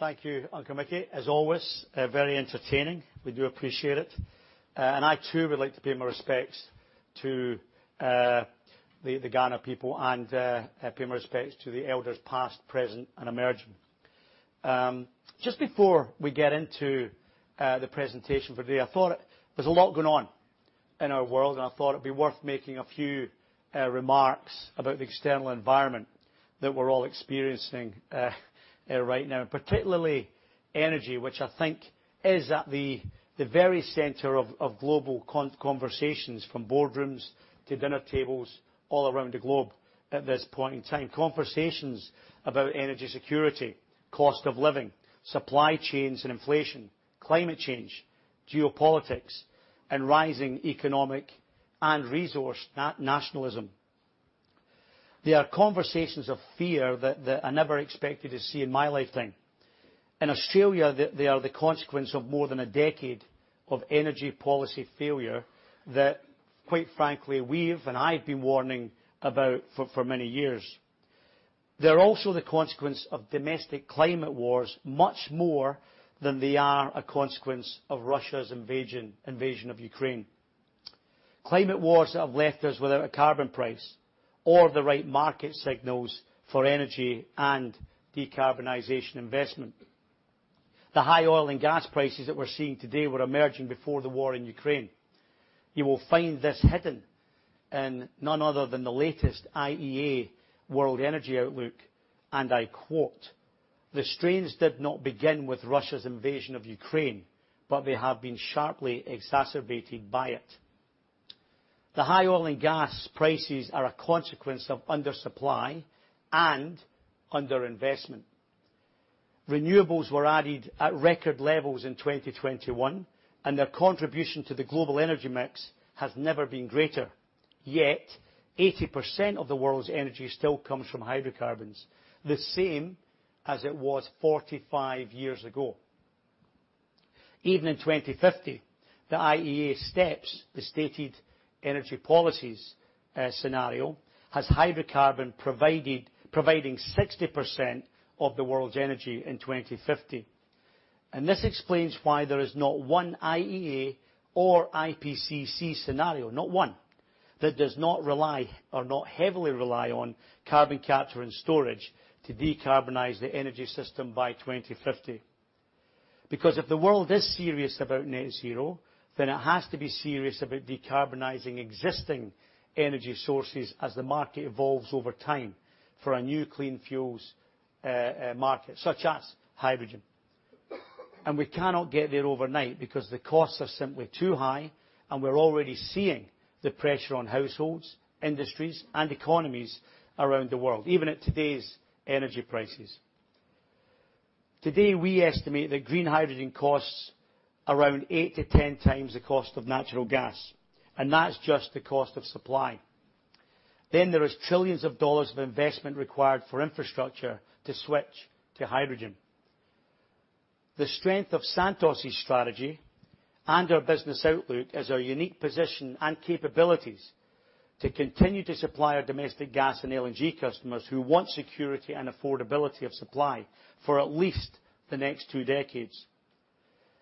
Thank you, Uncle Mickey. As always, very entertaining. We do appreciate it. I, too, would like to pay my respects to the Kaurna people and pay my respects to the Elders, past, present, and emerging. Just before we get into the presentation for today, there's a lot going on in our world, and I thought it'd be worth making a few remarks about the external environment that we're all experiencing right now. Particularly energy, which I think is at the very center of global conversations, from boardrooms to dinner tables all around the globe at this point in time. Conversations about energy security, cost of living, supply chains and inflation, climate change, geopolitics, and rising economic and resource nationalism. They are conversations of fear that I never expected to see in my lifetime. In Australia, they are the consequence of more than a decade of energy policy failure that, quite frankly, we've and I've been warning about for many years. They're also the consequence of domestic climate wars much more than they are a consequence of Russia's invasion of Ukraine. Climate wars have left us without a carbon price or the right market signals for energy and decarbonization investment. The high oil and gas prices that we're seeing today were emerging before the war in Ukraine. You will find this hidden in none other than the latest IEA World Energy Outlook. I quote, "The strains did not begin with Russia's invasion of Ukraine, but they have been sharply exacerbated by it." The high oil and gas prices are a consequence of undersupply and underinvestment. Renewables were added at record levels in 2021. Their contribution to the global energy mix has never been greater. Yet 80% of the world's energy still comes from hydrocarbons, the same as it was 45 years ago. Even in 2050, the IEA STEPS, the Stated Energy Policies Scenario, has hydrocarbon providing 60% of the world's energy in 2050. This explains why there is not one IEA or IPCC scenario, not one, that does not rely or not heavily rely on carbon capture and storage to decarbonize the energy system by 2050. If the world is serious about net zero, then it has to be serious about decarbonizing existing energy sources as the market evolves over time for a new clean fuels market, such as hydrogen. We cannot get there overnight because the costs are simply too high. We're already seeing the pressure on households, industries, and economies around the world, even at today's energy prices. Today, we estimate that green hydrogen costs around 8 to 10 times the cost of natural gas. That's just the cost of supply. There is $ trillions of investment required for infrastructure to switch to hydrogen. The strength of Santos' strategy and our business outlook is our unique position and capabilities to continue to supply our domestic gas and LNG customers who want security and affordability of supply for at least the next two decades.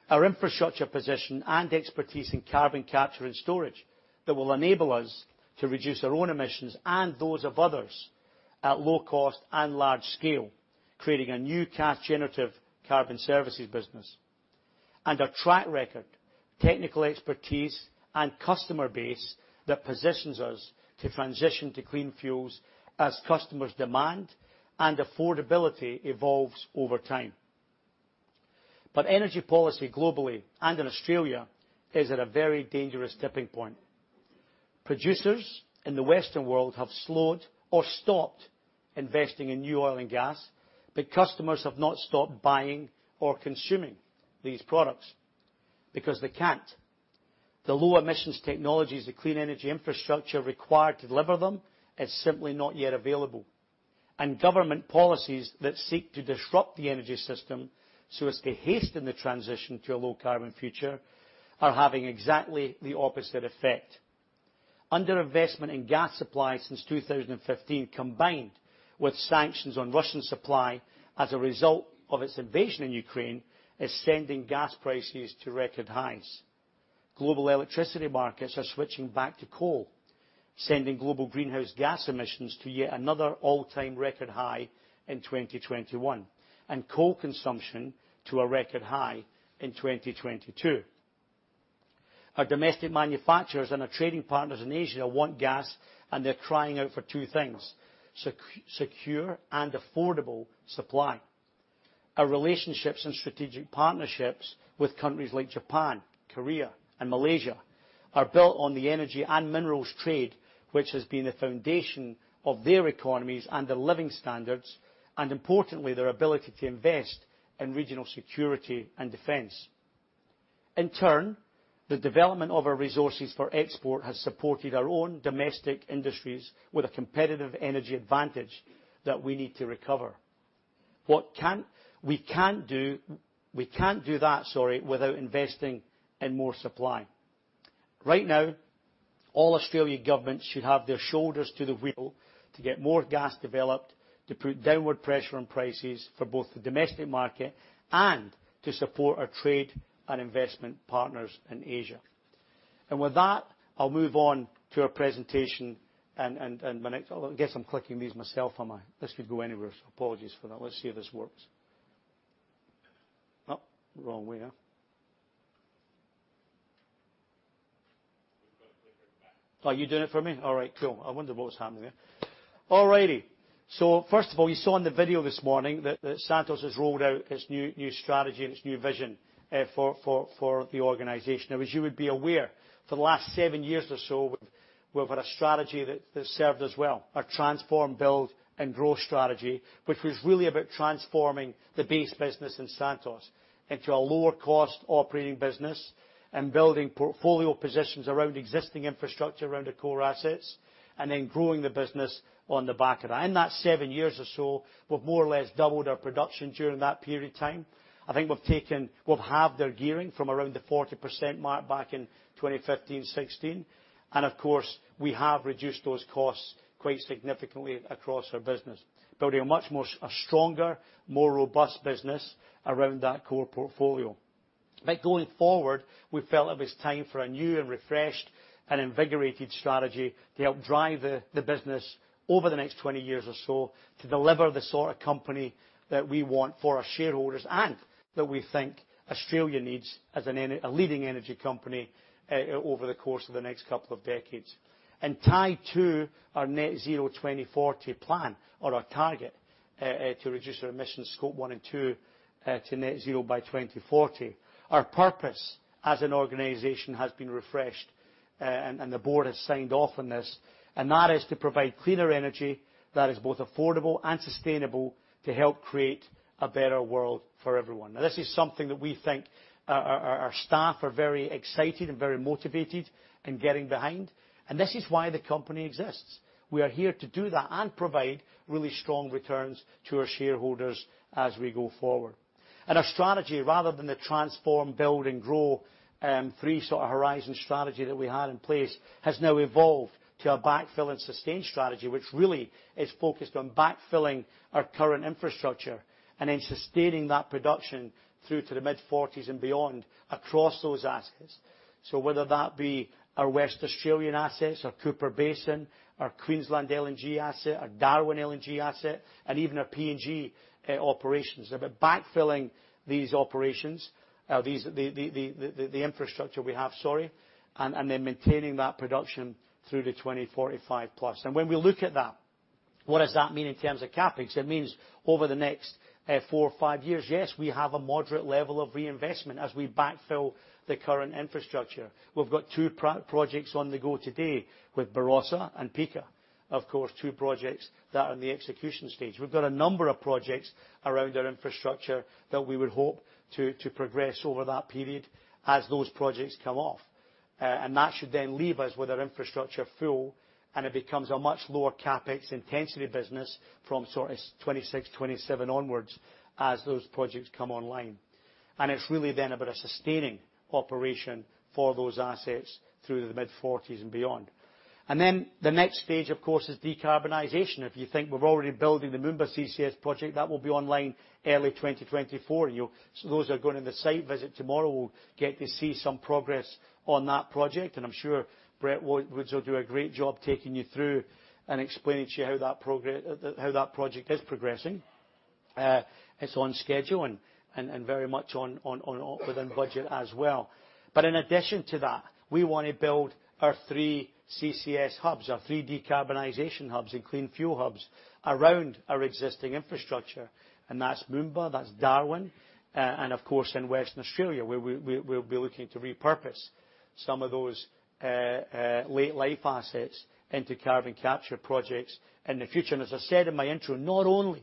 Our infrastructure position and expertise in carbon capture and storage that will enable us to reduce our own emissions and those of others at low cost and large scale, creating a new cash generative carbon services business. Our track record, technical expertise, and customer base that positions us to transition to clean fuels as customers demand and affordability evolves over time. Energy policy globally and in Australia is at a very dangerous tipping point. Producers in the Western world have slowed or stopped investing in new oil and gas, but customers have not stopped buying or consuming these products, because they can't. The low emissions technologies, the clean energy infrastructure required to deliver them is simply not yet available. Government policies that seek to disrupt the energy system so as to hasten the transition to a low-carbon future are having exactly the opposite effect. Underinvestment in gas supply since 2015, combined with sanctions on Russian supply as a result of its invasion of Ukraine, is sending gas prices to record highs. Global electricity markets are switching back to coal, sending global greenhouse gas emissions to yet another all-time record high in 2021, and coal consumption to a record high in 2022. Our domestic manufacturers and our trading partners in Asia want gas, and they're crying out for two things: secure and affordable supply. Our relationships and strategic partnerships with countries like Japan, Korea, and Malaysia are built on the energy and minerals trade, which has been the foundation of their economies and their living standards, and importantly, their ability to invest in regional security and defense. In turn, the development of our resources for export has supported our own domestic industries with a competitive energy advantage that we need to recover. We can't do that, sorry, without investing in more supply. Right now, all Australian governments should have their shoulders to the wheel to get more gas developed, to put downward pressure on prices for both the domestic market and to support our trade and investment partners in Asia. With that, I'll move on to our presentation and my next I guess I'm clicking these myself, am I? This could go anywhere, so apologies for that. Let's see if this works. Oh, wrong way, huh? You've got to click it back. Oh, you doing it for me? All right, cool. I wondered what was happening there. All righty. First of all, you saw in the video this morning that Santos has rolled out its new strategy and its new vision for the organization. As you would be aware, for the last seven years or so, we've had a strategy that served us well, our Transform, Build, and Grow strategy, which was really about transforming the base business in Santos into a lower-cost operating business, building portfolio positions around existing infrastructure around our core assets, growing the business on the back of that. In that seven years or so, we've more or less doubled our production during that period of time. We've halved our gearing from around the 40% mark back in 2015-2016. Of course, we have reduced those costs quite significantly across our business, building a stronger, more robust business around that core portfolio. Going forward, we felt it was time for a new and refreshed and invigorated strategy to help drive the business over the next 20 years or so to deliver the sort of company that we want for our shareholders, that we think Australia needs as a leading energy company over the course of the next couple of decades. Tied to our Net Zero 2040 plan or our target to reduce our emissions Scope 1 and 2 to net zero by 2040, our purpose as an organization has been refreshed, and the board has signed off on this. That is to provide cleaner energy that is both affordable and sustainable to help create a better world for everyone. This is something that we think our staff are very excited and very motivated and getting behind. This is why the company exists. We are here to do that and provide really strong returns to our shareholders as we go forward. Our strategy, rather than the Transform, Build, and Grow, three sort of horizon strategy that we had in place, has now evolved to a Backfill and Sustain strategy, which really is focused on backfilling our current infrastructure sustaining that production through to the mid-2040s and beyond across those assets. Whether that be our West Australian assets, our Cooper Basin, our Queensland LNG asset, our Darwin LNG asset, even our PNG operations. They've been backfilling these operations, the infrastructure we have, sorry, and then maintaining that production through to 2045+. When we look at that, what does that mean in terms of CapEx? It means over the next four or five years, yes, we have a moderate level of reinvestment as we backfill the current infrastructure. We've got two projects on the go today with Barossa and Pikka. Of course, two projects that are in the execution stage. We've got a number of projects around our infrastructure that we would hope to progress over that period as those projects come off. That should then leave us with our infrastructure full, and it becomes a much lower CapEx intensity business from sort of 2026, 2027 onwards as those projects come online. It's really then about a sustaining operation for those assets through the mid-2040s and beyond. The next stage, of course, is decarbonization. If you think we're already building the Moomba CCS project, that will be online early 2024. Those that are going on the site visit tomorrow will get to see some progress on that project. I'm sure Brett Woods will do a great job taking you through and explaining to you how that project is progressing. It's on schedule and very much within budget as well. In addition to that, we want to build our three CCS hubs, our three decarbonization hubs and clean fuel hubs around our existing infrastructure. That's Moomba, that's Darwin, and of course, in Western Australia, where we'll be looking to repurpose some of those late life assets into carbon capture projects in the future. As I said in my intro, not only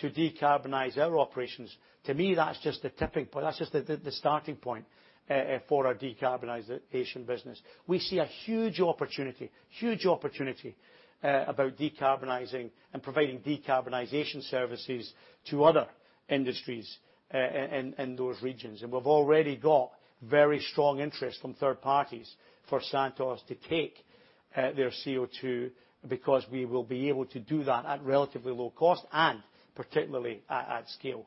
to decarbonize our operations. To me, that's just the tipping point. That's just the starting point for our decarbonization business. We see a huge opportunity about decarbonizing and providing decarbonization services to other industries in those regions. We've already got very strong interest from third parties for Santos to take their CO2, because we will be able to do that at relatively low cost and particularly at scale.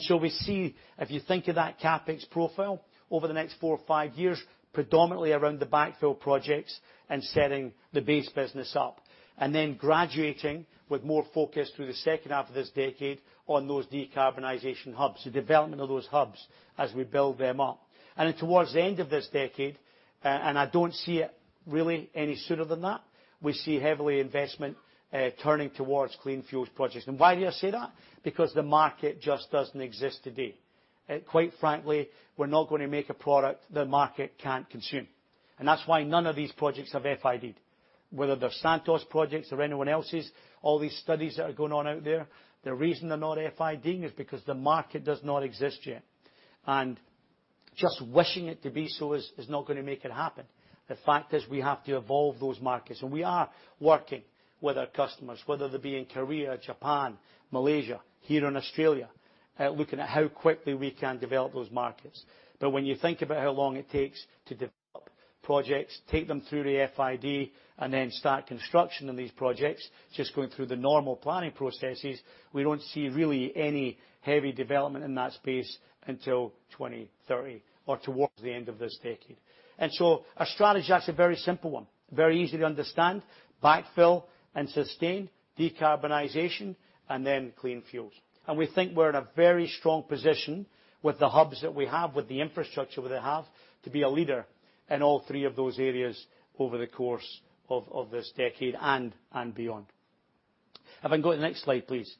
So we see, if you think of that CapEx profile over the next four or five years, predominantly around the backfill projects and setting the base business up. Then graduating with more focus through the second half of this decade on those decarbonization hubs, the development of those hubs as we build them up. Then towards the end of this decade, I don't see it really any sooner than that, we see heavily investment turning towards clean fuels projects. Why do I say that? The market just doesn't exist today. Quite frankly, we're not going to make a product the market can't consume. That's why none of these projects have FID'd. Whether they're Santos projects or anyone else's, all these studies that are going on out there, the reason they're not FID'ing is because the market does not exist yet. Just wishing it to be so is not going to make it happen. The fact is, we have to evolve those markets, and we are working with our customers, whether they be in Korea, Japan, Malaysia, here in Australia, looking at how quickly we can develop those markets. When you think about how long it takes to develop projects, take them through the FID, and then start construction on these projects, just going through the normal planning processes, we don't see really any heavy development in that space until 2030, or towards the end of this decade. Our strategy is actually a very simple one, very easy to understand. Backfill and sustain, decarbonization, and then clean fuels. We think we're in a very strong position with the hubs that we have, with the infrastructure that we have, to be a leader in all three of those areas over the course of this decade and beyond. If I can go to the next slide, please.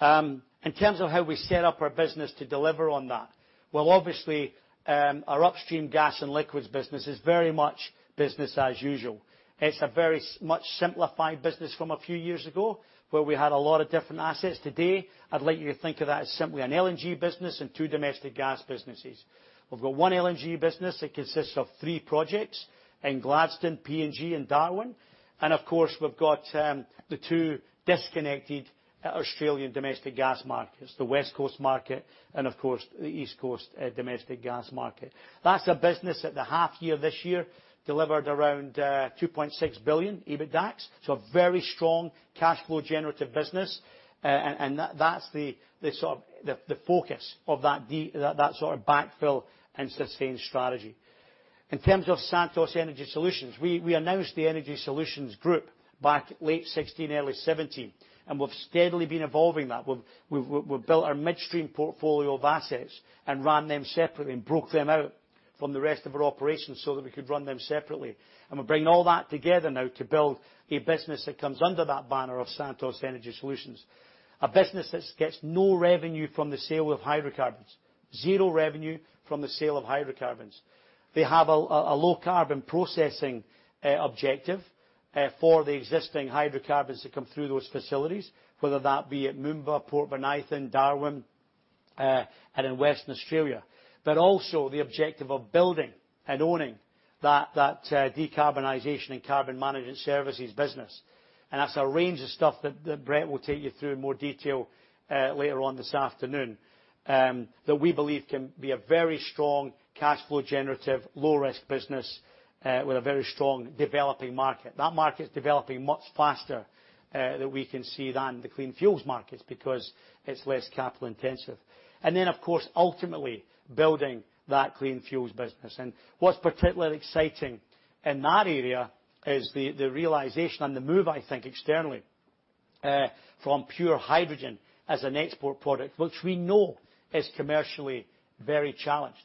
In terms of how we set up our business to deliver on that, well, obviously, our upstream gas and liquids business is very much business as usual. It's a very much simplified business from a few years ago, where we had a lot of different assets. Today, I'd like you to think of that as simply an LNG business and two domestic gas businesses. We've got one LNG business. It consists of three projects in Gladstone, PNG, and Darwin. Of course, we've got the two disconnected Australian domestic gas markets, the West Coast market and, of course, the East Coast domestic gas market. That's a business at the half year this year, delivered around $2.6 billion EBITDA, so a very strong cash flow generative business, and that's the focus of that sort of backfill and sustain strategy. In terms of Santos Energy Solutions, we announced the Energy Solutions group back late 2016, early 2017, and we've steadily been evolving that. We've built our midstream portfolio of assets and ran them separately and broke them out from the rest of our operations so that we could run them separately. We're bringing all that together now to build a business that comes under that banner of Santos Energy Solutions. A business that gets no revenue from the sale of hydrocarbons, zero revenue from the sale of hydrocarbons. They have a low carbon processing objective for the existing hydrocarbons that come through those facilities, whether that be at Moomba, Port Bonython, Darwin, and in Western Australia. Also the objective of building and owning that decarbonization and carbon management services business. That's a range of stuff that Brett will take you through in more detail later on this afternoon. That we believe can be a very strong cash flow generative, low risk business with a very strong developing market. That market is developing much faster that we can see than the clean fuels markets, because it's less capital intensive. Then, of course, ultimately building that clean fuels business. What's particularly exciting in that area is the realization and the move, I think, externally, from pure hydrogen as an export product, which we know is commercially very challenged.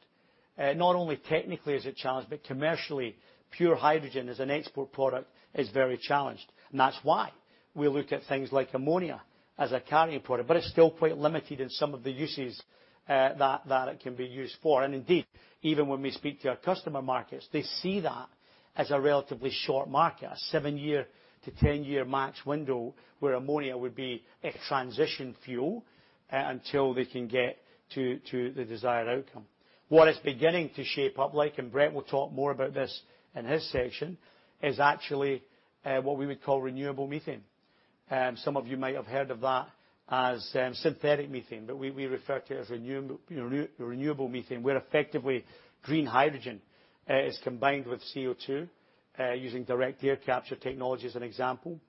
Not only technically is it challenged, but commercially, pure hydrogen as an export product is very challenged. That's why we look at things like ammonia as a carrier product, but it's still quite limited in some of the uses that it can be used for. Indeed, even when we speak to our customer markets, they see that as a relatively short market, a 7-year to 10-year max window, where ammonia would be a transition fuel until they can get to the desired outcome. What it's beginning to shape up like, Brett will talk more about this in his section, is actually what we would call renewable methane. Some of you might have heard of that as synthetic methane, but we refer to it as renewable methane, where effectively green hydrogen is combined with CO2 using direct air capture technology, as an example.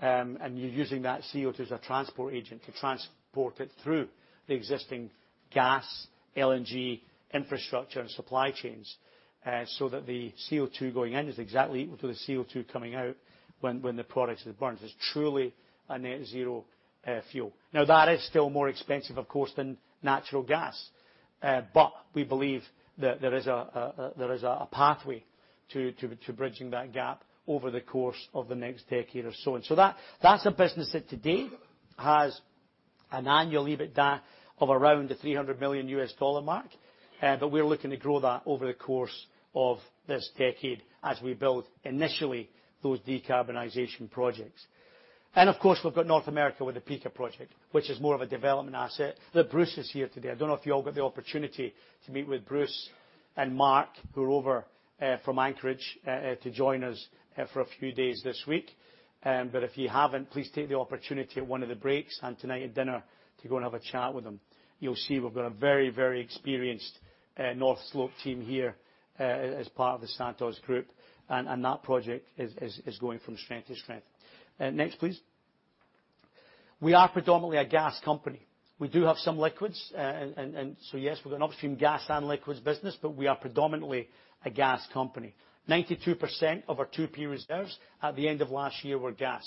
You're using that CO2 as a transport agent to transport it through the existing gas, LNG infrastructure and supply chains, so that the CO2 going in is exactly equal to the CO2 coming out when the product is burned. It's truly a net zero fuel. Now, that is still more expensive, of course, than natural gas. We believe that there is a pathway to bridging that gap over the course of the next decade or so. That's a business that today has an annual EBITDA of around the 300 million US dollar mark. We are looking to grow that over the course of this decade as we build initially those decarbonization projects. Of course, we've got North America with the Pikka project, which is more of a development asset. Bruce is here today. I don't know if you all got the opportunity to meet with Bruce and Mark, who are over from Anchorage, to join us for a few days this week. If you haven't, please take the opportunity at one of the breaks and tonight at dinner to go and have a chat with them. You'll see we've got a very experienced North Slope team here as part of the Santos group. That project is going from strength to strength. Next, please. We are predominantly a gas company. We do have some liquids. Yes, we've got an upstream gas and liquids business, but we are predominantly a gas company. 92% of our 2P reserves at the end of last year were gas.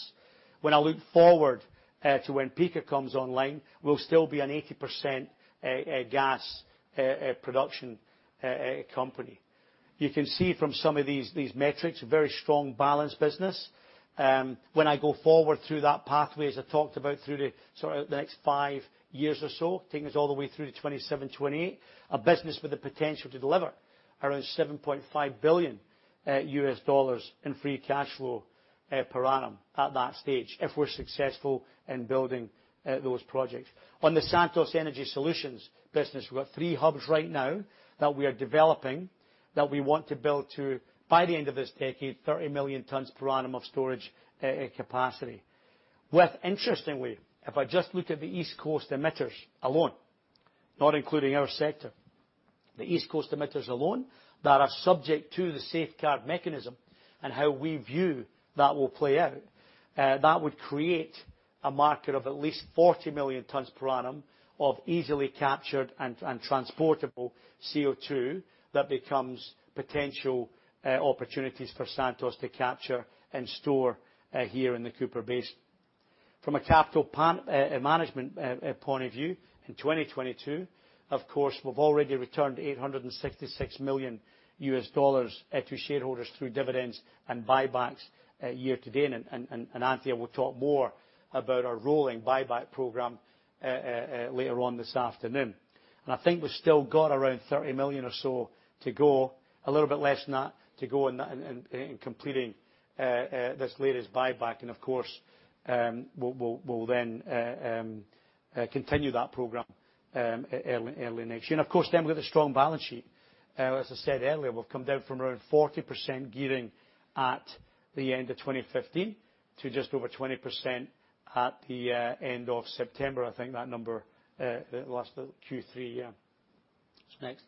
When I look forward to when Pikka comes online, we'll still be an 80% gas production company. You can see from some of these metrics, a very strong, balanced business. When I go forward through that pathway, as I talked about through the sort of the next five years or so, taking us all the way through to 2027, 2028, a business with the potential to deliver Around AUD 7.5 billion in free cash flow per annum at that stage, if we're successful in building those projects. On the Santos Energy Solutions business, we've got three hubs right now that we are developing, that we want to build to, by the end of this decade, 30 million tonnes per annum of storage capacity. With interestingly, if I just look at the East Coast emitters alone, not including our sector. The East Coast emitters alone, that are subject to the Safeguard Mechanism and how we view that will play out, that would create a market of at least 40 million tonnes per annum of easily captured and transportable CO2 that becomes potential opportunities for Santos to capture and store here in the Cooper Basin. From a capital management point of view, in 2022, of course, we've already returned AUD 866 million to shareholders through dividends and buybacks year to date. Anthea will talk more about our rolling buyback program later on this afternoon. I think we've still got around 30 million or so to go, a little bit less than that to go in completing this latest buyback. We'll then continue that program early next year. We've got a strong balance sheet. As I said earlier, we've come down from around 40% gearing at the end of 2015 to just over 20% at the end of September. I think that number last Q3. Next.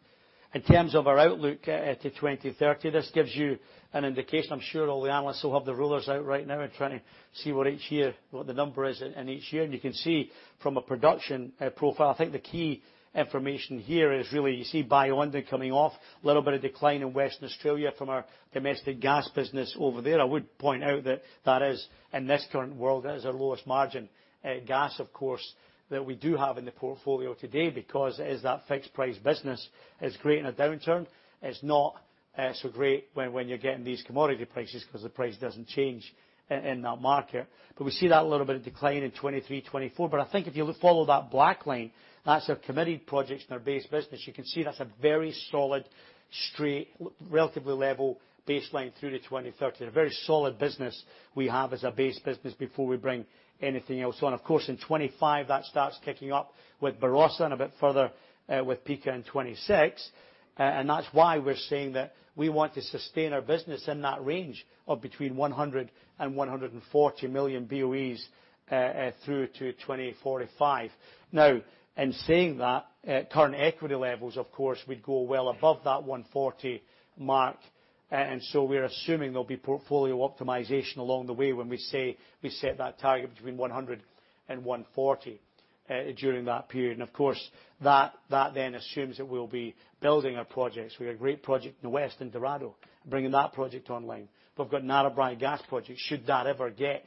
In terms of our outlook to 2030, this gives you an indication. I'm sure all the analysts will have their rulers out right now and trying to see what the number is in each year. You can see from a production profile, I think the key information here is really you see Bayu-Undan coming off, a little bit of decline in Western Australia from our domestic gas business over there. I would point out that, in this current world, that is our lowest margin gas, of course, that we do have in the portfolio today because as that fixed price business is great in a downturn, it is not so great when you are getting these commodity prices because the price does not change in that market. We see that a little bit of decline in 2023, 2024. I think if you follow that black line, that is our committed projects in our base business. You can see that is a very solid, relatively level baseline through to 2030. A very solid business we have as a base business before we bring anything else on. In 2025, that starts kicking up with Barossa and a bit further with Pikka in 2026. That is why we are saying that we want to sustain our business in that range of between 100 and 140 million BOEs through to 2045. In saying that, current equity levels, of course, we would go well above that 140 mark, so we are assuming there will be portfolio optimization along the way when we set that target between 100 and 140 during that period. That then assumes that we will be building our projects. We have a great project in the West in Dorado, bringing that project online. We have got Narrabri Gas project, should that ever get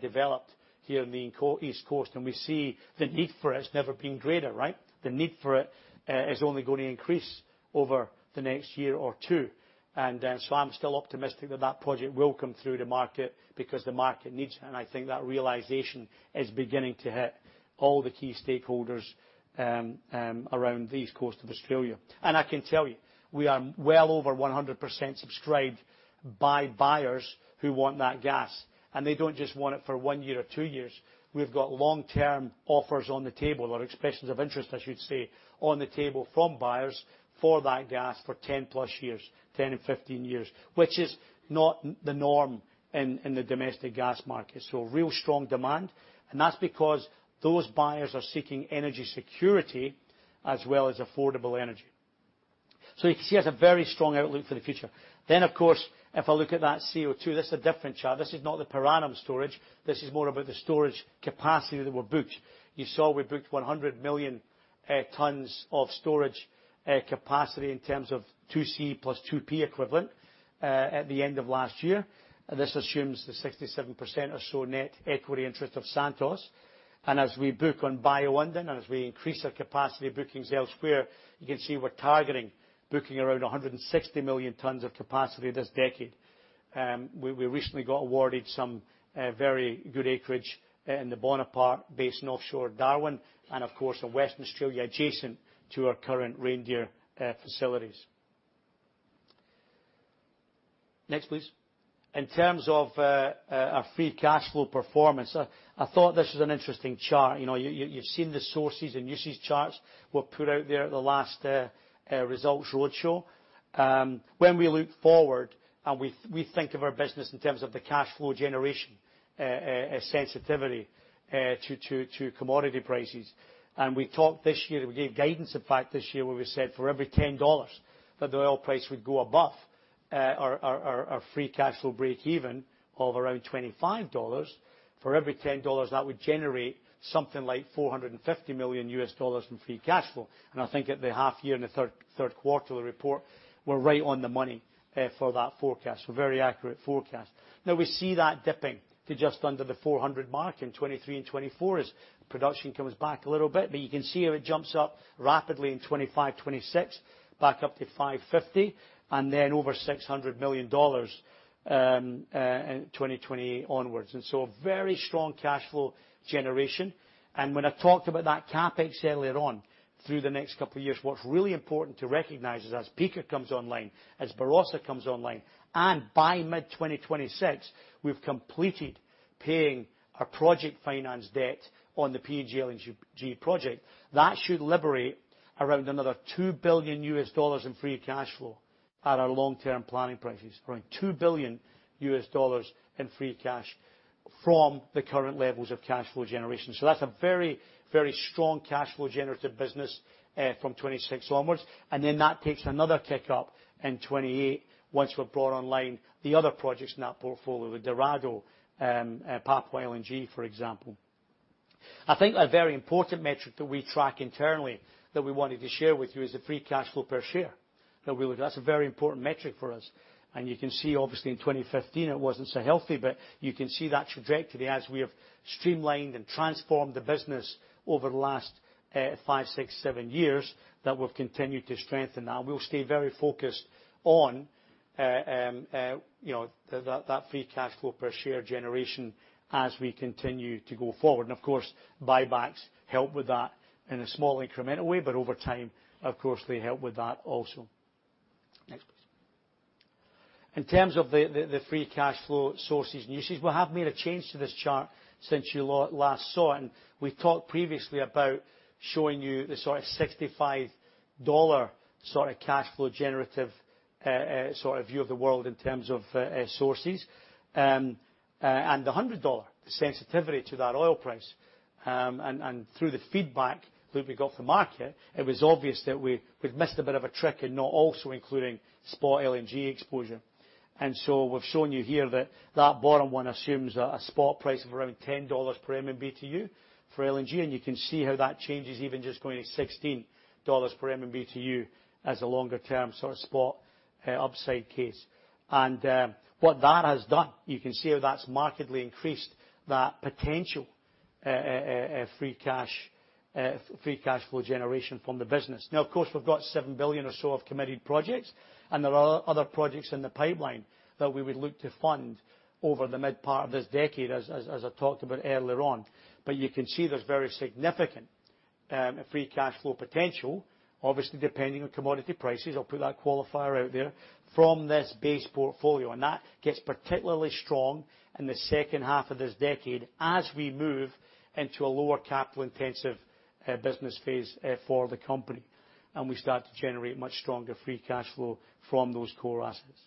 developed here in the East Coast, and we see the need for it has never been greater, right? The need for it is only going to increase over the next year or two. I am still optimistic that that project will come through the market because the market needs it, and I think that realization is beginning to hit all the key stakeholders around the East Coast of Australia. I can tell you, we are well over 100% subscribed by buyers who want that gas, and they do not just want it for 1 year or 2 years. We have got long-term offers on the table or expressions of interest, as you would say, on the table from buyers for that gas for 10+ years, 10 and 15 years, which is not the norm in the domestic gas market. So real strong demand. That is because those buyers are seeking energy security as well as affordable energy. So you can see it is a very strong outlook for the future. If I look at that CO2, this is a different chart. This is not the per annum storage. This is more about the storage capacity that we are booked. You saw we booked 100 million tons of storage capacity in terms of 2C plus 2P equivalent at the end of last year. This assumes the 67% or so net equity interest of Santos. As we book on Bayu-Undan, and as we increase our capacity bookings elsewhere, you can see we are targeting booking around 160 million tons of capacity this decade. We recently got awarded some very good acreage in the Bonaparte Basin offshore Darwin and, of course, in Western Australia, adjacent to our current Reindeer facilities. Next, please. In terms of our free cash flow performance, I thought this was an interesting chart. You have seen the sources and usage charts were put out there at the last results roadshow. We look forward and we think of our business in terms of the cash flow generation sensitivity to commodity prices. We gave guidance, in fact, this year where we said for every $10 that the oil price would go above our free cash flow break even of around $25, for every $10, that would generate something like $450 million in free cash flow. I think at the half year and the third quarter report, we're right on the money for that forecast. Very accurate forecast. Now we see that dipping to just under the $400 million mark in 2023 and 2024 as production comes back a little bit. You can see how it jumps up rapidly in 2025, 2026, back up to $550 million, and then over $600 million in 2028 onwards. A very strong cash flow generation. When I talked about that CapEx earlier on through the next couple of years, what's really important to recognize is as Pikka comes online, as Barossa comes online, and by mid-2026, we've completed paying a project finance debt on the PNG LNG project. That should liberate around another $2 billion in free cash flow at our long-term planning prices, around $2 billion in free cash from the current levels of cash flow generation. That's a very strong cash flow generative business from 2026 onwards, and then that takes another kick up in 2028 once we've brought online the other projects in that portfolio, with Dorado, Papua LNG, for example. I think a very important metric that we track internally that we wanted to share with you is the free cash flow per share. That's a very important metric for us. You can see, obviously, in 2015 it wasn't so healthy, but you can see that trajectory as we have streamlined and transformed the business over the last five, six, seven years, that we've continued to strengthen that. We'll stay very focused on that free cash flow per share generation as we continue to go forward. Of course, buybacks help with that in a small incremental way, but over time, of course, they help with that also. Next, please. In terms of the free cash flow sources and uses, we have made a change to this chart since you last saw it. We talked previously about showing you the sort of $65 cash flow generative view of the world in terms of sources, and the $100 sensitivity to that oil price. Through the feedback that we got from market, it was obvious that we'd missed a bit of a trick in not also including spot LNG exposure. We've shown you here that that bottom one assumes a spot price of around $10 per MMBtu for LNG, and you can see how that changes even just going to $16 per MMBtu as a longer-term sort of spot upside case. What that has done, you can see how that's markedly increased that potential free cash flow generation from the business. Now, of course, we've got $7 billion or so of committed projects, and there are other projects in the pipeline that we would look to fund over the mid part of this decade, as I talked about earlier on. You can see there's very significant free cash flow potential, obviously depending on commodity prices, I'll put that qualifier out there, from this base portfolio. That gets particularly strong in the second half of this decade as we move into a lower capital-intensive business phase for the company, we start to generate much stronger free cash flow from those core assets.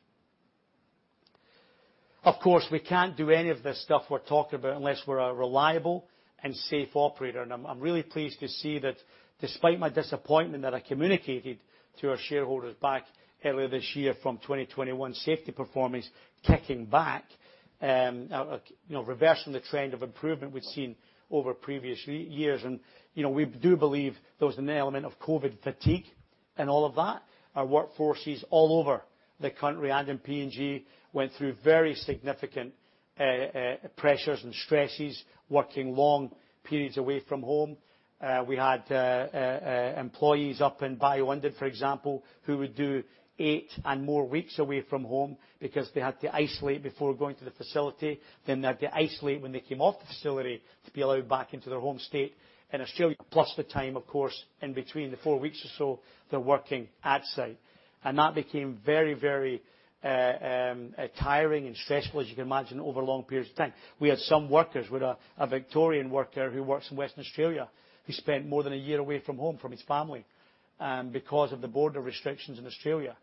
Of course, we can't do any of this stuff we're talking about unless we're a reliable and safe operator. I'm really pleased to see that despite my disappointment that I communicated to our shareholders back earlier this year from 2021 safety performance kicking back, reversing the trend of improvement we've seen over previous years. We do believe there was an element of COVID fatigue in all of that. Our workforces all over the country and in PNG went through very significant pressures and stresses working long periods away from home. We had employees up in Bayu-Undan, for example, who would do eight and more weeks away from home because they had to isolate before going to the facility, then they had to isolate when they came off the facility to be allowed back into their home state in Australia. Plus the time, of course, in between the four weeks or so they're working at site. That became very tiring and stressful, as you can imagine, over long periods of time. We had some workers, we had a Victorian worker who works in Western Australia, who spent more than a year away from home from his family, because of the border restrictions in Australia.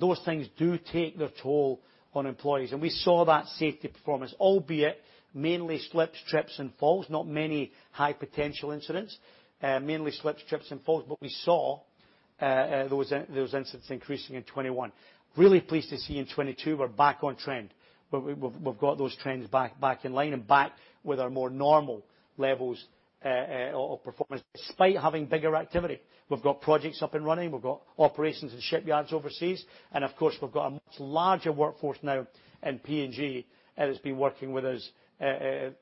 Those things do take their toll on employees. We saw that safety performance, albeit mainly slips, trips and falls, not many high potential incidents. Mainly slips, trips and falls. We saw those incidents increasing in 2021. Really pleased to see in 2022 we're back on trend. We've got those trends back in line and back with our more normal levels of performance despite having bigger activity. We've got projects up and running. We've got operations in shipyards overseas. Of course, we've got a much larger workforce now in PNG that has been working with us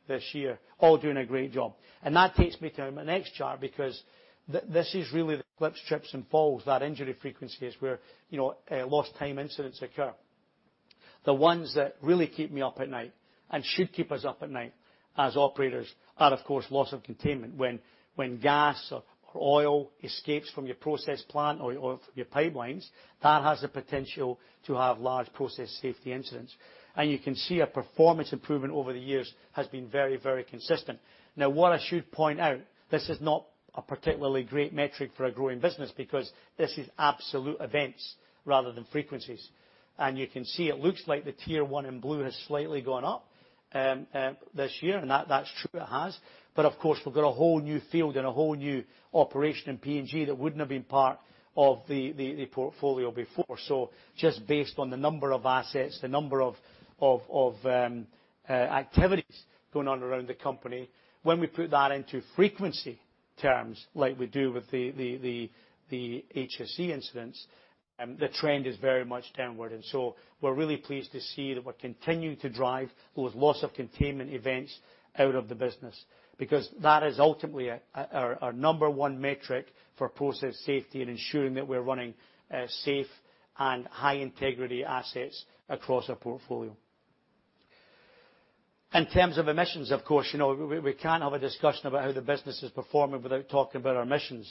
this year, all doing a great job. That takes me to my next chart because this is really the slips, trips and falls. That injury frequency is where lost time incidents occur. The ones that really keep me up at night and should keep us up at night as operators are, of course, loss of containment. When gas or oil escapes from your process plant or from your pipelines, that has the potential to have large process safety incidents. You can see a performance improvement over the years has been very consistent. Now, what I should point out, this is not a particularly great metric for a growing business because this is absolute events rather than frequencies. You can see it looks like the tier 1 in blue has slightly gone up this year, that's true, it has. Of course, we've got a whole new field and a whole new operation in PNG that wouldn't have been part of the portfolio before. Just based on the number of assets, the number of activities going on around the company. When we put that into frequency terms like we do with the HSE incidents, the trend is very much downward. We're really pleased to see that we're continuing to drive those loss of containment events out of the business, because that is ultimately our number one metric for process safety and ensuring that we're running safe and high integrity assets across our portfolio. In terms of emissions, of course, we can't have a discussion about how the business is performing without talking about our emissions.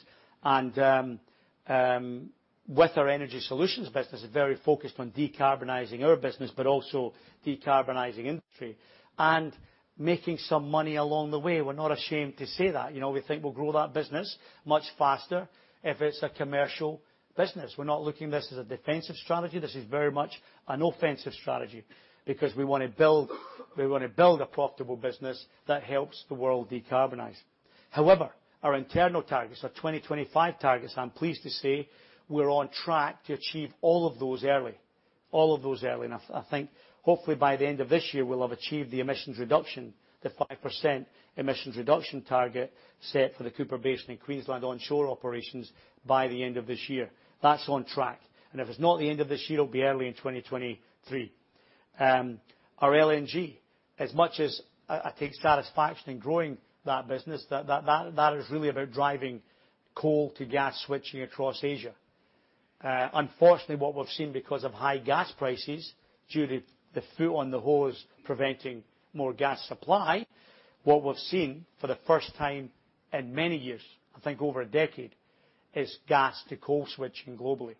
With our energy solutions business, very focused on decarbonizing our business, also decarbonizing industry and making some money along the way. We're not ashamed to say that. We think we'll grow that business much faster if it's a commercial business. We're not looking at this as a defensive strategy. This is very much an offensive strategy because we want to build a profitable business that helps the world decarbonize. Our internal targets, our 2025 targets, I'm pleased to say we're on track to achieve all of those early. I think hopefully by the end of this year, we'll have achieved the emissions reduction, the 5% emissions reduction target set for the Cooper Basin in Queensland onshore operations by the end of this year. That's on track. If it's not the end of this year, it'll be early in 2023. Our LNG, as much as I take satisfaction in growing that business, that is really about driving coal to gas switching across Asia. Unfortunately, what we've seen because of high gas prices due to the foot on the hose preventing more gas supply, what we've seen for the first time in many years, I think over a decade, is gas to coal switching globally.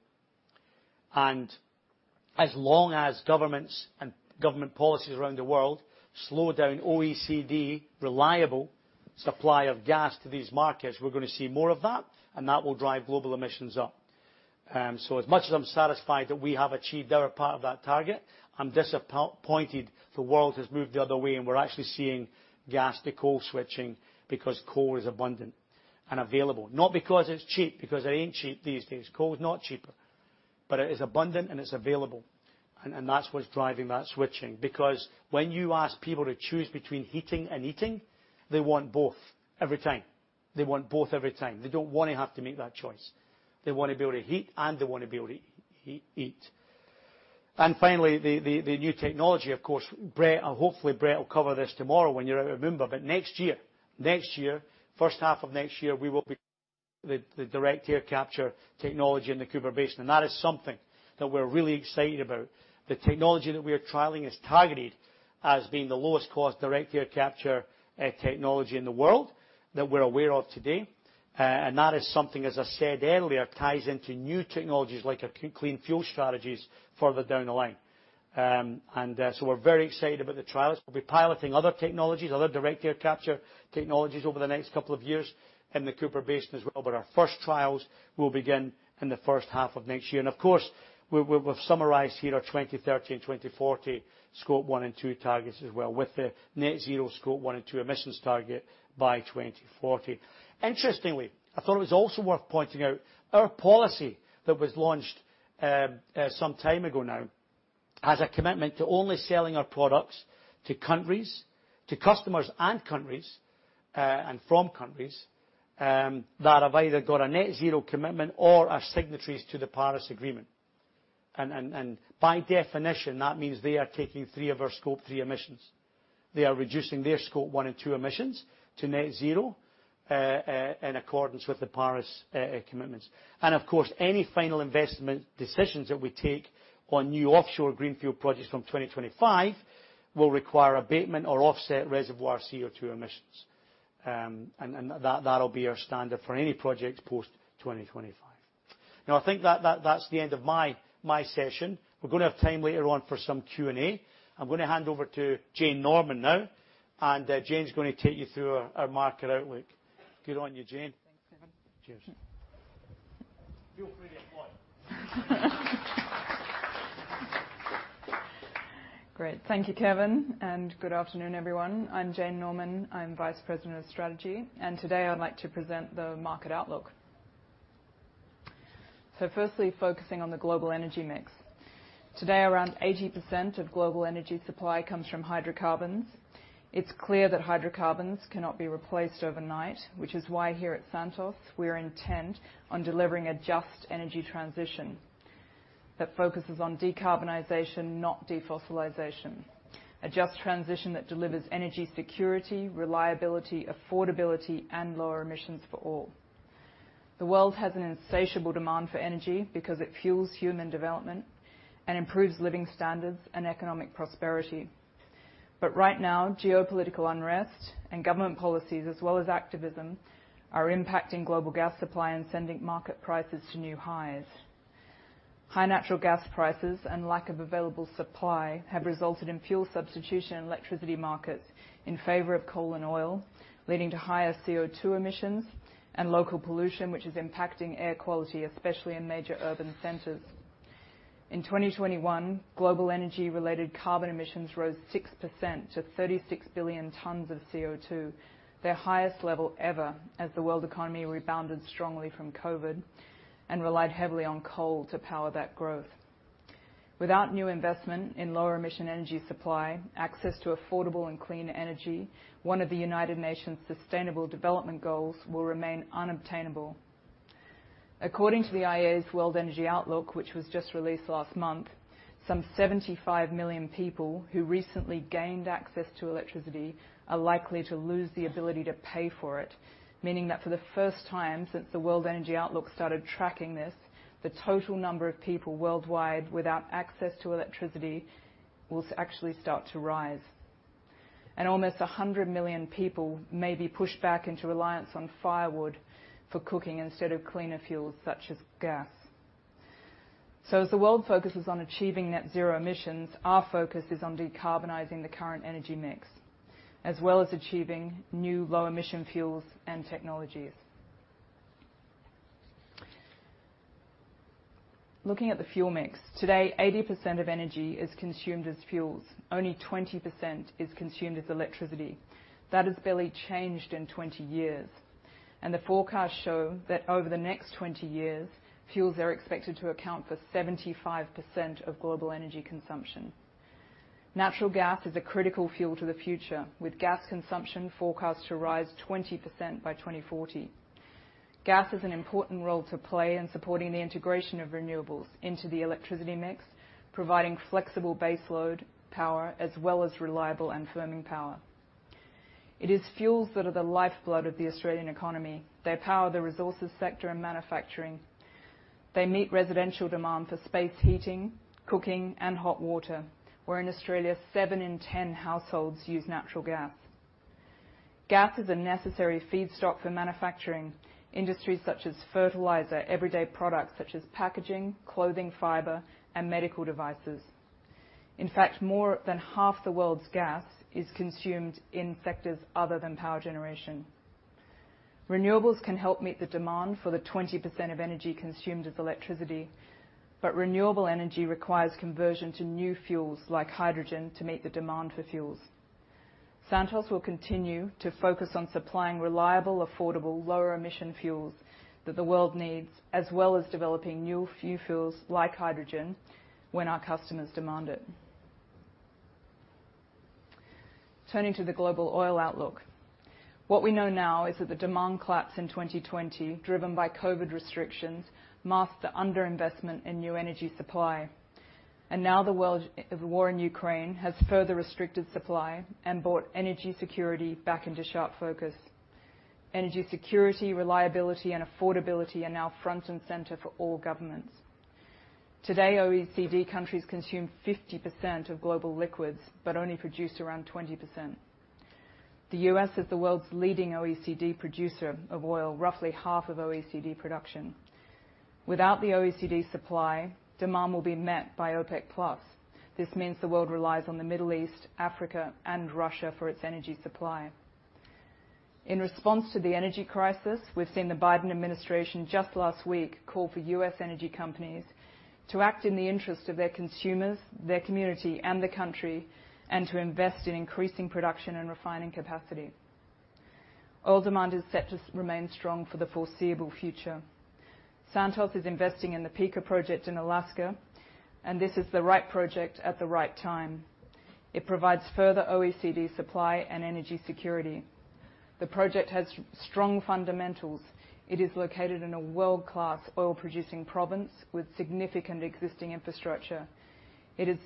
As long as governments and government policies around the world slow down OECD reliable supply of gas to these markets, we're going to see more of that, and that will drive global emissions up. As much as I'm satisfied that we have achieved our part of that target, I'm disappointed the world has moved the other way and we're actually seeing gas to coal switching because coal is abundant and available. Not because it's cheap, because it ain't cheap these days. Coal is not cheaper. It is abundant and it's available, and that's what's driving that switching. Because when you ask people to choose between heating and eating, they want both every time. They don't want to have to make that choice. They want to be able to heat and they want to be able to eat. Finally, the new technology, of course. Hopefully Brett will cover this tomorrow when you're at Moomba. Next year, first half of next year, we will be the direct air capture technology in the Cooper Basin. That is something that we're really excited about. The technology that we are trialing is targeted as being the lowest cost direct air capture technology in the world that we're aware of today. That is something, as I said earlier, ties into new technologies like our clean fuel strategies further down the line. We're very excited about the trials. We'll be piloting other technologies, other direct air capture technologies over the next couple of years in the Cooper Basin as well. Our first trials will begin in the first half of next year. Of course, we've summarized here our 2030 and 2040 Scope 1 and 2 targets as well with the net zero Scope 1 and 2 emissions target by 2040. Interestingly, I thought it was also worth pointing out our policy that was launched some time ago now has a commitment to only selling our products to countries, to customers and countries, and from countries, that have either got a net zero commitment or are signatories to the Paris Agreement. By definition, that means they are taking three of our Scope 3 emissions. They are reducing their Scope 1 and 2 emissions to net zero, in accordance with the Paris Agreement commitments. Of course, any final investment decisions that we take on new offshore greenfield projects from 2025 will require abatement or offset reservoir CO2 emissions. That'll be our standard for any project post 2025. I think that's the end of my session. We're going to have time later on for some Q&A. I'm going to hand over to Jane Norman now, and Jane's going to take you through our market outlook. Good on you, Jane. Thanks, Kevin. Cheers. You're freely employed. Great. Thank you, Kevin, and good afternoon, everyone. I'm Jane Norman. I'm Vice President of Strategy, and today I'd like to present the market outlook. Firstly, focusing on the global energy mix. Today, around 80% of global energy supply comes from hydrocarbons. It's clear that hydrocarbons cannot be replaced overnight, which is why here at Santos, we are intent on delivering a just energy transition that focuses on decarbonization, not defossilization. A just transition that delivers energy security, reliability, affordability, and lower emissions for all. The world has an insatiable demand for energy because it fuels human development and improves living standards and economic prosperity. Right now, geopolitical unrest and government policies as well as activism are impacting global gas supply and sending market prices to new highs. High natural gas prices and lack of available supply have resulted in fuel substitution and electricity markets in favor of coal and oil, leading to higher CO2 emissions and local pollution, which is impacting air quality, especially in major urban centers. In 2021, global energy-related carbon emissions rose 6% to 36 billion tons of CO2, their highest level ever, as the world economy rebounded strongly from COVID and relied heavily on coal to power that growth. Without new investment in lower emission energy supply, access to affordable and clean energy, one of the United Nations Sustainable Development Goals will remain unobtainable. According to the IEA's World Energy Outlook, which was just released last month, some 75 million people who recently gained access to electricity are likely to lose the ability to pay for it, meaning that for the first time since the World Energy Outlook started tracking this, the total number of people worldwide without access to electricity will actually start to rise. Almost 100 million people may be pushed back into reliance on firewood for cooking instead of cleaner fuels such as gas. As the world focuses on achieving net zero emissions, our focus is on decarbonizing the current energy mix, as well as achieving new low-emission fuels and technologies. Looking at the fuel mix. Today, 80% of energy is consumed as fuels. Only 20% is consumed as electricity. That has barely changed in 20 years. The forecasts show that over the next 20 years, fuels are expected to account for 75% of global energy consumption. Natural gas is a critical fuel to the future, with gas consumption forecast to rise 20% by 2040. Gas has an important role to play in supporting the integration of renewables into the electricity mix, providing flexible baseload power as well as reliable and firming power. It is fuels that are the lifeblood of the Australian economy. They power the resources sector and manufacturing. They meet residential demand for space heating, cooking, and hot water, where in Australia, seven in 10 households use natural gas. Gas is a necessary feedstock for manufacturing industries such as fertilizer, everyday products such as packaging, clothing fiber, and medical devices. In fact, more than half the world's gas is consumed in sectors other than power generation. Renewables can help meet the demand for the 20% of energy consumed as electricity, renewable energy requires conversion to new fuels like hydrogen to meet the demand for fuels. Santos will continue to focus on supplying reliable, affordable, lower emission fuels that the world needs, as well as developing new fuels like hydrogen, when our customers demand it. Turning to the global oil outlook. What we know now is that the demand collapse in 2020, driven by COVID restrictions, masked the under-investment in new energy supply. Now the war in Ukraine has further restricted supply and brought energy security back into sharp focus. Energy security, reliability, and affordability are now front and center for all governments. Today, OECD countries consume 50% of global liquids, but only produce around 20%. The U.S. is the world's leading OECD producer of oil, roughly half of OECD production. Without the OECD supply, demand will be met by OPEC Plus. This means the world relies on the Middle East, Africa, and Russia for its energy supply. In response to the energy crisis, we've seen the Biden administration just last week call for U.S. energy companies to act in the interest of their consumers, their community, and the country, and to invest in increasing production and refining capacity. Oil demand is set to remain strong for the foreseeable future. Santos is investing in the Pikka project in Alaska, and this is the right project at the right time. It provides further OECD supply and energy security. The project has strong fundamentals. It is located in a world-class oil-producing province with significant existing infrastructure. It is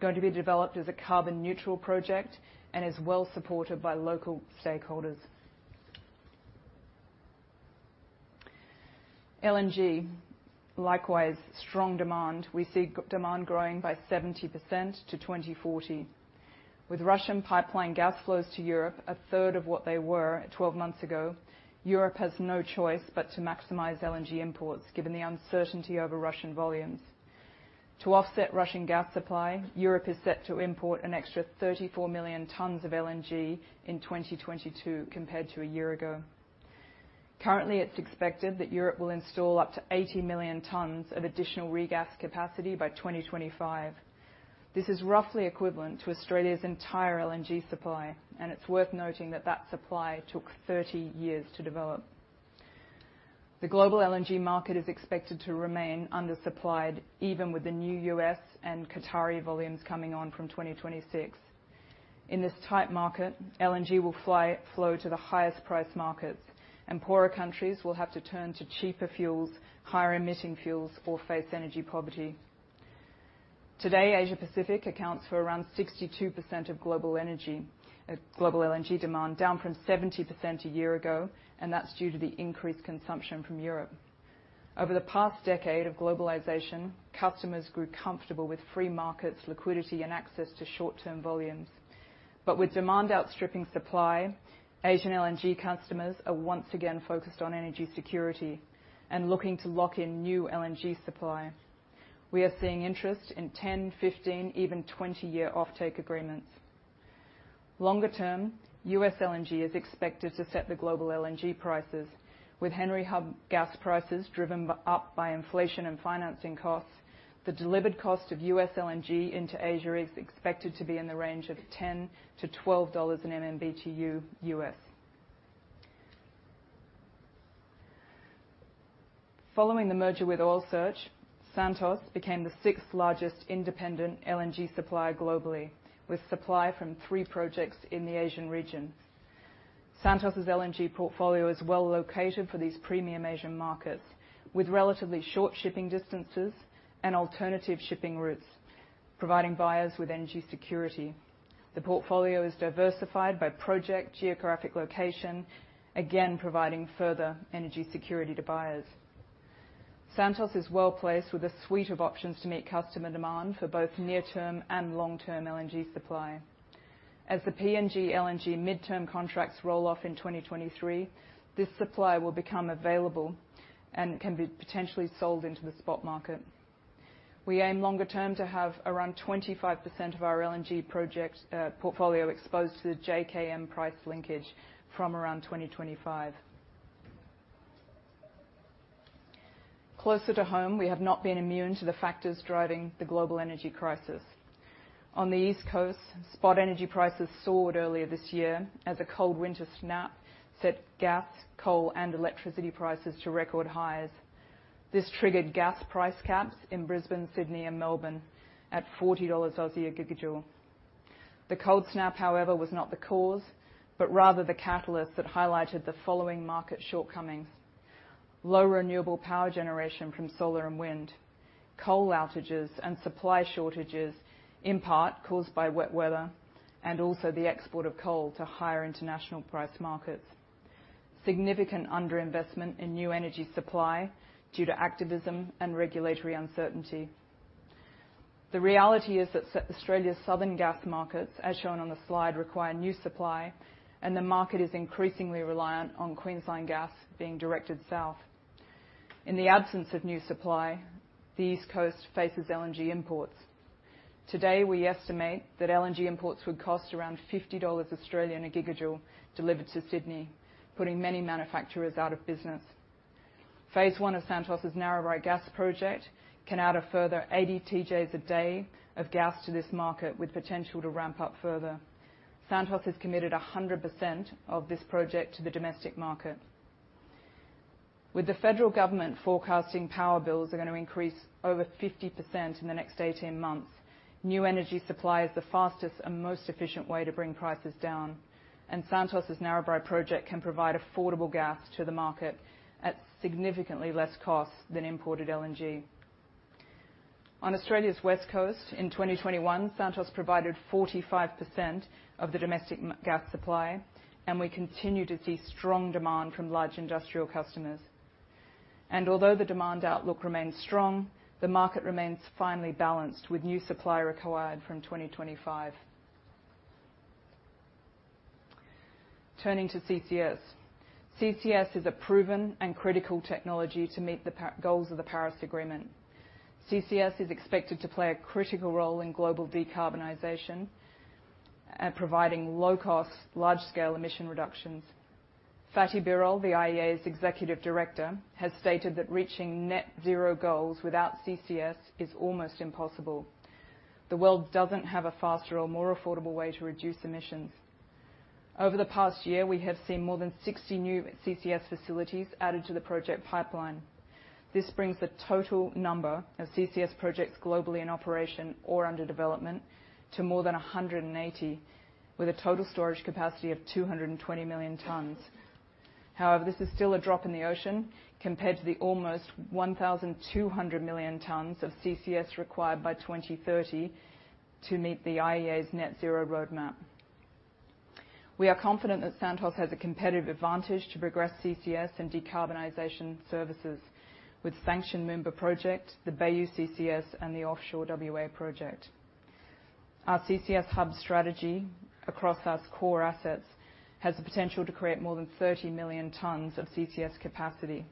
going to be developed as a carbon neutral project and is well supported by local stakeholders. LNG, likewise, strong demand. We see demand growing by 70% to 2040. With Russian pipeline gas flows to Europe a third of what they were 12 months ago, Europe has no choice but to maximize LNG imports given the uncertainty over Russian volumes. To offset Russian gas supply, Europe is set to import an extra 34 million tons of LNG in 2022 compared to a year ago. Currently, it's expected that Europe will install up to 80 million tons of additional regas capacity by 2025. This is roughly equivalent to Australia's entire LNG supply, and it's worth noting that that supply took 30 years to develop. The global LNG market is expected to remain undersupplied, even with the new U.S. and Qatari volumes coming on from 2026. In this tight market, LNG will flow to the highest price markets, and poorer countries will have to turn to cheaper fuels, higher emitting fuels, or face energy poverty. Today, Asia Pacific accounts for around 62% of global LNG demand, down from 70% a year ago, and that's due to the increased consumption from Europe. Over the past decade of globalization, customers grew comfortable with free markets, liquidity, and access to short-term volumes. With demand outstripping supply, Asian LNG customers are once again focused on energy security and looking to lock in new LNG supply. We are seeing interest in 10, 15, even 20-year offtake agreements. Longer term, U.S. LNG is expected to set the global LNG prices. With Henry Hub gas prices driven up by inflation and financing costs, the delivered cost of U.S. LNG into Asia is expected to be in the range of $10 to $12 an MMBtu U.S. Following the merger with Oil Search, Santos became the sixth largest independent LNG supplier globally, with supply from three projects in the Asian region. Santos' LNG portfolio is well located for these premium Asian markets, with relatively short shipping distances and alternative shipping routes, providing buyers with energy security. The portfolio is diversified by project geographic location, again providing further energy security to buyers. Santos is well-placed with a suite of options to meet customer demand for both near-term and long-term LNG supply. As the PNG LNG midterm contracts roll off in 2023, this supply will become available and can be potentially sold into the spot market. We aim longer term to have around 25% of our LNG project portfolio exposed to the JKM price linkage from around 2025. Closer to home, we have not been immune to the factors driving the global energy crisis. On the East Coast, spot energy prices soared earlier this year as a cold winter snap set gas, coal, and electricity prices to record highs. This triggered gas price caps in Brisbane, Sydney, and Melbourne at 40 Aussie dollars a gigajoule. The cold snap, however, was not the cause, but rather the catalyst that highlighted the following market shortcomings: low renewable power generation from solar and wind, coal outages and supply shortages in part caused by wet weather, and also the export of coal to higher international price markets, significant underinvestment in new energy supply due to activism and regulatory uncertainty. The reality is that Australia's southern gas markets, as shown on the slide, require new supply. The market is increasingly reliant on Queensland gas being directed south. In the absence of new supply, the East Coast faces LNG imports. Today, we estimate that LNG imports would cost around 50 Australian dollars a gigajoule delivered to Sydney, putting many manufacturers out of business. Phase 1 of Santos' Narrabri Gas Project can add a further 80 TJ a day of gas to this market with potential to ramp up further. Santos has committed 100% of this project to the domestic market. With the federal government forecasting power bills are going to increase over 50% in the next 18 months, new energy supply is the fastest and most efficient way to bring prices down, and Santos' Narrabri project can provide affordable gas to the market at significantly less cost than imported LNG. On Australia's west coast, in 2021, Santos provided 45% of the domestic gas supply. We continue to see strong demand from large industrial customers. Although the demand outlook remains strong, the market remains finely balanced, with new supply required from 2025. Turning to CCS. CCS is a proven and critical technology to meet the goals of the Paris Agreement. CCS is expected to play a critical role in global decarbonization at providing low cost, large-scale emission reductions. Fatih Birol, the IEA's Executive Director, has stated that reaching net zero goals without CCS is almost impossible. The world doesn't have a faster or more affordable way to reduce emissions. Over the past year, we have seen more than 60 new CCS facilities added to the project pipeline. This brings the total number of CCS projects globally in operation or under development to more than 180, with a total storage capacity of 220 million tons. However, this is still a drop in the ocean compared to the almost 1,200 million tons of CCS required by 2030 to meet the IEA's net zero roadmap. We are confident that Santos has a competitive advantage to progress CCS and decarbonization services with sanction member project, the Bayu CCS and the offshore WA project. Our CCS hub strategy across our core assets has the potential to create more than 30 million tons of CCS capacity.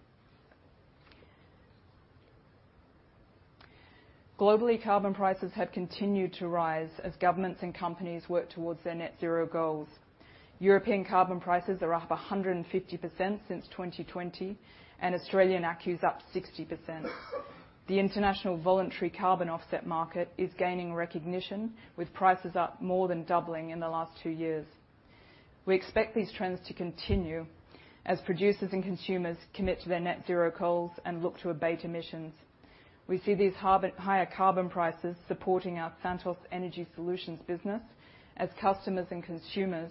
Globally, carbon prices have continued to rise as governments and companies work towards their net zero goals. European carbon prices are up 150% since 2020 and Australian ACCU is up 60%. The international voluntary carbon offset market is gaining recognition, with prices up more than doubling in the last two years. We expect these trends to continue as producers and consumers commit to their net zero goals and look to abate emissions. We see these higher carbon prices supporting our Santos Energy Solutions business as customers and consumers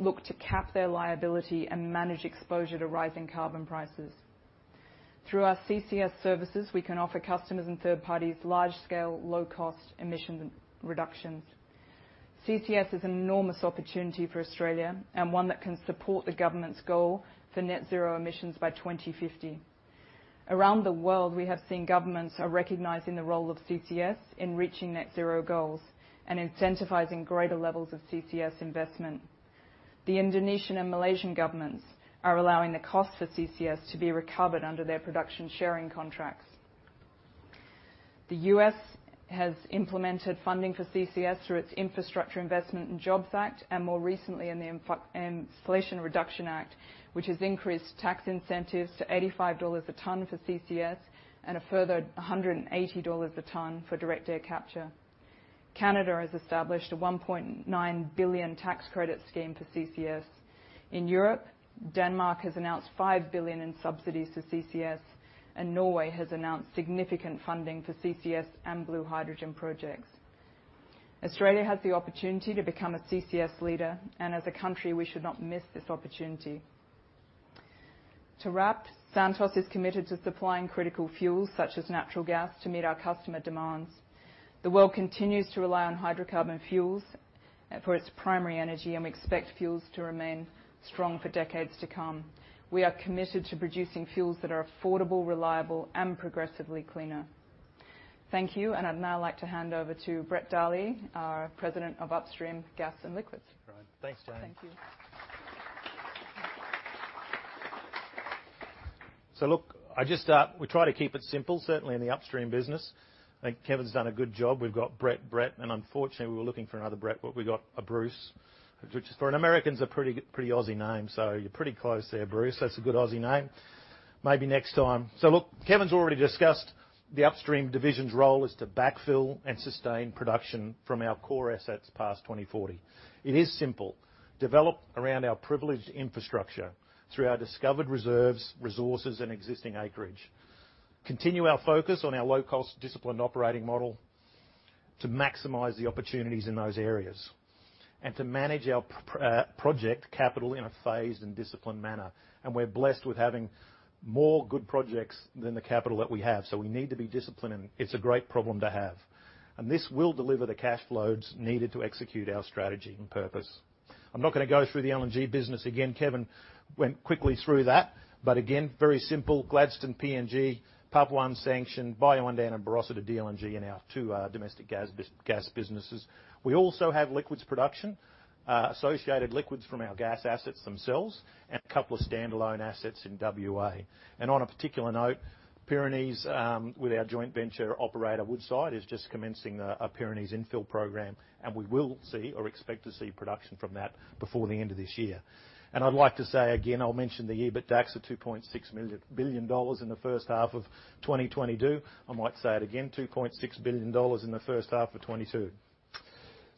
look to cap their liability and manage exposure to rising carbon prices. Through our CCS services, we can offer customers and third parties large scale, low cost emission reductions. CCS is an enormous opportunity for Australia and one that can support the government's goal for net zero emissions by 2050. Around the world, we have seen governments are recognizing the role of CCS in reaching net zero goals and incentivizing greater levels of CCS investment. The Indonesian and Malaysian governments are allowing the cost for CCS to be recovered under their Production Sharing Contracts. The U.S. has implemented funding for CCS through its Infrastructure Investment and Jobs Act, and more recently in the Inflation Reduction Act, which has increased tax incentives to $85 a ton for CCS and a further $180 a ton for direct air capture. Canada has established a 1.9 billion tax credit scheme for CCS. In Europe, Denmark has announced 5 billion in subsidies to CCS, and Norway has announced significant funding for CCS and blue hydrogen projects. Australia has the opportunity to become a CCS leader, and as a country, we should not miss this opportunity. To wrap, Santos is committed to supplying critical fuels such as natural gas to meet our customer demands. The world continues to rely on hydrocarbon fuels for its primary energy, and we expect fuels to remain strong for decades to come. We are committed to producing fuels that are affordable, reliable, and progressively cleaner. Thank you. I'd now like to hand over to Brett Darley, our President of Upstream Gas and Liquids. Great. Thanks, Jane. Thank you. Look, we try to keep it simple, certainly in the upstream business. I think Kevin's done a good job. We've got Brett, and unfortunately we were looking for another Brett, but we got a Bruce, which is, for Americans, a pretty Aussie name, so you're pretty close there, Bruce. That's a good Aussie name. Maybe next time. Look, Kevin's already discussed the upstream division's role is to backfill and sustain production from our core assets past 2040. It is simple. Develop around our privileged infrastructure through our discovered reserves, resources, and existing acreage. Continue our focus on our low-cost disciplined operating model to maximize the opportunities in those areas, and to manage our project capital in a phased and disciplined manner. We're blessed with having more good projects than the capital that we have, so we need to be disciplined, and it's a great problem to have. This will deliver the cash flows needed to execute our strategy and purpose. I'm not going to go through the LNG business again. Kevin went quickly through that. Again, very simple. Gladstone PNG, Papua one sanctioned, Bayu-Undan and Barossa to GLNG and our two domestic gas businesses. We also have liquids production, associated liquids from our gas assets themselves, and a couple of standalone assets in W.A. On a particular note, Pyrenees, with our joint venture operator, Woodside, is just commencing a Pyrenees infill program, and we will see or expect to see production from that before the end of this year. I'd like to say again, I'll mention the EBITDAX of 2.6 billion dollars in the first half of 2022. I might say it again, 2.6 billion dollars in the first half of 2022.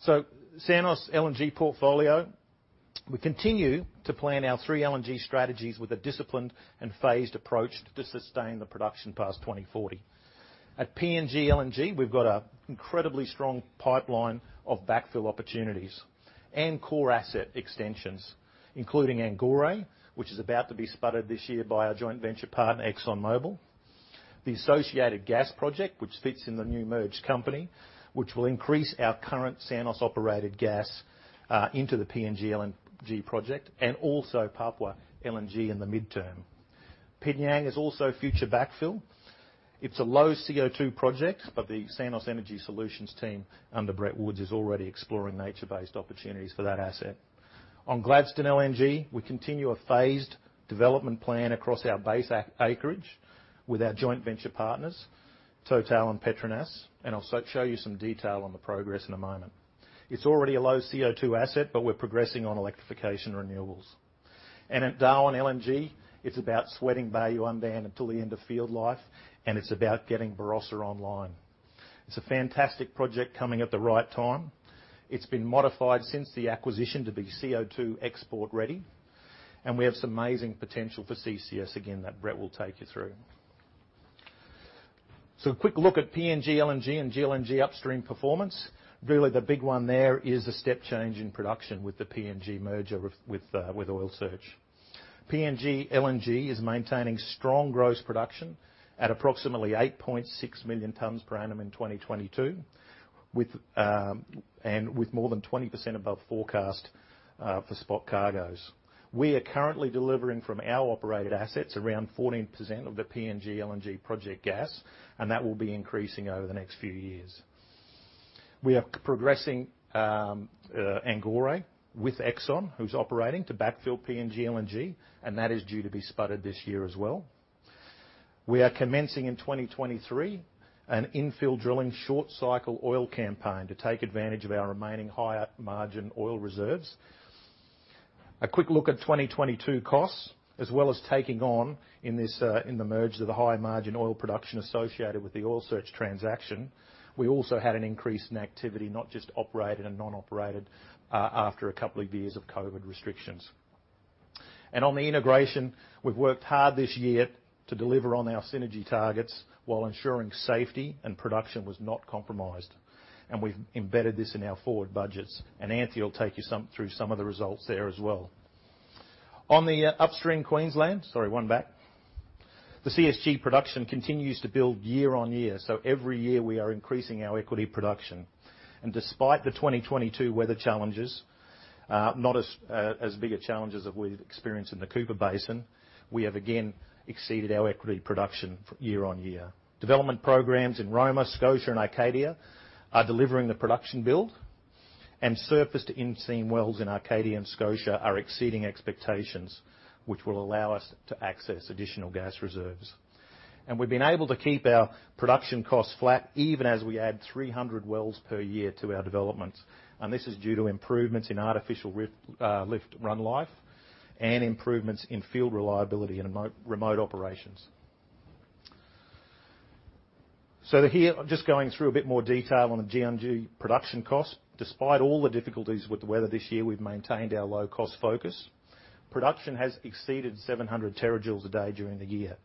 Santos LNG portfolio. We continue to plan our three LNG strategies with a disciplined and phased approach to sustain the production past 2040. At PNG LNG, we've got an incredibly strong pipeline of backfill opportunities and core asset extensions, including Angore, which is about to be spudded this year by our joint venture partner, ExxonMobil. The associated gas project, which fits in the new merged company, which will increase our current Santos-operated gas into the PNG LNG project and also Papua LNG in the midterm. P'nyang is also future backfill. It's a low CO2 project, but the Santos Energy Solutions team under Brett Woods is already exploring nature-based opportunities for that asset. On GLNG, we continue a phased development plan across our base acreage with our joint venture partners, TotalEnergies and Petronas, and I'll show you some detail on the progress in a moment. It's already a low CO2 asset, but we're progressing on electrification renewables. At Darwin LNG, it's about sweating Bayu-Undan until the end of field life, and it's about getting Barossa online. It's a fantastic project coming at the right time. It's been modified since the acquisition to be CO2 export ready, and we have some amazing potential for CCS again that Brett will take you through. A quick look at PNG LNG and GLNG upstream performance. Really the big one there is a step change in production with the PNG merger with Oil Search. PNG LNG is maintaining strong gross production at approximately 8.6 million tons per annum in 2022, with more than 20% above forecast for spot cargoes. We are currently delivering from our operated assets around 14% of the PNG LNG project gas, and that will be increasing over the next few years. We are progressing Angore with ExxonMobil, who's operating to backfill PNG LNG, and that is due to be spudded this year as well. We are commencing in 2023 an infill drilling short cycle oil campaign to take advantage of our remaining higher margin oil reserves. A quick look at 2022 costs, as well as taking on in the merge of the higher margin oil production associated with the Oil Search transaction. We also had an increase in activity, not just operated and non-operated, after a couple of years of COVID restrictions. On the integration, we've worked hard this year to deliver on our synergy targets while ensuring safety and production was not compromised. We've embedded this in our forward budgets. Anthea will take you through some of the results there as well. On the upstream Queensland Sorry, one back. The CSG production continues to build year-on-year, every year we are increasing our equity production. Despite the 2022 weather challenges, not as big a challenge as we've experienced in the Cooper Basin, we have again exceeded our equity production year-on-year. Development programs in Roma, Scotia, and Arcadia are delivering the production build, and surface to in-seam wells in Arcadia and Scotia are exceeding expectations, which will allow us to access additional gas reserves. We've been able to keep our production costs flat even as we add 300 wells per year to our developments. This is due to improvements in artificial lift run life and improvements in field reliability in remote operations. Here, just going through a bit more detail on the GLNG production cost. Despite all the difficulties with the weather this year, we've maintained our low-cost focus. Production has exceeded 700 terajoules a day during the year,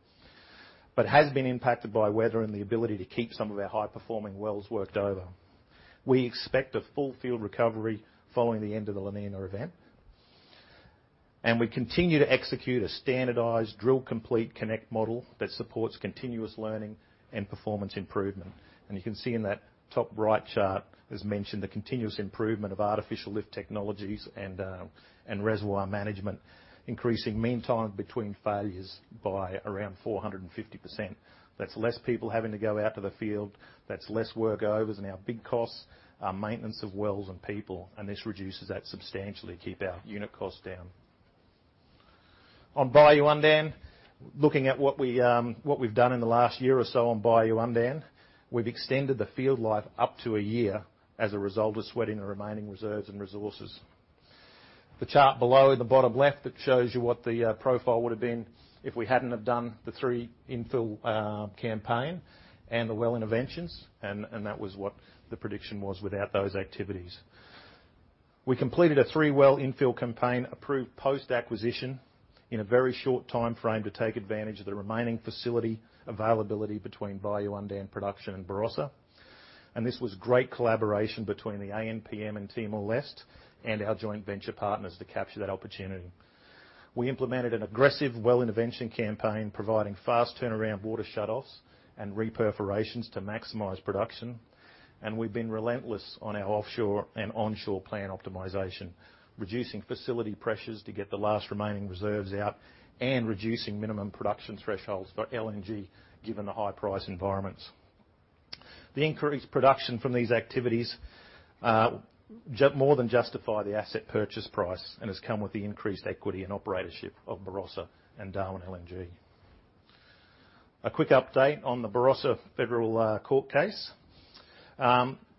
but has been impacted by weather and the ability to keep some of our high-performing wells worked over. We expect a full field recovery following the end of the La Niña event. We continue to execute a standardized drill complete connect model that supports continuous learning and performance improvement. You can see in that top right chart, as mentioned, the continuous improvement of artificial lift technologies and reservoir management, increasing mean time between failures by around 450%. That's less people having to go out to the field. That's less workovers and our big costs are maintenance of wells and people, and this reduces that substantially to keep our unit costs down. On Bayu-Undan, looking at what we've done in the last year or so on Bayu-Undan, we've extended the field life up to a year as a result of sweating the remaining reserves and resources. The chart below in the bottom left that shows you what the profile would have been if we hadn't have done the three infill campaign and the well interventions, and that was what the prediction was without those activities. We completed a three-well infill campaign approved post-acquisition in a very short timeframe to take advantage of the remaining facility availability between Bayu-Undan production and Barossa. This was great collaboration between the ANPM in Timor-Leste and our joint venture partners to capture that opportunity. We implemented an aggressive well intervention campaign providing fast turnaround water shutoffs and reperforations to maximize production. We've been relentless on our offshore and onshore plan optimization, reducing facility pressures to get the last remaining reserves out and reducing minimum production thresholds for LNG, given the high price environments. The increased production from these activities more than justify the asset purchase price and has come with the increased equity and operatorship of Barossa and Darwin LNG. A quick update on the Barossa Federal Court case.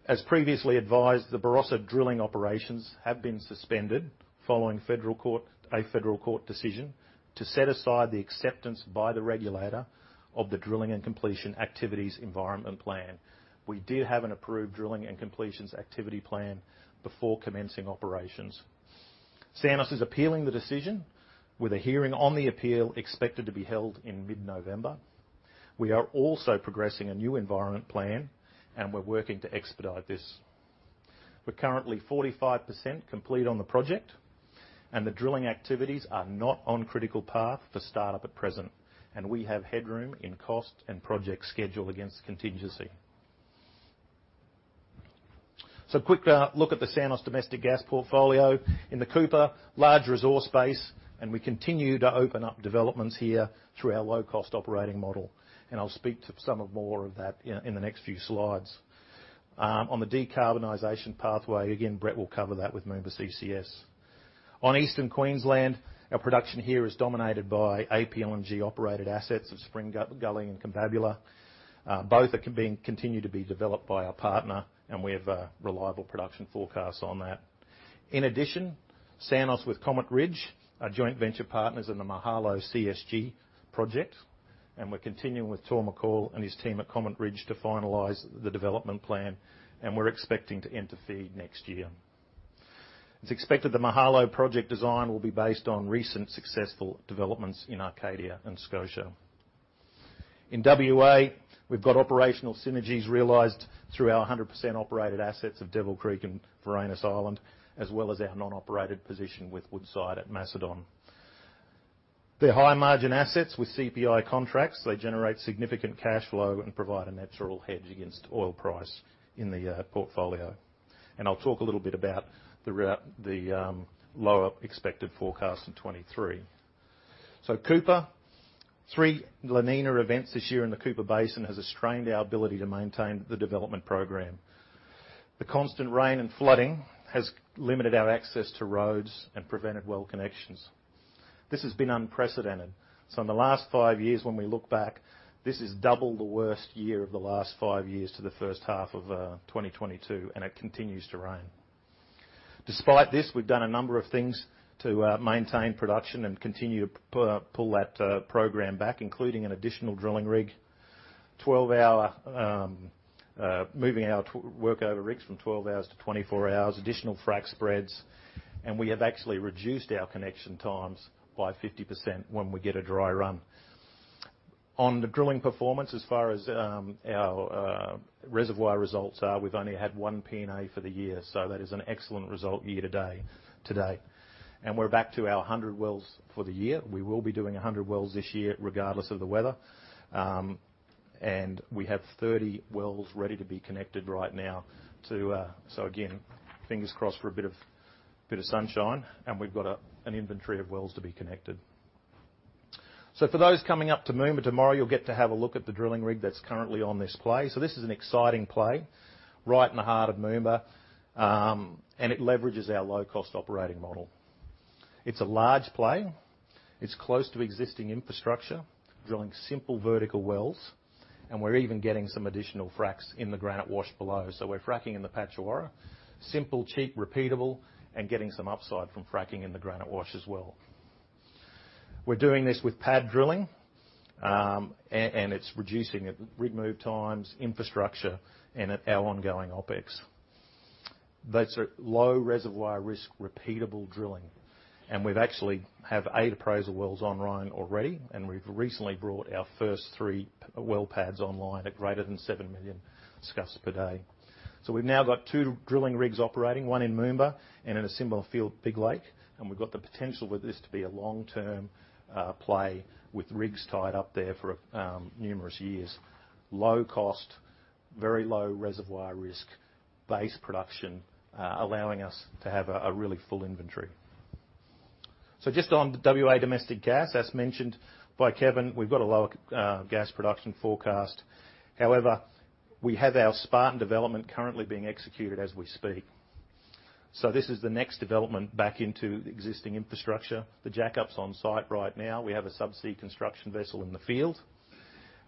As previously advised, the Barossa drilling operations have been suspended following a Federal Court decision to set aside the acceptance by the regulator of the drilling and completion activities environment plan. We did have an approved drilling and completions activity plan before commencing operations. Santos is appealing the decision with a hearing on the appeal expected to be held in mid-November. We are also progressing a new environment plan. We're working to expedite this. We're currently 45% complete on the project. The drilling activities are not on critical path for startup at present. We have headroom in cost and project schedule against contingency. Quick look at the Santos domestic gas portfolio. In the Cooper, large resource base. We continue to open up developments here through our low-cost operating model. I'll speak to some of more of that in the next few slides. On the decarbonization pathway, again, Brett will cover that with Moomba CCS. On Eastern Queensland, our production here is dominated by APLNG-operated assets of Spring Gully and Combabula. Both are being continued to be developed by our partner, and we have a reliable production forecast on that. In addition, Santos with Comet Ridge, our joint venture partners in the Mahalo CSG project, and we're continuing with Tor McCaul and his team at Comet Ridge to finalize the development plan, and we're expecting to enter FEED next year. It's expected the Mahalo project design will be based on recent successful developments in Arcadia and Scotia. In WA, we've got operational synergies realized through our 100% operated assets of Devil Creek and Varanus Island, as well as our non-operated position with Woodside at Macedon. They're high margin assets with CPI contracts. They generate significant cash flow and provide a natural hedge against oil price in the portfolio. And I'll talk a little bit about the lower expected forecast in 2023. Cooper. Three La Niña events this year in the Cooper Basin has restrained our ability to maintain the development program. The constant rain and flooding has limited our access to roads and prevented well connections. This has been unprecedented. In the last five years when we look back, this is double the worst year of the last five years to the first half of 2022, and it continues to rain. Despite this, we've done a number of things to maintain production and continue to pull that program back, including an additional drilling rig, moving our work over rigs from 12 hours to 24 hours, additional frack spreads, and we have actually reduced our connection times by 50% when we get a dry run. On the drilling performance, as far as our reservoir results are, we've only had one P&A for the year. That is an excellent result year to date. And we're back to our 100 wells for the year. We will be doing 100 wells this year regardless of the weather. And we have 30 wells ready to be connected right now. Again, fingers crossed for a bit of sunshine. And we've got an inventory of wells to be connected. For those coming up to Moomba tomorrow, you'll get to have a look at the drilling rig that's currently on this play. This is an exciting play right in the heart of Moomba, and it leverages our low-cost operating model. It's a large play. It's close to existing infrastructure, drilling simple vertical wells, and we're even getting some additional fracs in the Granite Wash below. We're fracking in the Patchawarra. Simple, cheap, repeatable, and getting some upside from fracking in the Granite Wash as well. We're doing this with pad drilling, and it's reducing rig move times, infrastructure, and our ongoing OpEx. That's a low reservoir risk, repeatable drilling. And we actually have eight appraisal wells online already, and we've recently brought our first three well pads online at greater than seven million scf per day. We've now got two drilling rigs operating, one in Moomba and in a similar field, Big Lake. We've got the potential with this to be a long-term play with rigs tied up there for numerous years. Low cost, very low reservoir risk base production, allowing us to have a really full inventory. Just on the WA domestic gas, as mentioned by Kevin, we've got a lower gas production forecast. However, we have our Spartan development currently being executed as we speak. This is the next development back into the existing infrastructure. The jackup's on site right now. We have a subsea construction vessel in the field,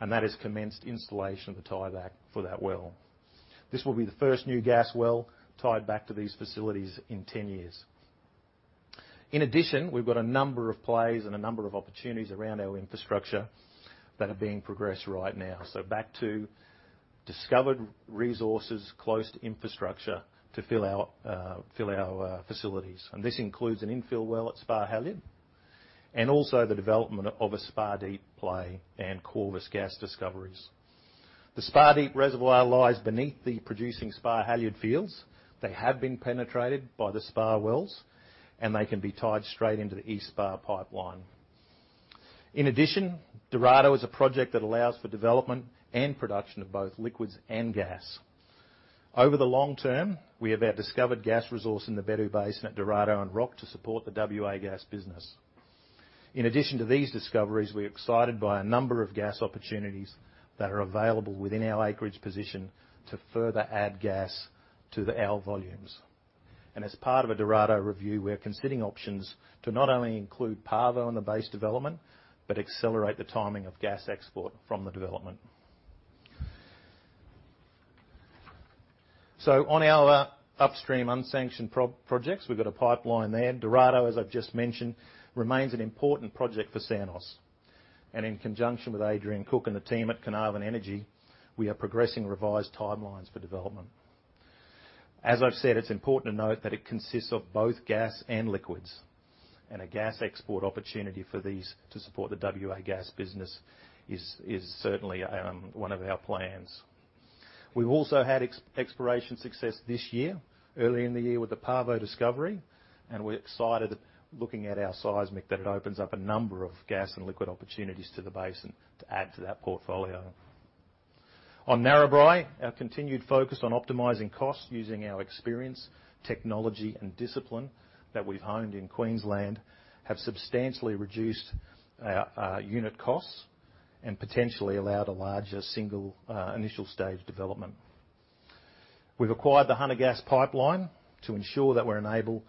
and that has commenced installation of the tieback for that well. This will be the first new gas well tied back to these facilities in 10 years. In addition, we've got a number of plays and a number of opportunities around our infrastructure that are being progressed right now. Back to discovered resources close to infrastructure to fill our facilities. This includes an infill well at Spar-Halyard and also the development of a Spar Deep play and Corvus gas discoveries. The Spar Deep reservoir lies beneath the producing Spar-Halyard fields. They have been penetrated by the Spar wells, and they can be tied straight into the East Spar pipeline. In addition, Dorado is a project that allows for development and production of both liquids and gas. Over the long term, we have our discovered gas resource in the Bedout Basin at Dorado and Roc to support the WA gas business. In addition to these discoveries, we're excited by a number of gas opportunities that are available within our acreage position to further add gas to our volumes. As part of a Dorado review, we're considering options to not only include Pavo on the base development, but accelerate the timing of gas export from the development. On our upstream unsanctioned projects, we've got a pipeline there. Dorado, as I've just mentioned, remains an important project for Santos. In conjunction with Adrian Cook and the team at Carnarvon Energy, we are progressing revised timelines for development. As I've said, it's important to note that it consists of both gas and liquids. A gas export opportunity for these to support the WA gas business is certainly one of our plans. We've also had exploration success this year, early in the year with the Pavo discovery, and we're excited looking at our seismic that it opens up a number of gas and liquid opportunities to the basin to add to that portfolio. On Narrabri, our continued focus on optimizing costs using our experience, technology, and discipline that we've honed in Queensland have substantially reduced our unit costs and potentially allowed a larger single initial stage development. We've acquired the Hunter Gas pipeline to ensure that we're enabled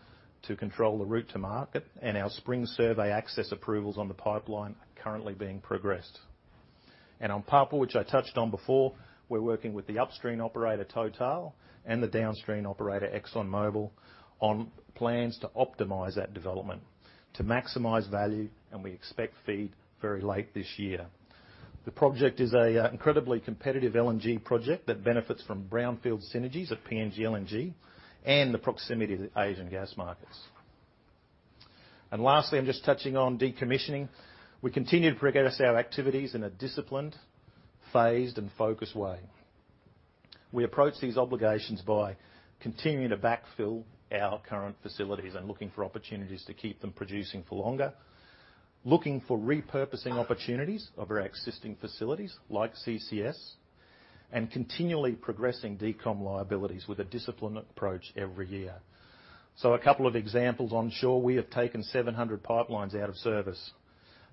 to control the route to market, and our spring survey access approvals on the pipeline are currently being progressed. On Papua, which I touched on before, we're working with the upstream operator, Total, and the downstream operator, ExxonMobil, on plans to optimize that development to maximize value, and we expect FEED very late this year. The project is an incredibly competitive LNG project that benefits from brownfield synergies of PNG LNG and the proximity to Asian gas markets. Lastly, I'm just touching on decommissioning. We continue to progress our activities in a disciplined, phased, and focused way. We approach these obligations by continuing to backfill our current facilities and looking for opportunities to keep them producing for longer. Looking for repurposing opportunities of our existing facilities like CCS and continually progressing decom liabilities with a disciplined approach every year. A couple of examples onshore. We have taken 700 pipelines out of service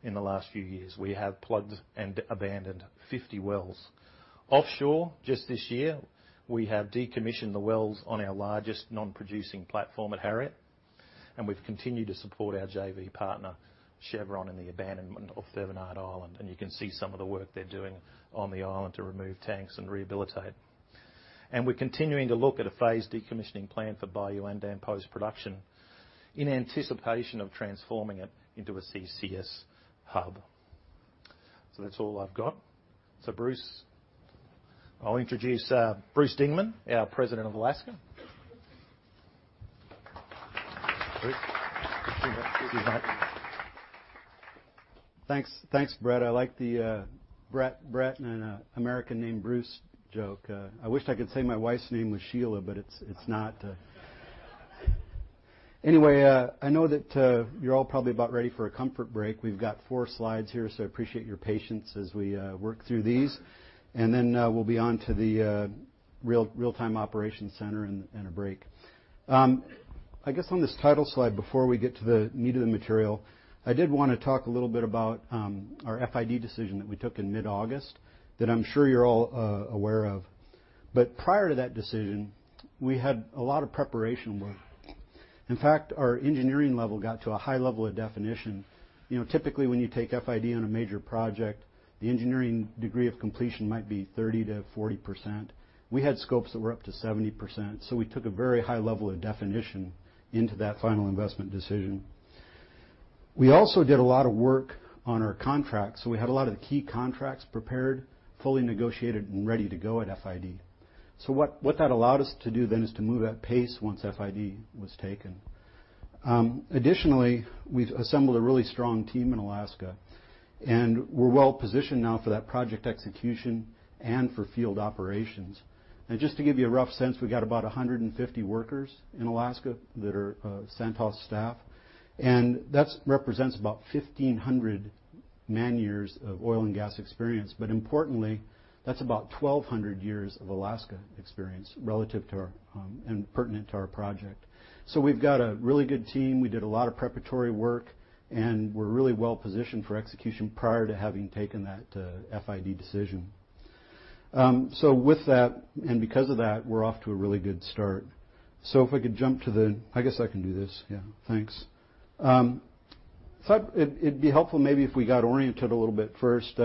in the last few years. We have plugged and abandoned 50 wells. Offshore, just this year, we have decommissioned the wells on our largest non-producing platform at Harriet, and we've continued to support our JV partner, Chevron, in the abandonment of Thevenard Island. You can see some of the work they're doing on the island to remove tanks and rehabilitate. We're continuing to look at a phased decommissioning plan for Bayu-Undan post-production in anticipation of transforming it into a CCS hub. That's all I've got. Bruce. I'll introduce Bruce Dingeman, our President of Alaska. Bruce. Thanks. Thanks, Brett. I like the Brett and an American named Bruce joke. I wish I could say my wife's name was Sheila, but it's not. Anyway, I know that you're all probably about ready for a comfort break. We've got four slides here. I appreciate your patience as we work through these. Then we'll be on to the real-time operations center and a break. I guess on this title slide, before we get to the meat of the material, I did want to talk a little bit about our FID decision that we took in mid-August that I'm sure you're all aware of. Prior to that decision, we had a lot of preparation work. In fact, our engineering level got to a high level of definition. Typically, when you take FID on a major project, the engineering degree of completion might be 30%-40%. We had scopes that were up to 70%. We took a very high level of definition into that final investment decision. We also did a lot of work on our contracts. We had a lot of the key contracts prepared, fully negotiated, and ready to go at FID. What that allowed us to do then is to move at pace once FID was taken. Additionally, we've assembled a really strong team in Alaska. We're well-positioned now for that project execution and for field operations. Just to give you a rough sense, we've got about 150 workers in Alaska that are Santos staff, and that represents about 1,500 man years of oil and gas experience. Importantly, that's about 1,200 years of Alaska experience relative to, and pertinent to our project. We've got a really good team. We did a lot of preparatory work, and we're really well-positioned for execution prior to having taken that FID decision. With that, and because of that, we're off to a really good start. If I could jump to the I guess I can do this. Yeah, thanks. It'd be helpful maybe if we got oriented a little bit first.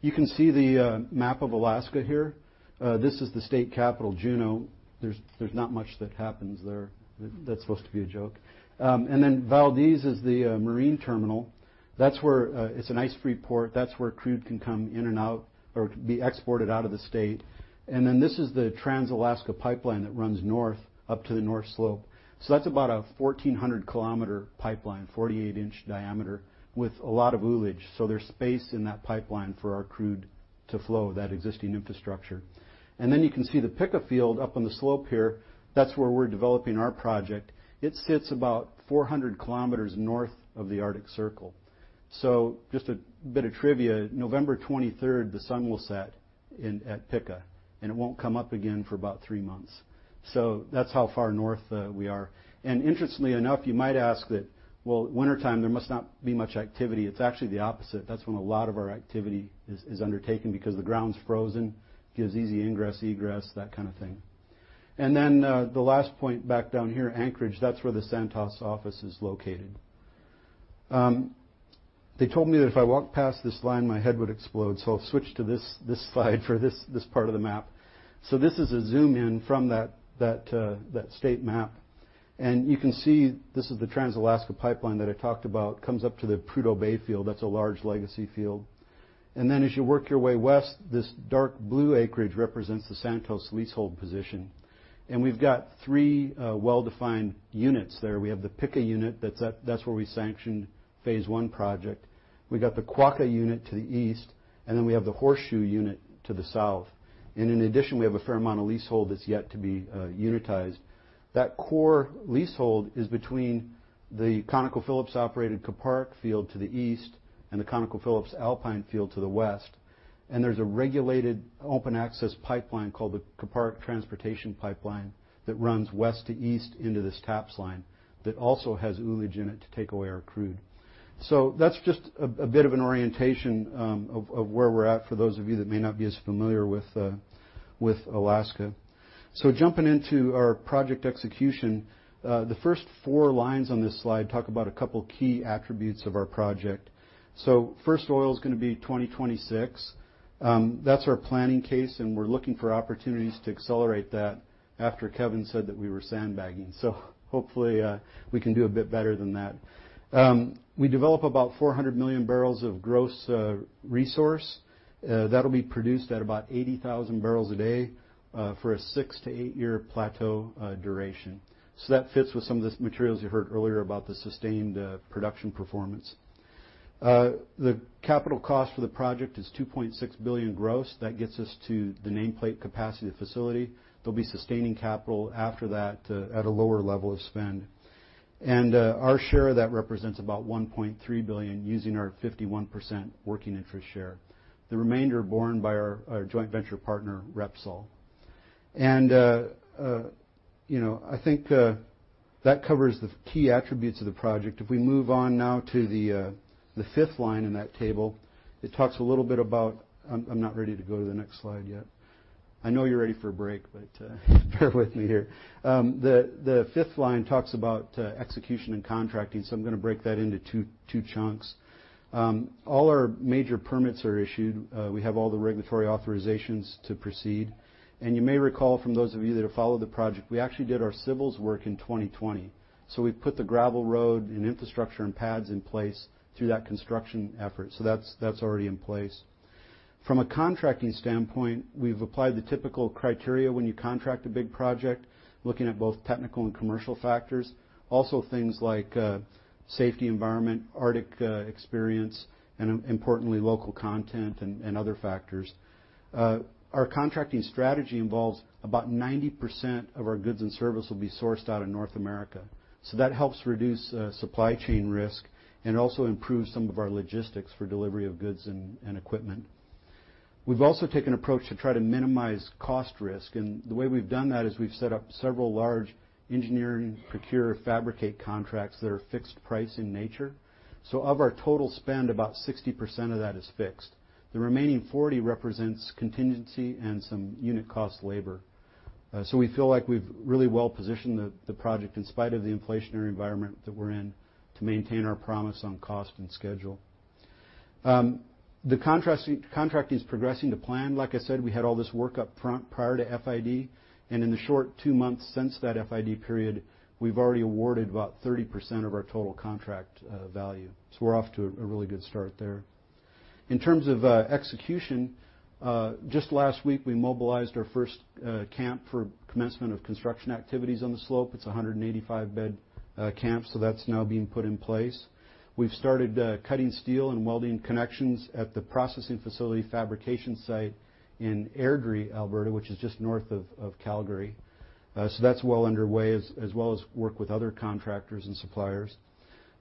You can see the map of Alaska here. This is the state capital, Juneau. There's not much that happens there. That's supposed to be a joke. Valdez is the marine terminal. It's an ice-free port. That's where crude can come in and out or be exported out of the state. This is the Trans-Alaska Pipeline that runs north up to the North Slope. That's about a 1,400-kilometer pipeline, 48-inch diameter with a lot of ullage. There's space in that pipeline for our crude to flow that existing infrastructure. You can see the Pikka field up on the slope here. That's where we're developing our project. It sits about 400 kilometers north of the Arctic Circle. Just a bit of trivia, November 23rd, the sun will set at Pikka, and it won't come up again for about three months. That's how far north we are. Interestingly enough, you might ask that, "Well, wintertime, there must not be much activity." It's actually the opposite. That's when a lot of our activity is undertaken because the ground's frozen, gives easy ingress, egress, that kind of thing. The last point back down here, Anchorage, that's where the Santos office is located. They told me that if I walked past this line, my head would explode. I'll switch to this slide for this part of the map. This is a zoom-in from that state map. You can see this is the Trans-Alaska Pipeline that I talked about, comes up to the Prudhoe Bay field. That's a large legacy field. As you work your way west, this dark blue acreage represents the Santos leasehold position. We've got three well-defined units there. We have the Pikka unit. That's where we sanctioned phase one project. We got the Quokka unit to the east. We have the Horseshoe unit to the south. In addition, we have a fair amount of leasehold that's yet to be unitized. That core leasehold is between the ConocoPhillips-operated Kuparuk field to the east and the ConocoPhillips Alpine field to the west. There's a regulated open-access pipeline called the Kuparuk Transportation Pipeline that runs west to east into this TAPS line that also has ullage in it to take away our crude. That's just a bit of an orientation of where we're at for those of you that may not be as familiar with Alaska. Jumping into our project execution, the first four lines on this slide talk about a couple key attributes of our project. First oil's going to be 2026. That's our planning case. We're looking for opportunities to accelerate that after Kevin said that we were sandbagging. Hopefully, we can do a bit better than that. We develop about 400 million barrels of gross resource. That'll be produced at about 80,000 barrels a day for a six to eight-year plateau duration. That fits with some of the materials you heard earlier about the sustained production performance. The capital cost for the project is 2.6 billion gross. That gets us to the nameplate capacity of the facility. There'll be sustaining capital after that at a lower level of spend. Our share of that represents about 1.3 billion using our 51% working interest share. The remainder borne by our joint venture partner, Repsol. I think that covers the key attributes of the project. If we move on now to the fifth line in that table, it talks a little bit about I'm not ready to go to the next slide yet. I know you're ready for a break, bear with me here. The fifth line talks about execution and contracting, I'm going to break that into two chunks. All our major permits are issued. We have all the regulatory authorizations to proceed. You may recall from those of you that have followed the project, we actually did our civils work in 2020. We put the gravel road and infrastructure and pads in place through that construction effort. That's already in place. From a contracting standpoint, we've applied the typical criteria when you contract a big project, looking at both technical and commercial factors. Also, things like safety environment, Arctic experience, and importantly, local content and other factors. Our contracting strategy involves about 90% of our goods and service will be sourced out in North America. That helps reduce supply chain risk and also improves some of our logistics for delivery of goods and equipment. We've also taken approach to try to minimize cost risk, the way we've done that is we've set up several large engineering procure fabricate contracts that are fixed price in nature. Of our total spend, about 60% of that is fixed. The remaining 40 represents contingency and some unit cost labor. We feel like we've really well-positioned the project in spite of the inflationary environment that we're in to maintain our promise on cost and schedule. The contract is progressing to plan. Like I said, we had all this work up front prior to FID, in the short two months since that FID period, we've already awarded about 30% of our total contract value. We're off to a really good start there. In terms of execution, just last week, we mobilized our first camp for commencement of construction activities on the slope. It's a 185-bed camp, that's now being put in place. We've started cutting steel and welding connections at the processing facility fabrication site in Airdrie, Alberta, which is just north of Calgary. That's well underway, as well as work with other contractors and suppliers.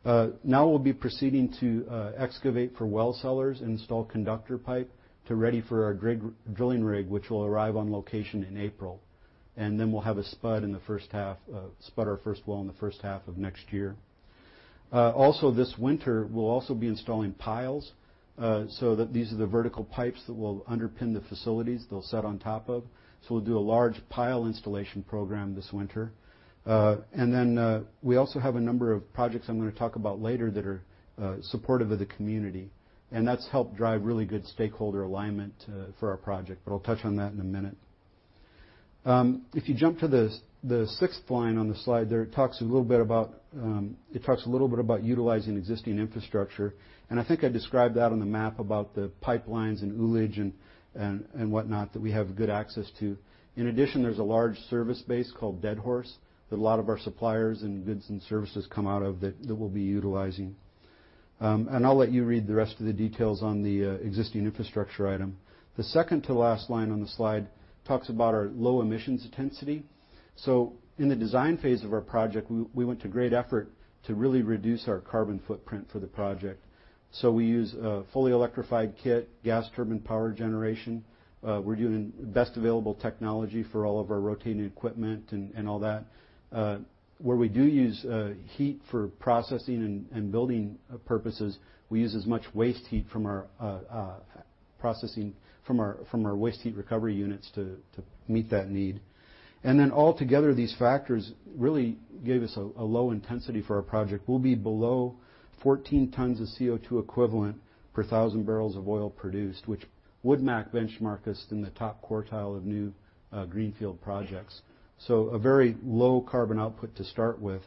Now we'll be proceeding to excavate for well cellars and install conductor pipe to ready for our drilling rig, which will arrive on location in April. Then we'll have a spud in the first half, spud our first well in the first half of next year. Also this winter, we'll also be installing piles, that these are the vertical pipes that will underpin the facilities they'll set on top of. We'll do a large pile installation program this winter. We also have a number of projects I'm going to talk about later that are supportive of the community, and that's helped drive really good stakeholder alignment for our project. I'll touch on that in a minute. If you jump to the sixth line on the slide there, it talks a little bit about utilizing existing infrastructure, and I think I described that on the map about the pipelines and ullage and whatnot that we have good access to. In addition, there's a large service base called Deadhorse that a lot of our suppliers and goods and services come out of that we'll be utilizing. I'll let you read the rest of the details on the existing infrastructure item. The second to last line on the slide talks about our low emissions intensity. In the design phase of our project, we went to great effort to really reduce our carbon footprint for the project. We use a fully electrified kit, gas turbine power generation. We're doing best available technology for all of our rotating equipment and all that. Where we do use heat for processing and building purposes, we use as much waste heat from our waste heat recovery units to meet that need. Altogether, these factors really gave us a low intensity for our project. We'll be below 14 tons of CO2 equivalent per thousand barrels of oil produced, which Woodmac benchmark us in the top quartile of new greenfield projects. A very low carbon output to start with.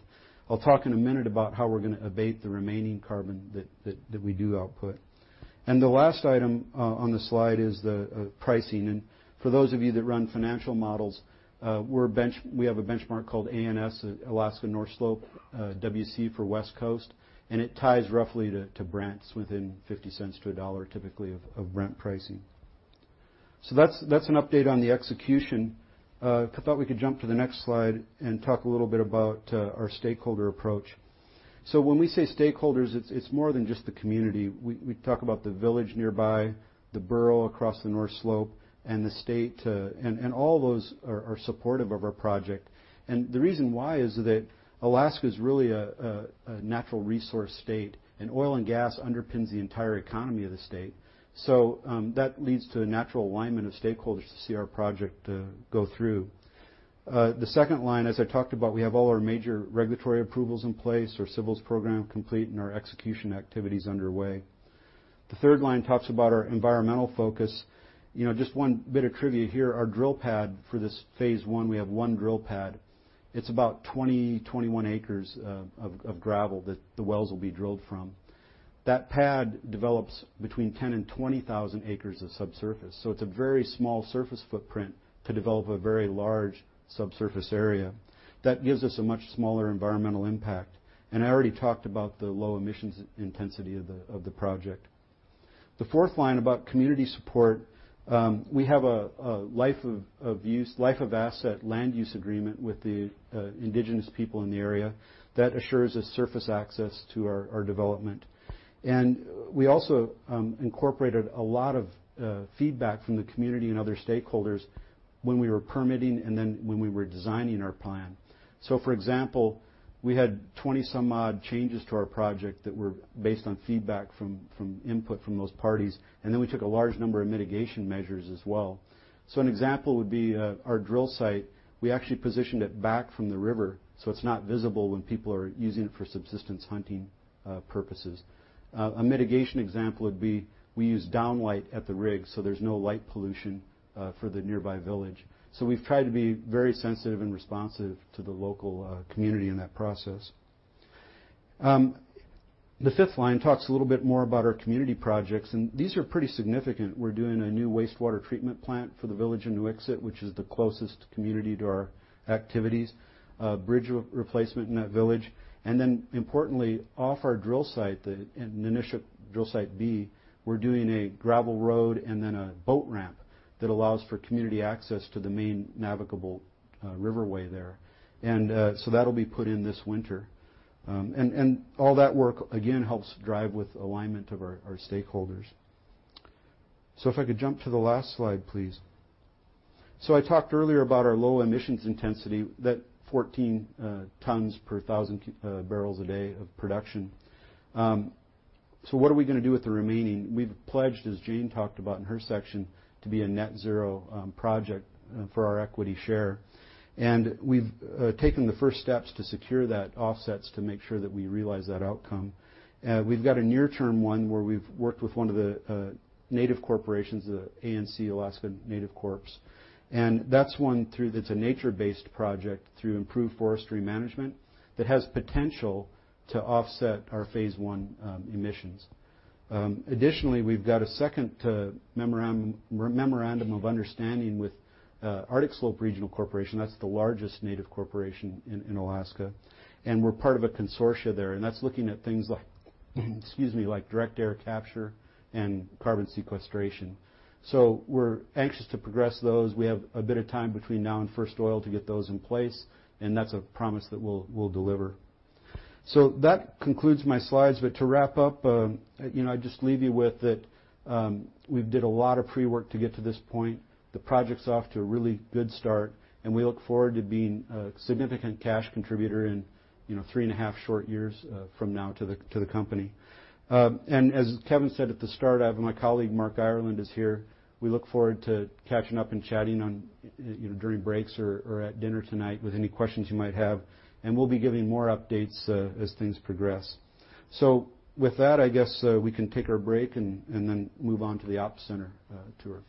I'll talk in a minute about how we're going to abate the remaining carbon that we do output. The last item on the slide is the pricing. For those of you that run financial models, we have a benchmark called ANS, Alaska North Slope, WC for West Coast, and it ties roughly to Brent within $0.50 to $1 typically of Brent pricing. That's an update on the execution. I thought we could jump to the next slide and talk a little bit about our stakeholder approach. When we say stakeholders, it's more than just the community. We talk about the village nearby, the borough across the North Slope, and the state, and all those are supportive of our project. The reason why is that Alaska is really a natural resource state, and oil and gas underpins the entire economy of the state. That leads to a natural alignment of stakeholders to see our project go through. The second line, as I talked about, we have all our major regulatory approvals in place, our civils program complete, and our execution activity is underway. The third line talks about our environmental focus. Just one bit of trivia here, our drill pad for this phase 1, we have one drill pad. It's about 20, 21 acres of gravel that the wells will be drilled from. That pad develops between 10,000 and 20,000 acres of subsurface. It's a very small surface footprint to develop a very large subsurface area. That gives us a much smaller environmental impact. I already talked about the low emissions intensity of the project. The fourth line about community support, we have a life of asset land use agreement with the indigenous people in the area. That assures us surface access to our development. We also incorporated a lot of feedback from the community and other stakeholders when we were permitting and when we were designing our plan. For example, we had 20 some odd changes to our project that were based on feedback from input from those parties, and we took a large number of mitigation measures as well. An example would be our drill site, we actually positioned it back from the river so it's not visible when people are using it for subsistence hunting purposes. A mitigation example would be we use downlight at the rig so there's no light pollution for the nearby village. We've tried to be very sensitive and responsive to the local community in that process. The fifth line talks a little more about our community projects, and these are pretty significant. We're doing a new wastewater treatment plant for the village of Nuiqsut, which is the closest community to our activities, a bridge replacement in that village, importantly, off our drill site, in Nanuq drill site B, we're doing a gravel road and a boat ramp that allows for community access to the main navigable riverway there. That'll be put in this winter. All that work, again, helps drive with alignment of our stakeholders. If I could jump to the last slide, please. I talked earlier about our low emissions intensity, that 14 tons per 1,000 barrels a day of production. What are we going to do with the remaining? We've pledged, as Jane talked about in her section, to be a net-zero project for our equity share. We've taken the first steps to secure that offsets to make sure that we realize that outcome. We've got a near-term one where we've worked with one of the native corporations, the ANC, Alaska Native Corps. That's one through a nature-based project through improved forestry management that has potential to offset our phase 1 emissions. Additionally, we've got a second memorandum of understanding with Arctic Slope Regional Corporation. That's the largest native corporation in Alaska, and we're part of a consortia there, and that's looking at things like direct air capture and carbon sequestration. We're anxious to progress those. We have a bit of time between now and first oil to get those in place, and that's a promise that we'll deliver. That concludes my slides. To wrap up, I just leave you with that we did a lot of pre-work to get to this point. The project's off to a really good start, and we look forward to being a significant cash contributor in three and a half short years from now to the company. As Kevin said at the start, my colleague Mark Ireland is here. We look forward to catching up and chatting during breaks or at dinner tonight with any questions you might have. We'll be giving more updates as things progress. With that, I guess we can take our break and move on to the op center tour.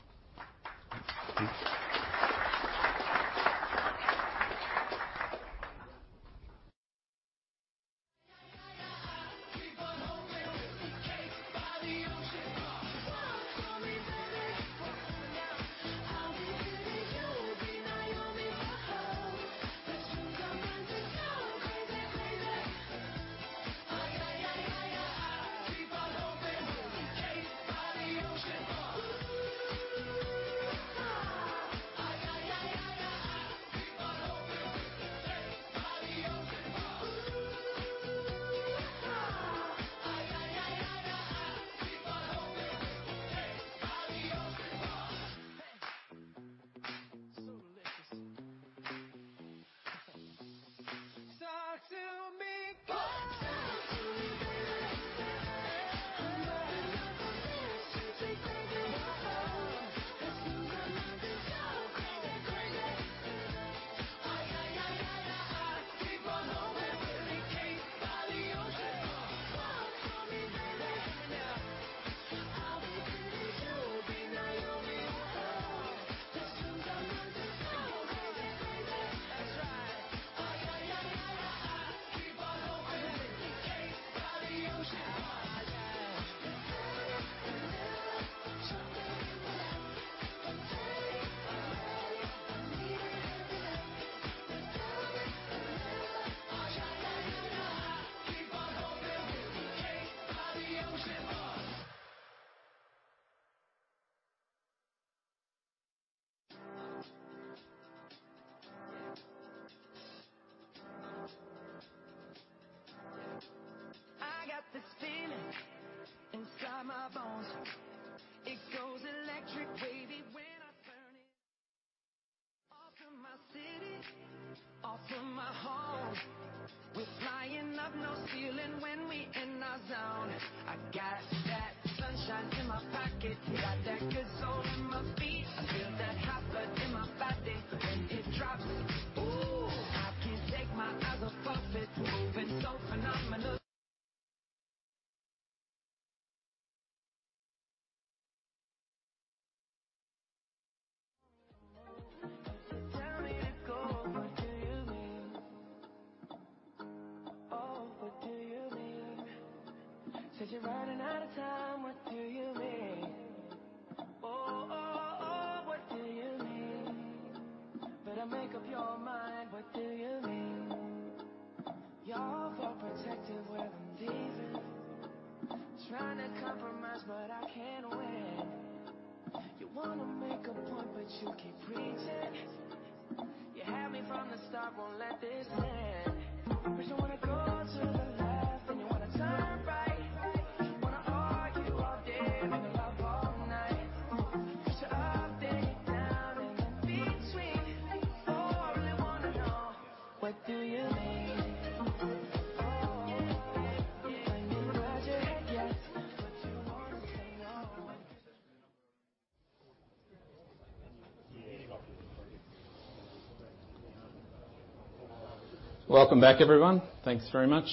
Welcome back, everyone. Thanks very much.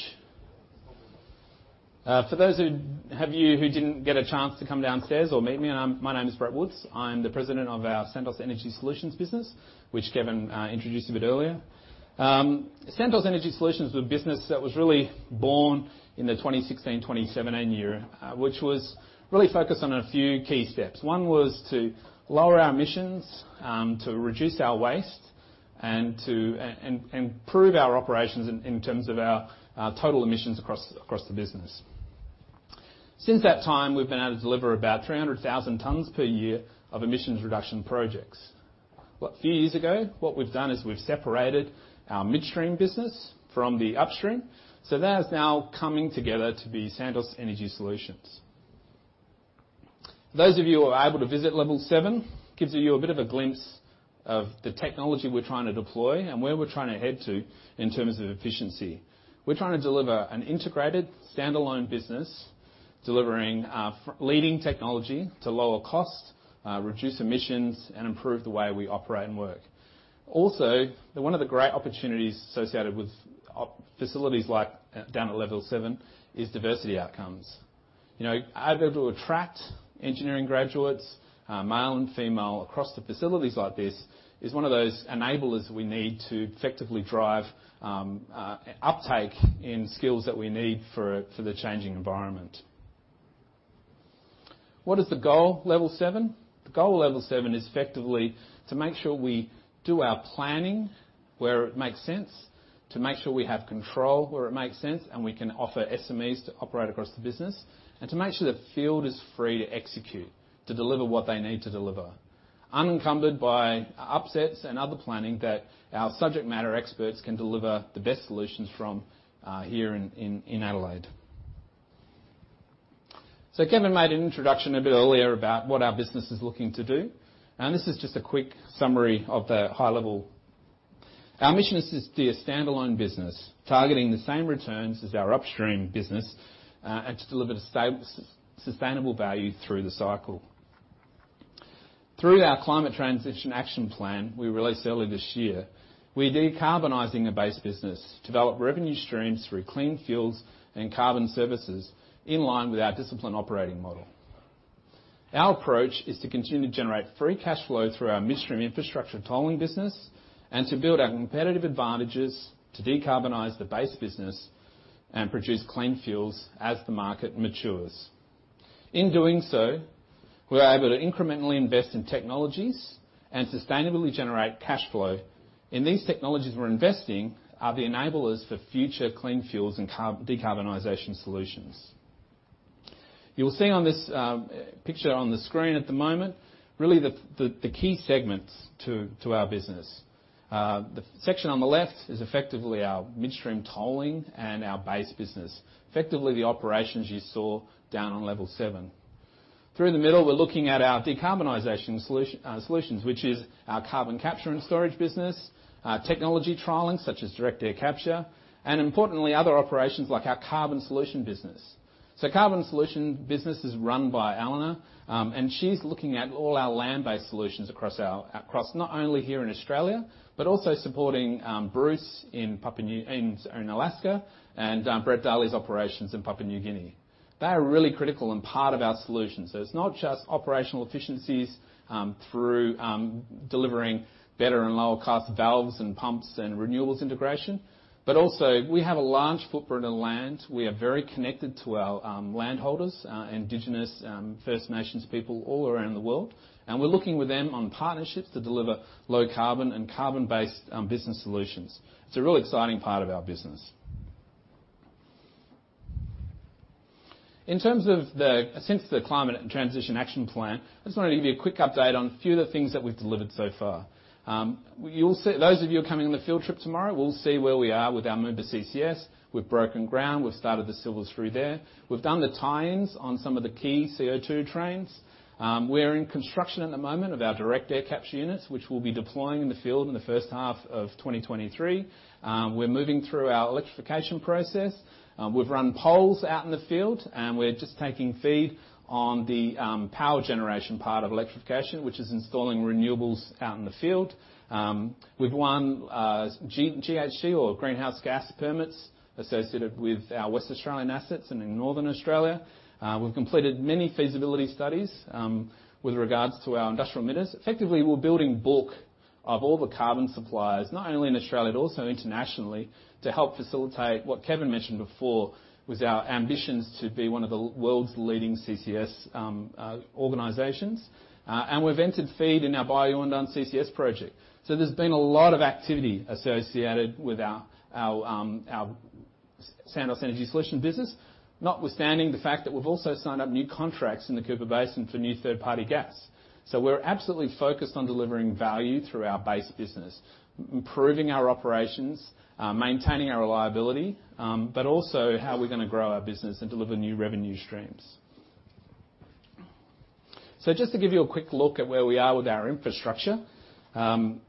For those of you who didn't get a chance to come downstairs or meet me, my name is Brett Woods. I'm the President of our Santos Energy Solutions business, which Kevin introduced a bit earlier. Santos Energy Solutions was a business that was really born in the 2016, 2017 year, which was really focused on a few key steps. One was to lower our emissions, to reduce our waste, and improve our operations in terms of our total emissions across the business. Since that time, we've been able to deliver about 300,000 tons per year of emissions reduction projects. A few years ago, what we've done is we've separated our midstream business from the upstream. That is now coming together to be Santos Energy Solutions. Those of you who are able to visit level 7, gives you a bit of a glimpse of the technology we're trying to deploy and where we're trying to head to in terms of efficiency. We're trying to deliver an integrated standalone business, delivering leading technology to lower costs, reduce emissions, and improve the way we operate and work. Also, one of the great opportunities associated with facilities like down at level 7 is diversity outcomes. How to be able to attract engineering graduates, male and female, across the facilities like this, is one of those enablers we need to effectively drive uptake in skills that we need for the changing environment. What is the goal, level 7? The goal of level 7 is effectively to make sure we do our planning where it makes sense, to make sure we have control where it makes sense, and we can offer SMEs to operate across the business, and to make sure that field is free to execute, to deliver what they need to deliver. Unencumbered by upsets and other planning that our subject matter experts can deliver the best solutions from here in Adelaide. Kevin made an introduction a bit earlier about what our business is looking to do, and this is just a quick summary of the high level. Our mission is to be a standalone business targeting the same returns as our upstream business, and to deliver sustainable value through the cycle. Through our Climate Transition Action Plan we released earlier this year, we're decarbonizing the base business to develop revenue streams through clean fuels and carbon services in line with our discipline operating model. Our approach is to continue to generate free cash flow through our midstream infrastructure tolling business, and to build our competitive advantages to decarbonize the base business and produce clean fuels as the market matures. In doing so, we're able to incrementally invest in technologies and sustainably generate cash flow. These technologies we're investing are the enablers for future clean fuels and decarbonization solutions. You'll see on this picture on the screen at the moment, really the key segments to our business. The section on the left is effectively our midstream tolling and our base business. Effectively the operations you saw down on level 7. Through the middle, we're looking at our decarbonization solutions, which is our carbon capture and storage business, our technology trialing, such as direct air capture, and importantly, other operations like our carbon solution business. Carbon solution business is run by Elena, and she's looking at all our land-based solutions across not only here in Australia, but also supporting Bruce in Alaska, and Brett Darley's operations in Papua New Guinea. They are really critical and part of our solution. It's not just operational efficiencies through delivering better and lower cost valves and pumps and renewables integration, but also we have a large footprint of land. We are very connected to our land holders, our indigenous First Nations people all around the world, and we're looking with them on partnerships to deliver low carbon and carbon-based business solutions. It's a real exciting part of our business. In terms of the Climate Transition Action Plan, I just wanted to give you a quick update on a few of the things that we've delivered so far. Those of you who are coming on the field trip tomorrow will see where we are with our Moomba CCS. We've broken ground. We've started the civil through there. We've done the tie-ins on some of the key CO2 trains. We're in construction at the moment of our direct air capture units, which we'll be deploying in the field in the first half of 2023. We're moving through our electrification process. We've run poles out in the field, and we're just taking FEED on the power generation part of electrification, which is installing renewables out in the field. We've won GHG or greenhouse gas permits associated with our West Australian assets and in Northern Australia. We've completed many feasibility studies, with regards to our industrial emitters. Effectively, we're building bulk of all the carbon suppliers, not only in Australia, but also internationally, to help facilitate what Kevin mentioned before, with our ambitions to be one of the world's leading CCS organizations. We've entered FEED in our Bayu-Undan CCS project. There's been a lot of activity associated with our Santos Energy Solution business. Notwithstanding the fact that we've also signed up new contracts in the Cooper Basin for new third-party gas. We're absolutely focused on delivering value through our base business, improving our operations, maintaining our reliability, but also how we're going to grow our business and deliver new revenue streams. Just to give you a quick look at where we are with our infrastructure. Moomba,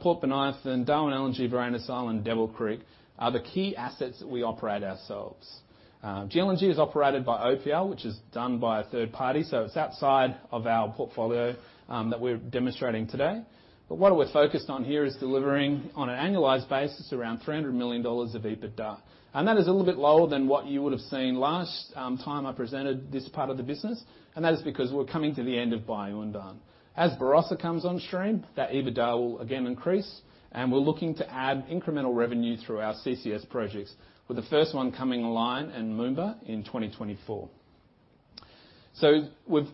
Port Bonython, Darwin LNG, Barossa Island, Devil Creek are the key assets that we operate ourselves. GLNG is operated by OPAL, which is done by a third party, so it's outside of our portfolio that we're demonstrating today. What we're focused on here is delivering on an annualized basis around 300 million dollars of EBITDA. That is a little bit lower than what you would have seen last time I presented this part of the business, and that is because we're coming to the end of Bayu-Undan. As Barossa comes on stream, that EBITDA will again increase, and we're looking to add incremental revenue through our CCS projects, with the first one coming online in Moomba in 2024.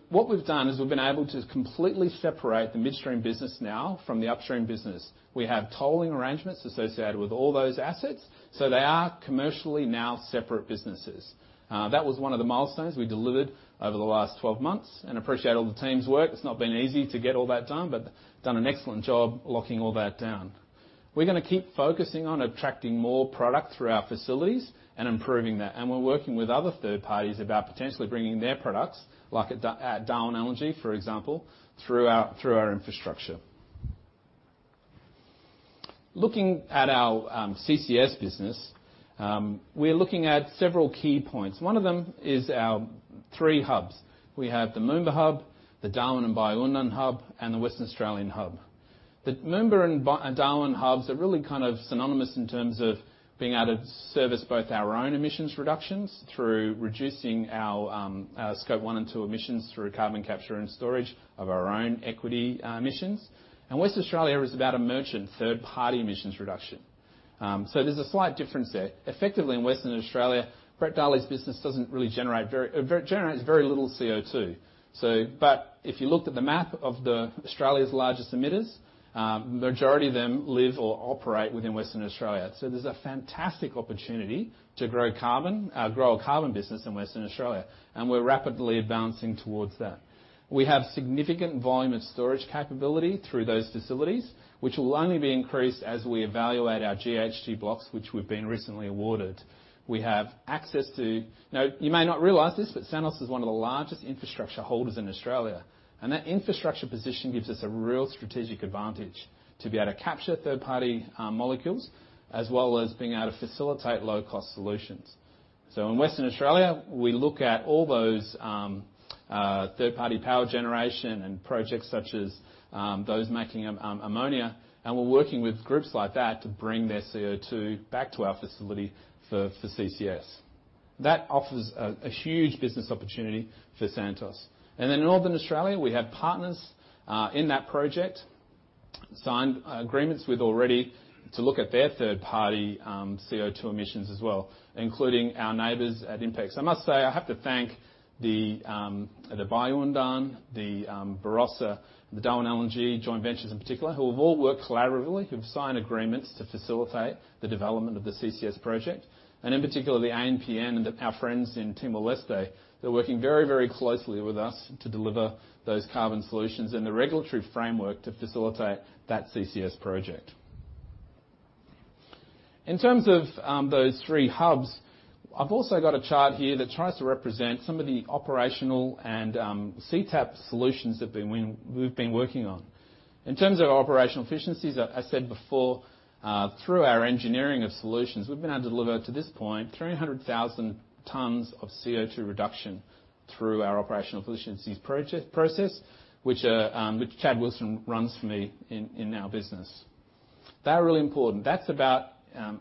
What we've done is we've been able to completely separate the midstream business now from the upstream business. We have tolling arrangements associated with all those assets, so they are commercially now separate businesses. That was one of the milestones we delivered over the last 12 months, appreciate all the team's work. It's not been easy to get all that done an excellent job locking all that down. We're going to keep focusing on attracting more product through our facilities and improving that. We're working with other third parties about potentially bringing their products, like at Darwin LNG, for example, through our infrastructure. Looking at our CCS business, we're looking at several key points. One of them is our three hubs. We have the Moomba hub, the Darwin and Bayu-Undan hub, and the Western Australian hub. The Moomba and Darwin hubs are really kind of synonymous in terms of being able to service both our own emissions reductions through reducing our Scope 1 and 2 emissions through carbon capture and storage of our own equity emissions. Western Australia is about a merchant third party emissions reduction. There's a slight difference there. Effectively, in Western Australia, Brett Darley's business doesn't really generate very little CO2. If you looked at the map of the Australia's largest emitters, majority of them live or operate within Western Australia. There's a fantastic opportunity to grow a carbon business in Western Australia, we're rapidly advancing towards that. We have significant volume and storage capability through those facilities, which will only be increased as we evaluate our GHG blocks, which we've been recently awarded. We have access to You may not realize this, Santos is one of the largest infrastructure holders in Australia, that infrastructure position gives us a real strategic advantage to be able to capture third-party molecules, as well as being able to facilitate low-cost solutions. In Western Australia, we look at all those third-party power generation and projects such as those making ammonia, we're working with groups like that to bring their CO2 back to our facility for CCS. That offers a huge business opportunity for Santos. In Northern Australia, we have partners in that project, signed agreements with already to look at their third-party CO2 emissions as well, including our neighbors at Inpex. I must say, I have to thank the Bayu-Undan, the Barossa, the Darwin LNG joint ventures in particular, who have all worked collaboratively, who've signed agreements to facilitate the development of the CCS project. In particular, the ANPN and our friends in Timor-Leste, they're working very closely with us to deliver those carbon solutions and the regulatory framework to facilitate that CCS project. In terms of those three hubs, I've also got a chart here that tries to represent some of the operational and CTAP solutions that we've been working on. In terms of operational efficiencies, I said before, through our engineering of solutions, we've been able to deliver up to this point 300,000 tons of CO2 reduction through our operational efficiencies process, which Chad Wilson runs for me in our business. They are really important. That's about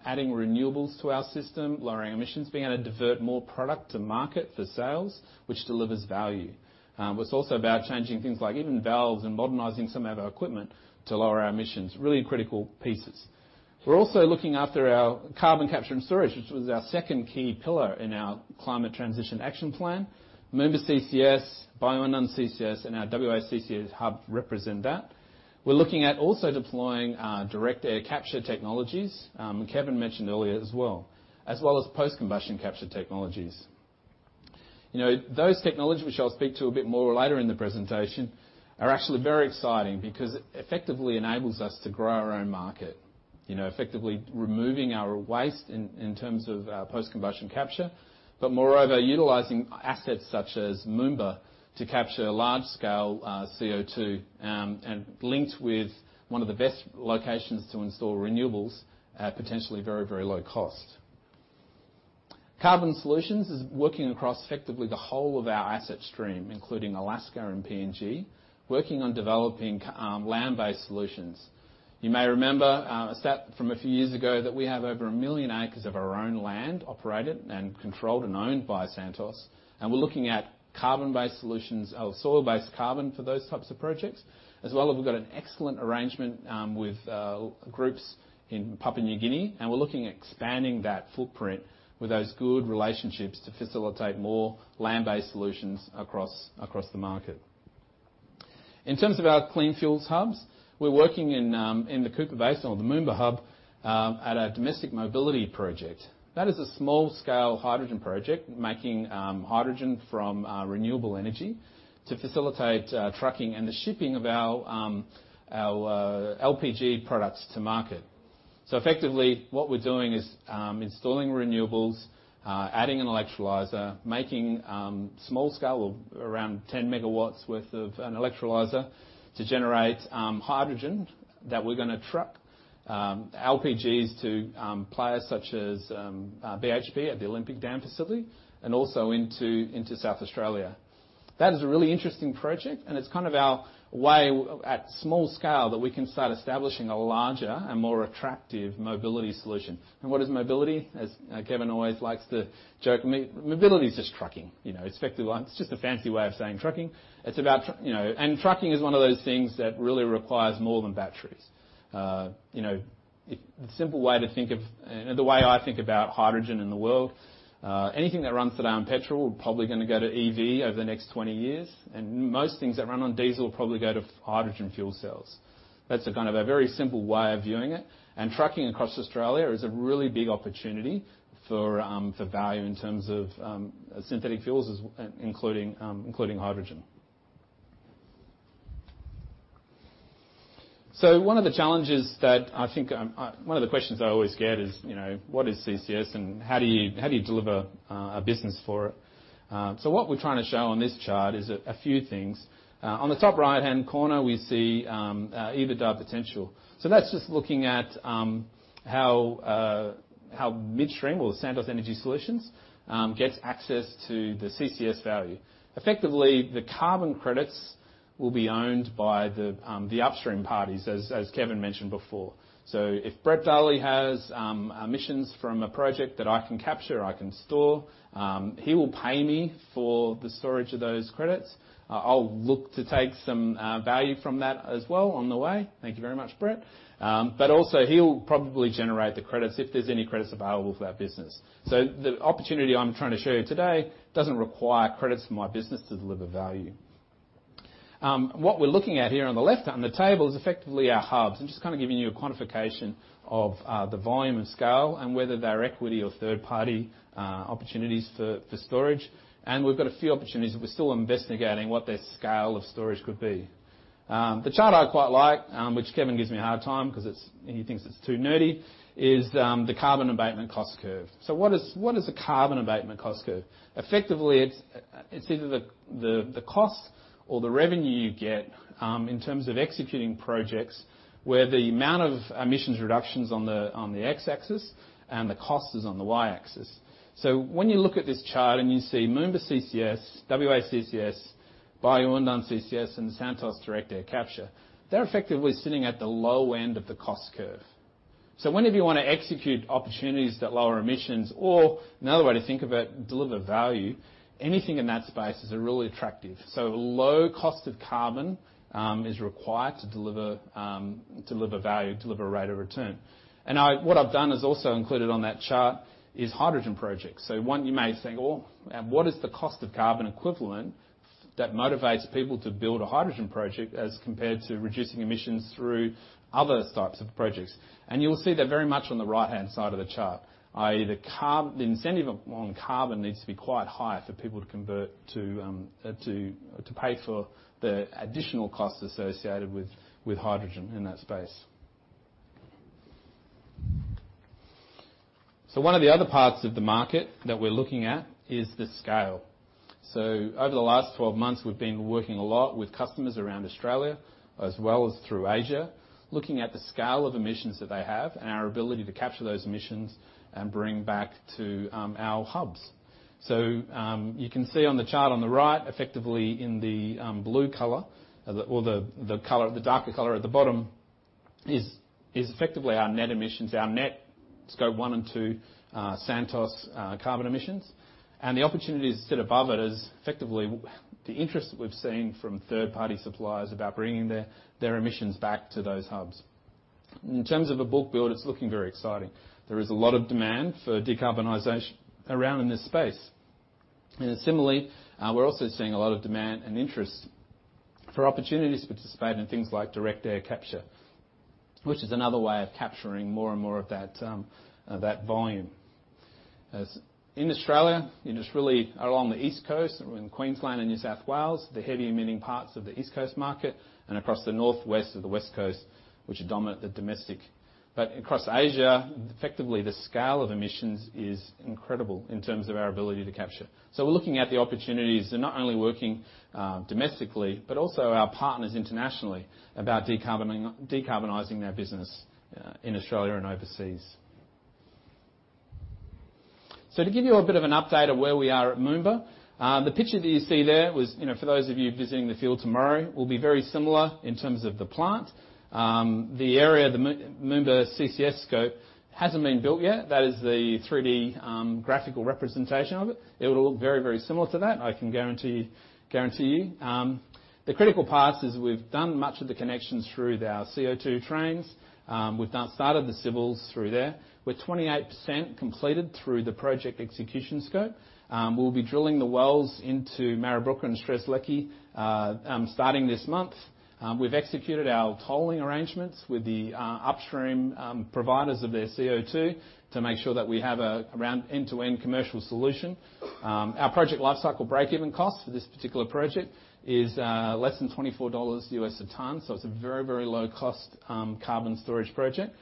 adding renewables to our system, lowering emissions, being able to divert more product to market for sales, which delivers value. It's also about changing things like even valves and modernizing some of our equipment to lower our emissions, really critical pieces. We're also looking after our carbon capture and storage, which was our second key pillar in our Climate Transition Action Plan. Moomba CCS, Bayu-Undan CCS, and our WA CCS hub represent that. We're looking at also deploying direct air capture technologies, Kevin mentioned earlier as well, as well as post-combustion capture technologies. Those technologies, which I'll speak to a bit more later in the presentation, are actually very exciting because it effectively enables us to grow our own market, effectively removing our waste in terms of our post-combustion capture. Moreover, utilizing assets such as Moomba to capture large scale CO2, and linked with one of the best locations to install renewables at potentially very low cost. Carbon Solutions is working across effectively the whole of our asset stream, including Alaska and PNG, working on developing land-based solutions. You may remember a stat from a few years ago that we have over 1 million acres of our own land operated and controlled and owned by Santos, and we're looking at carbon-based solutions or soil-based carbon for those types of projects. As well as we've got an excellent arrangement with groups in Papua New Guinea, and we're looking at expanding that footprint with those good relationships to facilitate more land-based solutions across the market. In terms of our clean fuels hubs, we're working in the Cooper Basin or the Moomba Hub, at a domestic mobility project. That is a small scale hydrogen project making hydrogen from renewable energy to facilitate trucking and the shipping of our LPG products to market. Effectively, what we're doing is installing renewables, adding an electrolyzer, making small scale of around 10 MW worth of an electrolyzer to generate hydrogen that we're going to truck LPGs to players such as BHP at the Olympic Dam facility and also into South Australia. That is a really interesting project and it's kind of our way at small scale that we can start establishing a larger and more attractive mobility solution. What is mobility? As Kevin always likes to joke, mobility is just trucking. It's just a fancy way of saying trucking. And trucking is one of those things that really requires more than batteries. The way I think about hydrogen in the world, anything that runs today on petrol, probably going to go to EV over the next 20 years. Most things that run on diesel will probably go to hydrogen fuel cells. That's a very simple way of viewing it. Trucking across Australia is a really big opportunity for value in terms of synthetic fuels, including hydrogen. One of the questions I always get is, what is CCS and how do you deliver a business for it? What we're trying to show on this chart is a few things. On the top right-hand corner, we see EBITDA potential. That's just looking at how midstream or Santos Energy Solutions gets access to the CCS value. Effectively, the carbon credits will be owned by the upstream parties, as Kevin mentioned before. If Brett Darley has emissions from a project that I can capture, I can store, he will pay me for the storage of those credits. I'll look to take some value from that as well on the way. Thank you very much, Brett. Also, he'll probably generate the credits if there's any credits available for that business. The opportunity I'm trying to show you today doesn't require credits from my business to deliver value. What we're looking at here on the left on the table is effectively our hubs. I'm just giving you a quantification of the volume and scale and whether they're equity or third-party opportunities for storage. We've got a few opportunities, but we're still investigating what their scale of storage could be. The chart I quite like, which Kevin gives me a hard time because he thinks it's too nerdy, is the carbon abatement cost curve. What is a carbon abatement cost curve? Effectively, it's either the cost or the revenue you get in terms of executing projects where the amount of emissions reduction's on the x-axis and the cost is on the y-axis. When you look at this chart and you see Moomba CCS, WA CCS, Bayu-Undan CCS, and Santos Direct Air Capture, they're effectively sitting at the low end of the cost curve. Whenever you want to execute opportunities that lower emissions or, another way to think of it, deliver value, anything in that space is really attractive. Low cost of carbon is required to deliver value, deliver rate of return. What I've done is also included on that chart is hydrogen projects. One you may think, "Oh, and what is the cost of carbon equivalent that motivates people to build a hydrogen project as compared to reducing emissions through other types of projects?" You'll see they're very much on the right-hand side of the chart, i.e. the incentive on carbon needs to be quite high for people to convert to pay for the additional cost associated with hydrogen in that space. One of the other parts of the market that we're looking at is the scale. Over the last 12 months, we've been working a lot with customers around Australia as well as through Asia, looking at the scale of emissions that they have and our ability to capture those emissions and bring back to our hubs. You can see on the chart on the right, effectively in the blue color or the darker color at the bottom, is effectively our net emissions, our net Scope 1 and 2 Santos carbon emissions. The opportunities sit above it is effectively the interest that we've seen from third-party suppliers about bringing their emissions back to those hubs. In terms of a book build, it's looking very exciting. There is a lot of demand for decarbonization around in this space. Similarly, we're also seeing a lot of demand and interest for opportunities to participate in things like direct air capture, which is another way of capturing more and more of that volume. As in Australia, it's really along the East Coast or in Queensland and New South Wales, the heavy emitting parts of the East Coast market and across the northwest of the West Coast, which dominate the domestic. Across Asia, effectively the scale of emissions is incredible in terms of our ability to capture. We're looking at the opportunities and not only working domestically, but also our partners internationally about decarbonizing their business in Australia and overseas. To give you a bit of an update of where we are at Moomba, the picture that you see there was, for those of you visiting the field tomorrow, will be very similar in terms of the plant. The area, the Moomba CCS scope hasn't been built yet. That is the 3D graphical representation of it. It will look very similar to that, I can guarantee you. The critical path is we've done much of the connections through our CO2 trains. We've now started the civils through there. We're 28% completed through the project execution scope. We'll be drilling the wells into Marabooka and Strzelecki starting this month. We've executed our tolling arrangements with the upstream providers of their CO2 to make sure that we have around end-to-end commercial solution. Our project lifecycle break-even cost for this particular project is less than 24 US dollars a ton. It's a very low cost carbon storage project.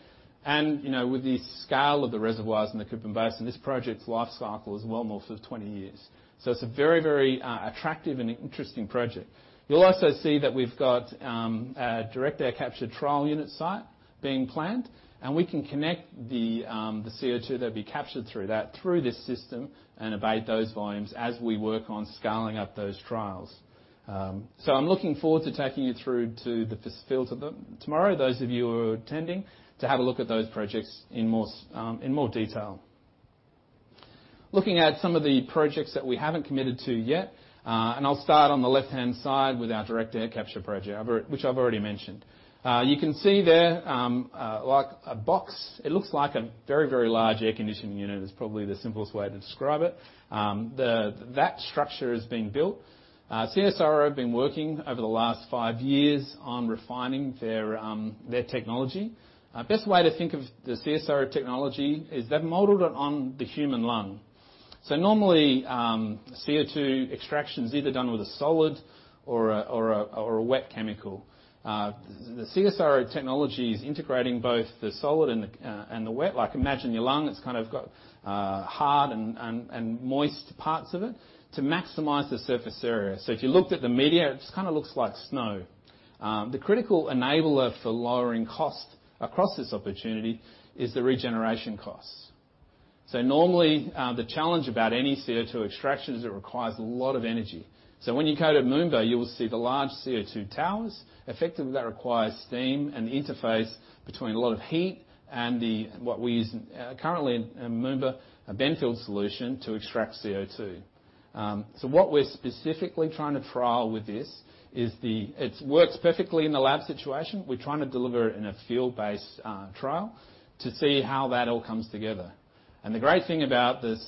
With the scale of the reservoirs in the Cooper Basin, this project's lifecycle is well more for 20 years. It's a very attractive and interesting project. You'll also see that we've got a direct air capture trial unit site being planned, and we can connect the CO2 that'll be captured through that, through this system, and abate those volumes as we work on scaling up those trials. I'm looking forward to taking you through to the fields tomorrow, those of you who are attending, to have a look at those projects in more detail. Looking at some of the projects that we haven't committed to yet, and I'll start on the left-hand side with our direct air capture project, which I've already mentioned. You can see there, like a box. It looks like a very large air conditioning unit, is probably the simplest way to describe it. That structure is being built. CSIRO have been working over the last five years on refining their technology. Best way to think of the CSIRO technology is they've modeled it on the human lung. Normally, CO2 extraction is either done with a solid or a wet chemical. The CSIRO technology is integrating both the solid and the wet. Like imagine your lung, it's got hard and moist parts of it to maximize the surface area. If you looked at the media, it just looks like snow. The critical enabler for lowering cost across this opportunity is the regeneration costs. Normally, the challenge about any CO2 extraction is it requires a lot of energy. When you go to Moomba, you will see the large CO2 towers. Effectively, that requires steam and the interface between a lot of heat and what we use currently in Moomba, a Benfield solution to extract CO2. What we're specifically trying to trial with this is it works perfectly in the lab situation. We're trying to deliver it in a field-based trial to see how that all comes together. The great thing about the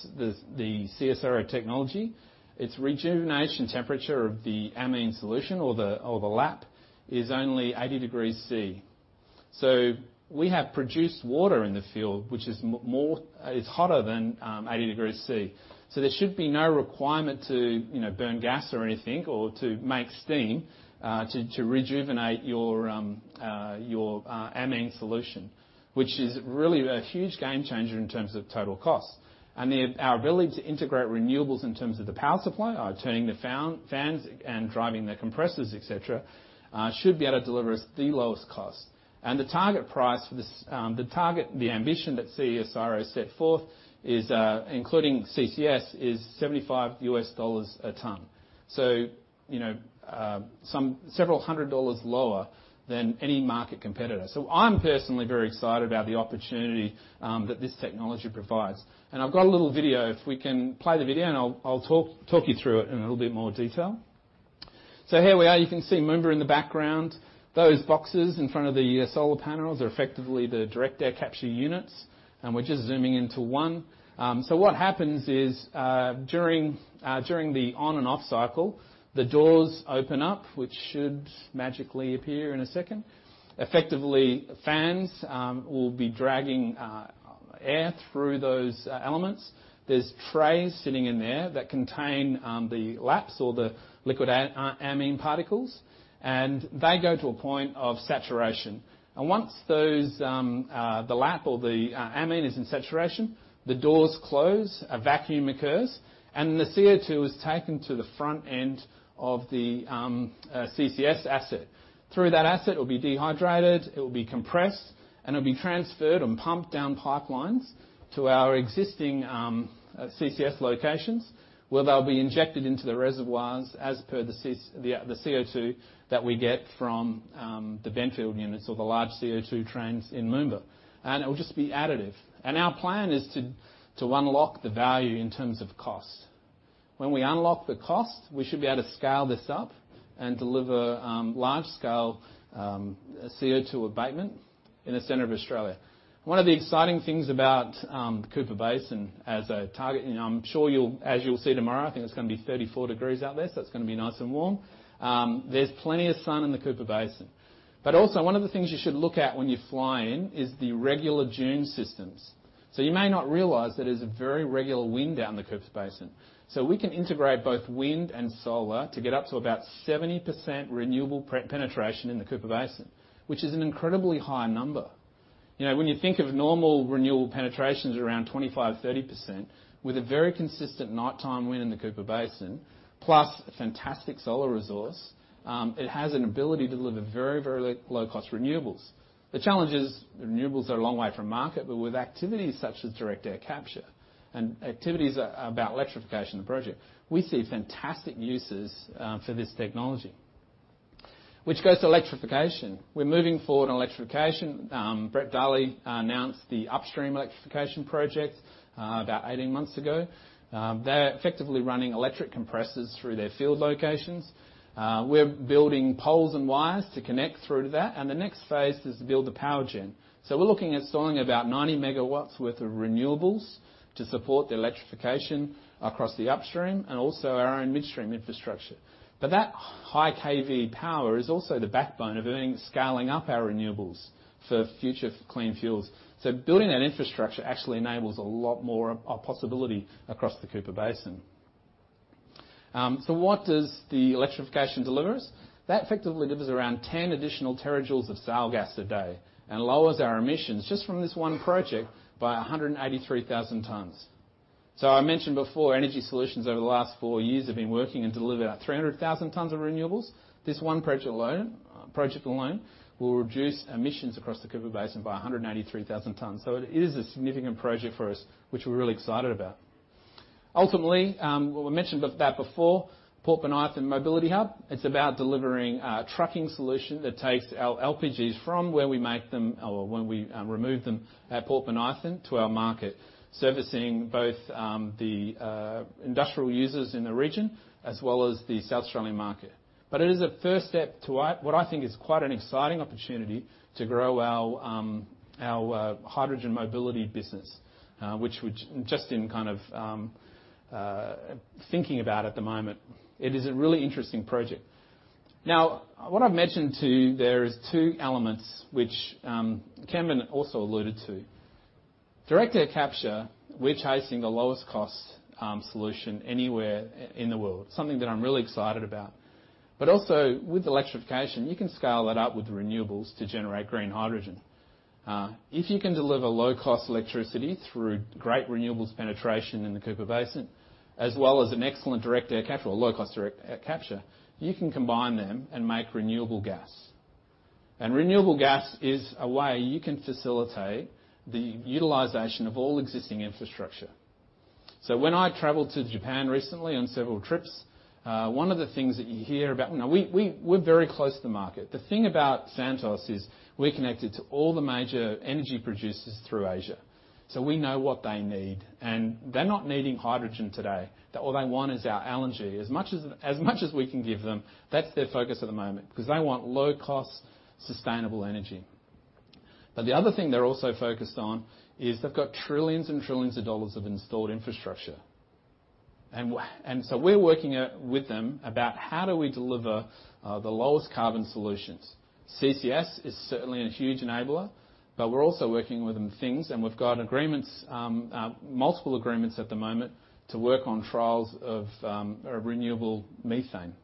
CSIRO technology, its rejuvenation temperature of the amine solution or the lap, is only 80 degrees Celsius. We have produced water in the field, which is hotter than 80 degrees Celsius. There should be no requirement to burn gas or anything or to make steam, to rejuvenate your amine solution, which is really a huge game changer in terms of total cost. Our ability to integrate renewables in terms of the power supply, turning the fans and driving the compressors, et cetera, should be able to deliver us the lowest cost. The ambition that CSIRO set forth, including CCS, is $75 a ton. Some several hundred dollars lower than any market competitor. I'm personally very excited about the opportunity that this technology provides. I've got a little video, if we can play the video, and I'll talk you through it in a little bit more detail. Here we are. You can see Moomba in the background. Those boxes in front of the solar panels are effectively the direct air capture units, and we're just zooming into one. What happens is, during the on and off cycle, the doors open up, which should magically appear in a second. Effectively, fans will be dragging air through those elements. There's trays sitting in there that contain the laps or the liquid amine particles, and they go to a point of saturation. Once the lap or the amine is in saturation, the doors close, a vacuum occurs, and the CO2 is taken to the front end of the CCS asset. Through that asset, it will be dehydrated, it will be compressed, and it will be transferred and pumped down pipelines to our existing CCS locations, where they'll be injected into the reservoirs as per the CO2 that we get from the Benfield units or the large CO2 trains in Moomba. It will just be additive. Our plan is to unlock the value in terms of cost. When we unlock the cost, we should be able to scale this up and deliver large-scale CO2 abatement in the center of Australia. One of the exciting things about the Cooper Basin as a target, I'm sure as you'll see tomorrow, I think it's going to be 34 degrees Celsius out there, so it's going to be nice and warm. There's plenty of sun in the Cooper Basin. Also one of the things you should look at when you fly in is the regular dune systems. You may not realize that there's a very regular wind down the Cooper Basin. We can integrate both wind and solar to get up to about 70% renewable penetration in the Cooper Basin, which is an incredibly high number. When you think of normal renewable penetrations around 25%, 30%, with a very consistent nighttime wind in the Cooper Basin, plus a fantastic solar resource, it has an ability to deliver very, very low-cost renewables. The challenge is renewables are a long way from market. With activities such as direct air capture and activities about electrification of the project, we see fantastic uses for this technology. Which goes to electrification. We're moving forward on electrification. Brett Darley announced the upstream electrification project about 18 months ago. They're effectively running electric compressors through their field locations. We're building poles and wires to connect through to that, and the next phase is to build the power gen. We're looking at installing about 90 megawatts worth of renewables to support the electrification across the upstream and also our own midstream infrastructure. That high KV power is also the backbone of scaling up our renewables for future clean fuels. Building that infrastructure actually enables a lot more possibility across the Cooper Basin. What does the electrification deliver us? That effectively delivers around 10 additional terajoules of sale gas a day and lowers our emissions just from this one project by 183,000 tons. I mentioned before, energy solutions over the last four years have been working and deliver about 300,000 tons of renewables. This one project alone will reduce emissions across the Cooper Basin by 183,000 tons. It is a significant project for us, which we're really excited about. Ultimately, we mentioned that before, Port Pirie Mobility Hub. It's about delivering a trucking solution that takes our LPGs from where we make them or when we remove them at Port Pirie to our market, servicing both the industrial users in the region as well as the South Australian market. It is a first step to what I think is quite an exciting opportunity to grow our hydrogen mobility business, which just in thinking about at the moment, it is a really interesting project. Now, what I've mentioned too, there is two elements which Kevin also alluded to. Direct air capture, we're chasing the lowest cost solution anywhere in the world, something that I'm really excited about. Also with electrification, you can scale that up with renewables to generate green hydrogen. If you can deliver low-cost electricity through great renewables penetration in the Cooper Basin, as well as an excellent direct air capture or low-cost direct air capture, you can combine them and make renewable gas. Renewable gas is a way you can facilitate the utilization of all existing infrastructure. When I traveled to Japan recently on several trips, one of the things that you hear about. We're very close to the market. The thing about Santos is we're connected to all the major energy producers through Asia. We know what they need, and they're not needing hydrogen today. All they want is our LNG. As much as we can give them, that's their focus at the moment, because they want low cost, sustainable energy. The other thing they're also focused on is they've got trillions and trillions of dollars of installed infrastructure. We're working with them about how do we deliver the lowest carbon solutions. CCS is certainly a huge enabler, we're also working with them things, and we've got multiple agreements at the moment to work on trials of renewable methane.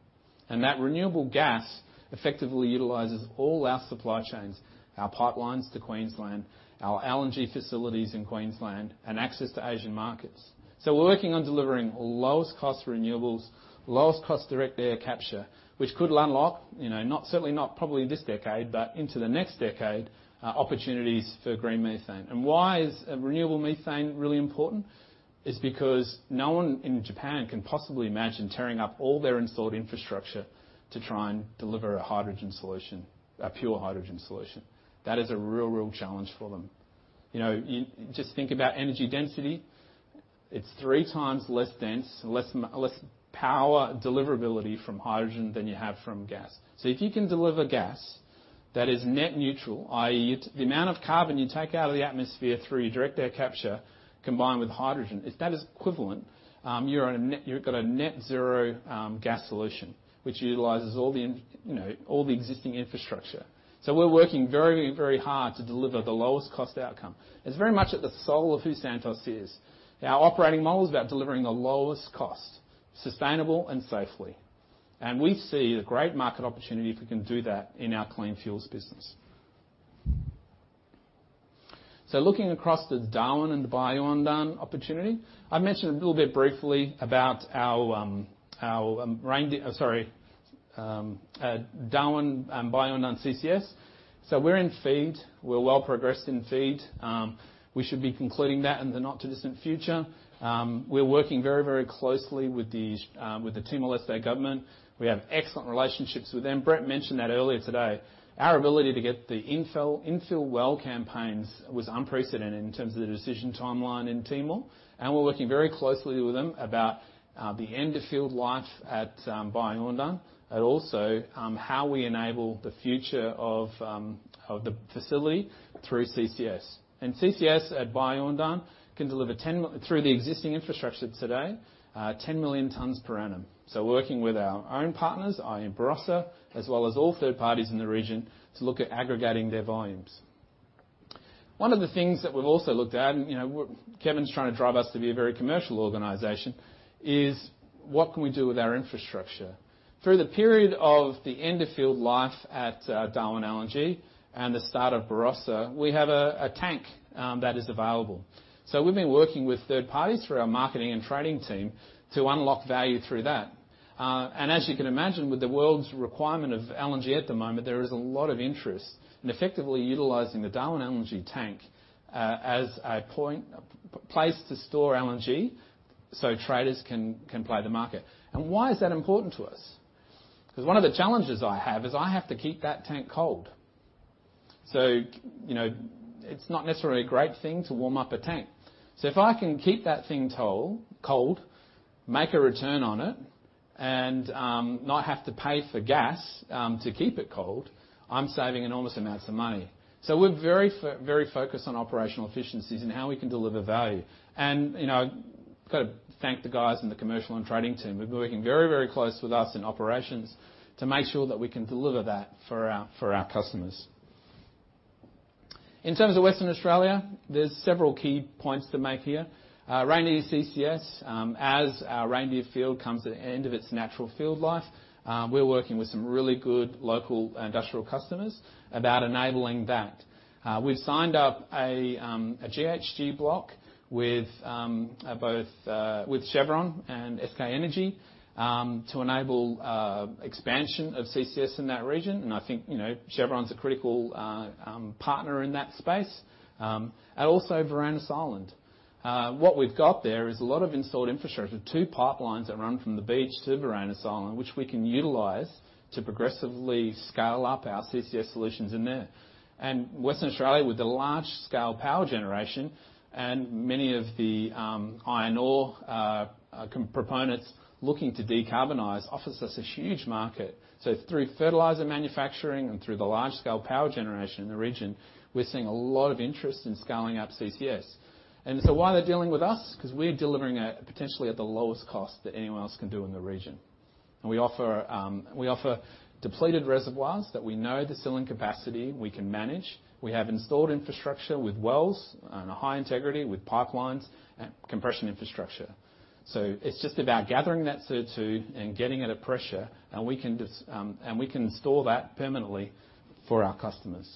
That renewable gas effectively utilizes all our supply chains, our pipelines to Queensland, our LNG facilities in Queensland, and access to Asian markets. We're working on delivering lowest cost renewables, lowest cost direct air capture, which could unlock, certainly not probably this decade, but into the next decade, opportunities for green methane. Why is renewable methane really important? It's because no one in Japan can possibly imagine tearing up all their installed infrastructure to try and deliver a pure hydrogen solution. That is a real challenge for them. Just think about energy density. It's three times less dense, less power deliverability from hydrogen than you have from gas. If you can deliver gas that is net neutral, i.e. the amount of carbon you take out of the atmosphere through direct air capture combined with hydrogen, if that is equivalent, you've got a net zero gas solution which utilizes all the existing infrastructure. We're working very hard to deliver the lowest cost outcome. It's very much at the soul of who Santos is. Our operating model is about delivering the lowest cost, sustainable and safely. We see a great market opportunity if we can do that in our clean fuels business. Looking across the Darwin and Bayu-Undan opportunity, I mentioned a little bit briefly about our Darwin Bayu-Undan CCS. We're in FEED. We're well progressed in FEED. We should be concluding that in the not too distant future. We're working very closely with the Timor-Leste government. We have excellent relationships with them. Brett mentioned that earlier today. Our ability to get the infill well campaigns was unprecedented in terms of the decision timeline in Timor, we're working very closely with them about the end of field life at Bayu-Undan, and also how we enable the future of the facility through CCS. CCS at Bayu-Undan can deliver, through the existing infrastructure today, 10 million tons per annum. Working with our own partners, i.e. Barossa, as well as all third parties in the region to look at aggregating their volumes. One of the things that we've also looked at, Kevin's trying to drive us to be a very commercial organization, is what can we do with our infrastructure. Through the period of the end of field life at Darwin LNG and the start of Barossa, we have a tank that is available. We've been working with third parties through our marketing and trading team to unlock value through that. As you can imagine, with the world's requirement of LNG at the moment, there is a lot of interest in effectively utilizing the Darwin LNG tank as a place to store LNG so traders can play the market. Why is that important to us? Because one of the challenges I have is I have to keep that tank cold. It's not necessarily a great thing to warm up a tank. If I can keep that thing cold, make a return on it, and not have to pay for gas to keep it cold, I'm saving enormous amounts of money. We're very focused on operational efficiencies and how we can deliver value. I've got to thank the guys in the commercial and trading team who've been working very closely with us in operations to make sure that we can deliver that for our customers. In terms of Western Australia, there's several key points to make here. Reindeer CCS. As our Reindeer field comes at the end of its natural field life, we're working with some really good local industrial customers about enabling that. We've signed up a GHG block with Chevron and SK E&S to enable expansion of CCS in that region, I think Chevron's a critical partner in that space. Also Burrup Island. What we've got there is a lot of installed infrastructure, two pipelines that run from the beach to Burrup Island, which we can utilize to progressively scale up our CCS solutions in there. Western Australia, with the large scale power generation and many of the iron ore proponents looking to decarbonize, offers us a huge market. Through fertilizer manufacturing and through the large scale power generation in the region, we're seeing a lot of interest in scaling up CCS. Why are they dealing with us? Because we're delivering at potentially at the lowest cost that anyone else can do in the region. We offer depleted reservoirs that we know the ceiling capacity we can manage. We have installed infrastructure with wells and a high integrity with pipelines and compression infrastructure. It's just about gathering that CO2 and getting it at pressure, we can store that permanently for our customers.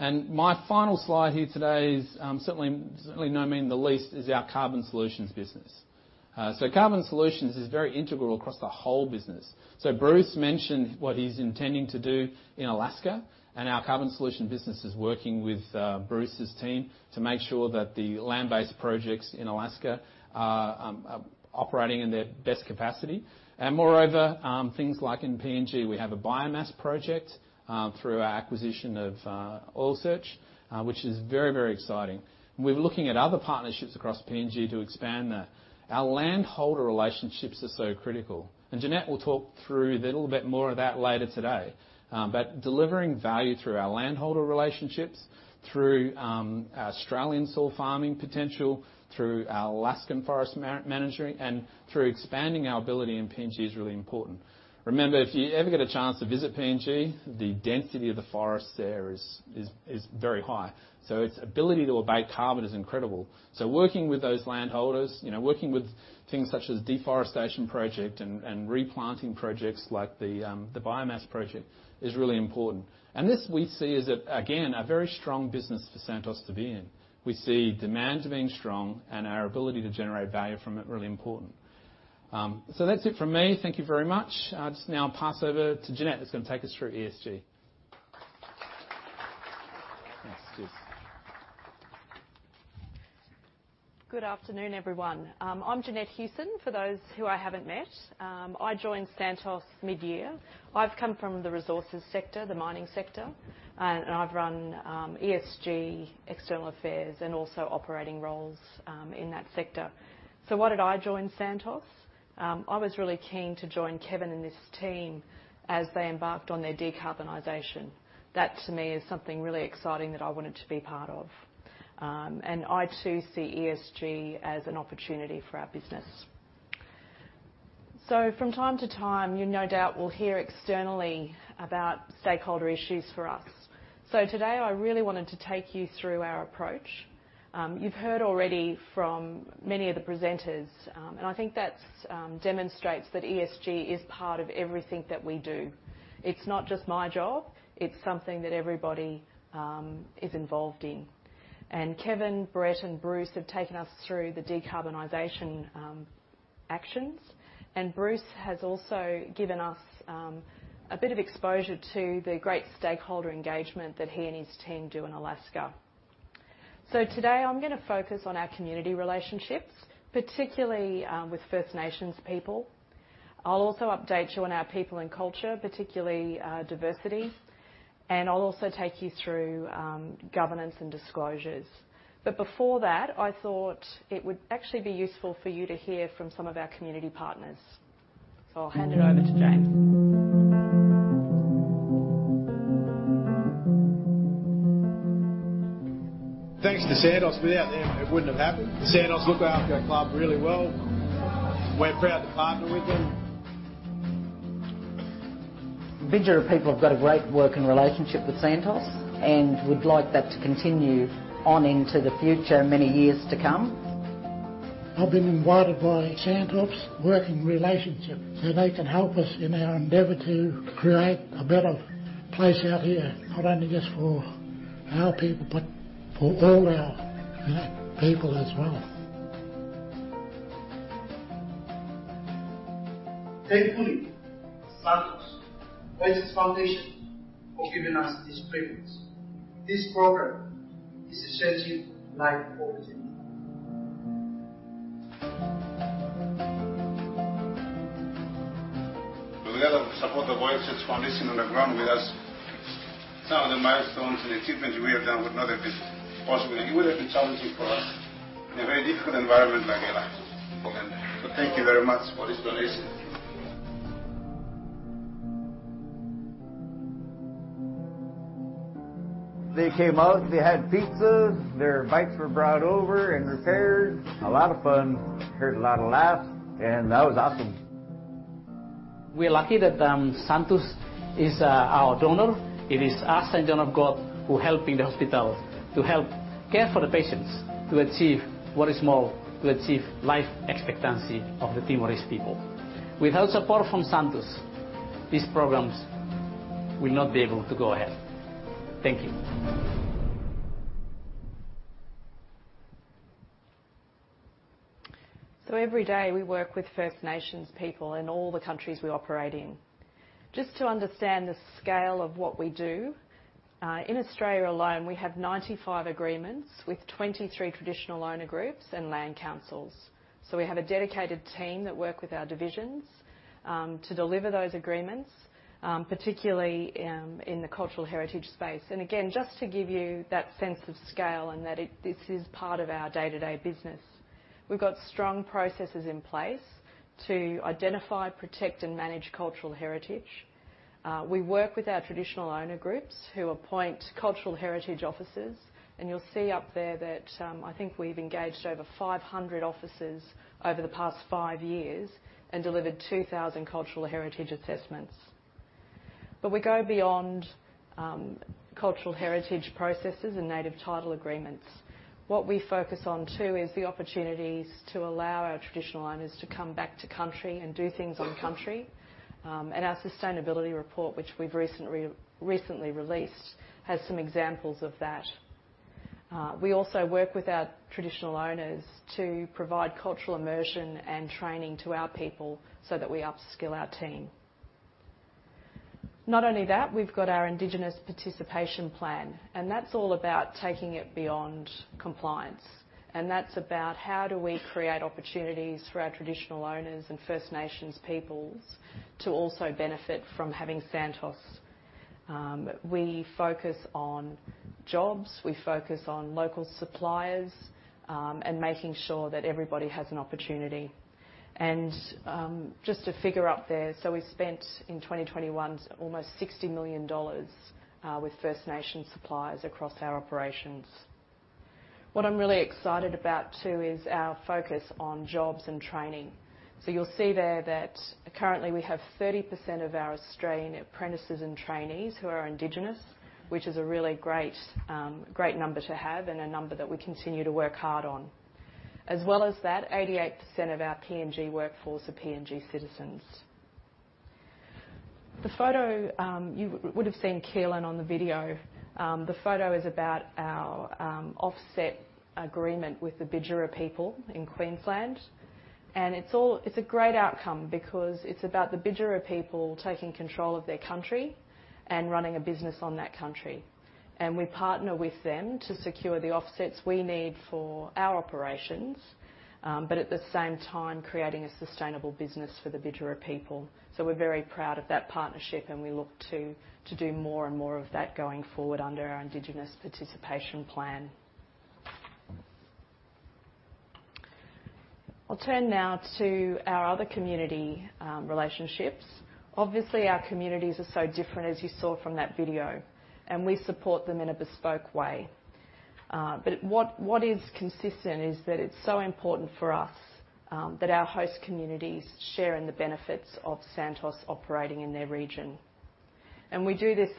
My final slide here today is, certainly not meaning the least, our carbon solutions business. Carbon solutions is very integral across the whole business. Bruce mentioned what he's intending to do in Alaska, our carbon solution business is working with Bruce's team to make sure that the land-based projects in Alaska are operating in their best capacity. Moreover, things like in PNG, we have a biomass project through our acquisition of Oil Search, which is very exciting. We're looking at other partnerships across PNG to expand that. Our land holder relationships are so critical, Janette will talk through a little bit more of that later today. But delivering value through our land holder relationships, through our Australian soil farming potential, through our Alaskan forest management, through expanding our ability in PNG is really important. Remember, if you ever get a chance to visit PNG, the density of the forest there is very high, its ability to abate carbon is incredible. Working with those land holders, working with things such as deforestation project and replanting projects like the biomass project is really important. This we see as, again, a very strong business for Santos to be in. We see demand remaining strong and our ability to generate value from it really important. That's it from me. Thank you very much. I'll just now pass over to Janette, who's going to take us through ESG. Thanks. Cheers. Good afternoon, everyone. I'm Janette Hewson, for those who I haven't met. I joined Santos mid-year. I've come from the resources sector, the mining sector, and I've run ESG, external affairs, and also operating roles in that sector. Why did I join Santos? I was really keen to join Kevin and this team as they embarked on their decarbonization. That, to me, is something really exciting that I wanted to be part of. I too see ESG as an opportunity for our business. From time to time, you no doubt will hear externally about stakeholder issues for us. Today, I really wanted to take you through our approach. You've heard already from many of the presenters, and I think that demonstrates that ESG is part of everything that we do. It's not just my job. It's something that everybody is involved in. Kevin, Brett, and Bruce have taken us through the decarbonization actions, and Bruce has also given us a bit of exposure to the great stakeholder engagement that he and his team do in Alaska. Today, I'm going to focus on our community relationships, particularly with First Nations people. I'll also update you on our people and culture, particularly diversity, and I'll also take you through governance and disclosures. Before that, I thought it would actually be useful for you to hear from some of our community partners. I'll hand it over to James. Thanks to Santos. Without them, it wouldn't have happened. Santos look after our club really well. We're proud to partner with them. Bidjara people have got a great working relationship with Santos and would like that to continue on into the future, many years to come. I've been invited by Santos working relationship so they can help us in our endeavor to create a better place out here, not only just for our people, but for all our people as well. Thank you Santos Voices Foundation for giving us this treatment. This program is changing life quality. Without the support of Voices Foundation on the ground with us, some of the milestones and achievements we have done would not have been possible. It would have been challenging for us in a very difficult environment like Alaska. Thank you very much, Voices Foundation. They came out, they had pizzas, their bikes were brought over and repaired. A lot of fun. Heard a lot of laughs, and that was awesome. We are lucky that Santos is our donor. It is us and John of God who helping the hospital to help care for the patients to achieve what is more, to achieve life expectancy of the Timorese people. Without support from Santos, these programs will not be able to go ahead. Thank you. Every day, we work with First Nations people in all the countries we operate in. Just to understand the scale of what we do, in Australia alone, we have 95 agreements with 23 traditional owner groups and land councils. We have a dedicated team that work with our divisions to deliver those agreements, particularly in the cultural heritage space. Again, just to give you that sense of scale and that this is part of our day-to-day business. We've got strong processes in place to identify, protect, and manage cultural heritage. We work with our traditional owner groups who appoint cultural heritage officers. You'll see up there that I think we've engaged over 500 officers over the past five years and delivered 2,000 cultural heritage assessments. We go beyond cultural heritage processes and native title agreements. What we focus on too is the opportunities to allow our traditional owners to come back to country and do things on country. Our sustainability report, which we've recently released, has some examples of that. We also work with our traditional owners to provide cultural immersion and training to our people so that we up-skill our team. Not only that, we've got our Indigenous participation plan, and that's all about taking it beyond compliance, and that's about how do we create opportunities for our traditional owners and First Nations peoples to also benefit from having Santos. We focus on jobs, we focus on local suppliers, and making sure that everybody has an opportunity. Just a figure up there, we spent, in 2021, almost 60 million dollars with First Nations suppliers across our operations. What I'm really excited about too is our focus on jobs and training. You'll see there that currently we have 30% of our Australian apprentices and trainees who are Indigenous, which is a really great number to have and a number that we continue to work hard on. As well as that, 88% of our PNG workforce are PNG citizens. The photo, you would've seen Keelan on the video. The photo is about our offset agreement with the Bidjara people in Queensland, and it's a great outcome because it's about the Bidjara people taking control of their country and running a business on that country. We partner with them to secure the offsets we need for our operations, but at the same time, creating a sustainable business for the Bidjara people. We're very proud of that partnership, and we look to do more and more of that going forward under our Indigenous participation plan. I'll turn now to our other community relationships. Obviously, our communities are so different, as you saw from that video, and we support them in a bespoke way. What is consistent is that it's so important for us that our host communities share in the benefits of Santos operating in their region. We do this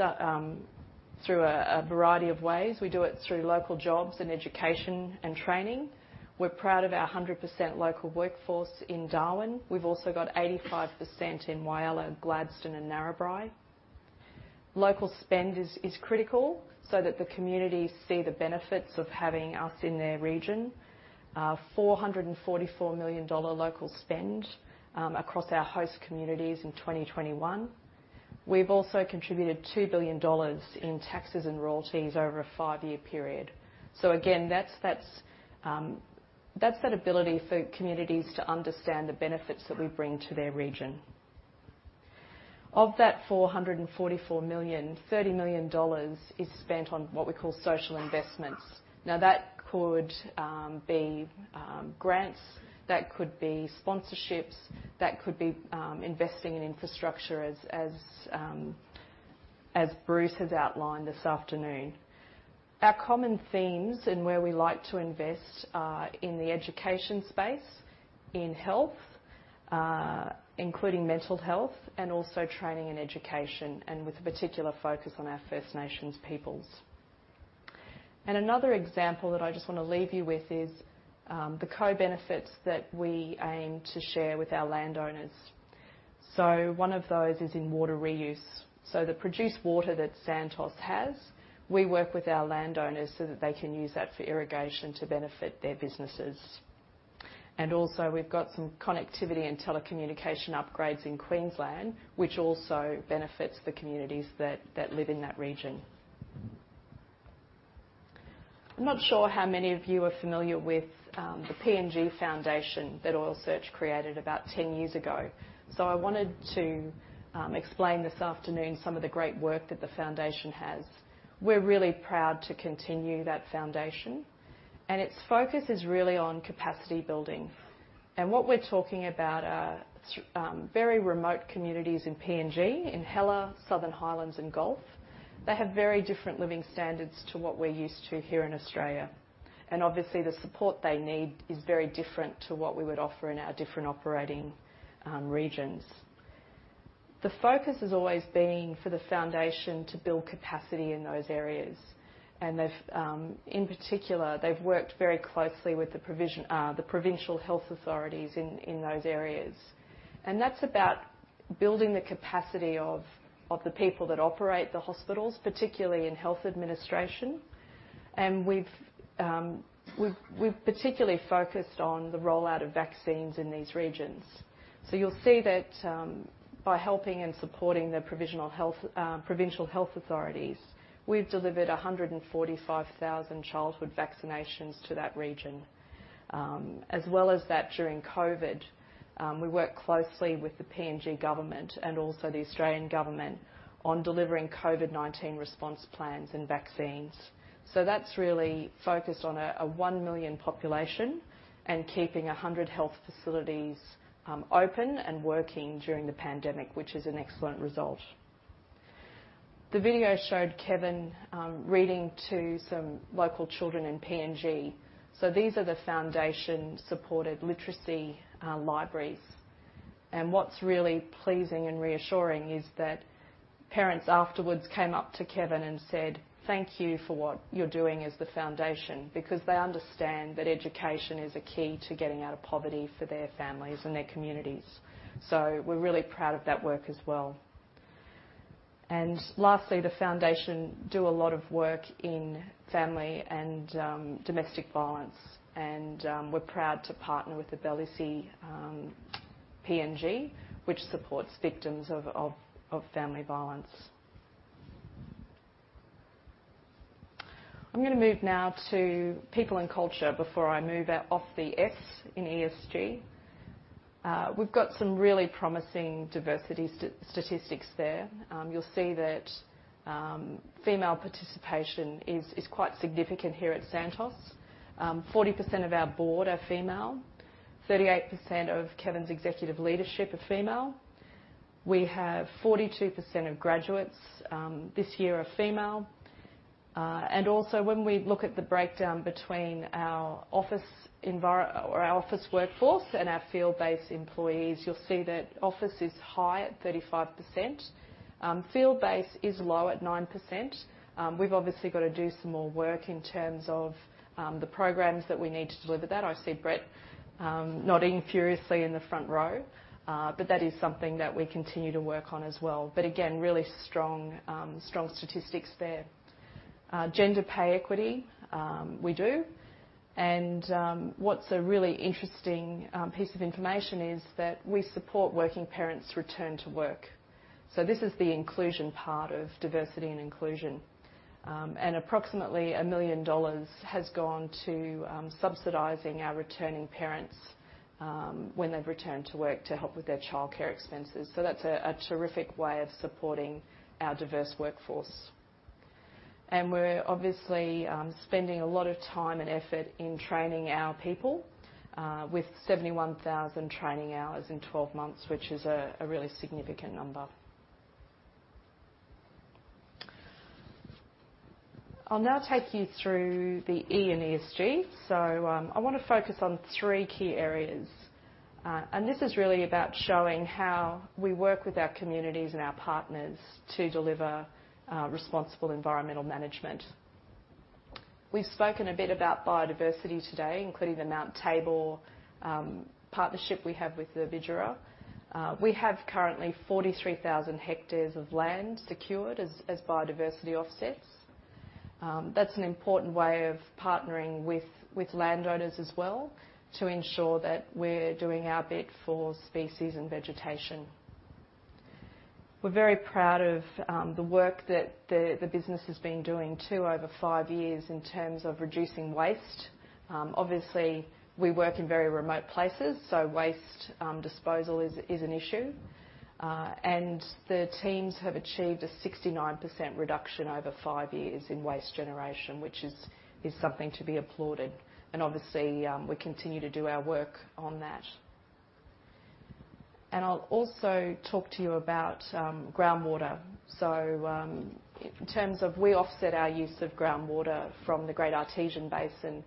through a variety of ways. We do it through local jobs and education and training. We're proud of our 100% local workforce in Darwin. We've also got 85% in Whyalla, Gladstone, and Narrabri. Local spend is critical so that the communities see the benefits of having us in their region. 444 million dollar local spend across our host communities in 2021. We've also contributed 2 billion dollars in taxes and royalties over a five-year period. Again, that's that ability for communities to understand the benefits that we bring to their region. Of that 444 million, 30 million dollars is spent on what we call social investments. That could be grants, that could be sponsorships, that could be investing in infrastructure, as Bruce has outlined this afternoon. Our common themes in where we like to invest are in the education space, in health, including mental health, and also training and education, with a particular focus on our First Nations peoples. Another example that I just want to leave you with is the co-benefits that we aim to share with our landowners. One of those is in water reuse. The produced water that Santos has, we work with our landowners so that they can use that for irrigation to benefit their businesses. Also we've got some connectivity and telecommunication upgrades in Queensland, which also benefits the communities that live in that region. I'm not sure how many of you are familiar with the PNG Foundation that Oil Search created about 10 years ago. I wanted to explain this afternoon some of the great work that the foundation has. We're really proud to continue that foundation, and its focus is really on capacity building. What we're talking about are very remote communities in PNG, in Hela, Southern Highlands, and Gulf, that have very different living standards to what we're used to here in Australia. Obviously, the support they need is very different to what we would offer in our different operating regions. The focus has always been for the foundation to build capacity in those areas, and in particular, they've worked very closely with the provincial health authorities in those areas. That's about building the capacity of the people that operate the hospitals, particularly in health administration. We've particularly focused on the rollout of vaccines in these regions. You'll see that by helping and supporting the provincial health authorities, we've delivered 145,000 childhood vaccinations to that region. As well as that, during COVID, we worked closely with the PNG government and also the Australian government on delivering COVID-19 response plans and vaccines. That's really focused on a 1 million population and keeping 100 health facilities open and working during the pandemic, which is an excellent result. The video showed Kevin reading to some local children in PNG. These are the foundation-supported literacy libraries. What's really pleasing and reassuring is that parents afterwards came up to Kevin and said, "Thank you for what you're doing as the foundation." Because they understand that education is a key to getting out of poverty for their families and their communities. We're really proud of that work as well. Lastly, the Santos Foundation do a lot of work in family and domestic violence, and we're proud to partner with the Bel isi PNG, which supports victims of family violence. I'm going to move now to people and culture before I move off the S in ESG. We've got some really promising diversity statistics there. You'll see that female participation is quite significant here at Santos. 40% of our Board are female. 38% of Kevin's Executive Leadership are female. We have 42% of graduates this year are female. When we look at the breakdown between our office workforce and our field-based employees, you'll see that office is high at 35%. Field-based is low at 9%. We've obviously got to do some more work in terms of the programs that we need to deliver that. I see Brett nodding furiously in the front row. That is something that we continue to work on as well. Again, really strong statistics there. Gender pay equity, we do, and what's a really interesting piece of information is that we support working parents return to work. This is the inclusion part of diversity and inclusion. Approximately 1 million dollars has gone to subsidizing our returning parents, when they've returned to work, to help with their childcare expenses. That's a terrific way of supporting our diverse workforce. We're obviously spending a lot of time and effort in training our people with 71,000 training hours in 12 months, which is a really significant number. I'll now take you through the E in ESG. I want to focus on three key areas. This is really about showing how we work with our communities and our partners to deliver responsible environmental management. We've spoken a bit about biodiversity today, including the Mount Tabor partnership we have with the Bidjara. We have currently 43,000 hectares of land secured as biodiversity offsets. That's an important way of partnering with landowners as well to ensure that we're doing our bit for species and vegetation. We're very proud of the work that the business has been doing too over five years in terms of reducing waste. Obviously, we work in very remote places, so waste disposal is an issue. The teams have achieved a 69% reduction over five years in waste generation, which is something to be applauded. Obviously, we continue to do our work on that. I'll also talk to you about groundwater. In terms of we offset our use of groundwater from the Great Artesian Basin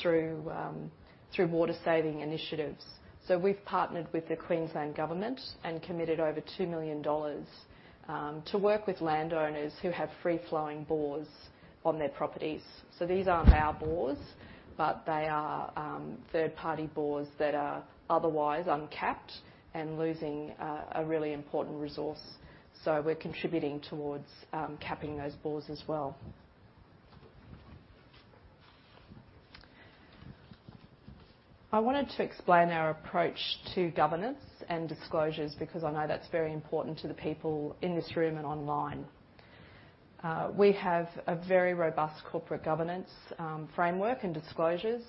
through water-saving initiatives. We've partnered with the Queensland Government and committed over 2 million dollars to work with landowners who have free-flowing bores on their properties. These aren't our bores, but they are third-party bores that are otherwise uncapped and losing a really important resource. We're contributing towards capping those bores as well. I wanted to explain our approach to governance and disclosures because I know that's very important to the people in this room and online. We have a very robust corporate governance framework and disclosures.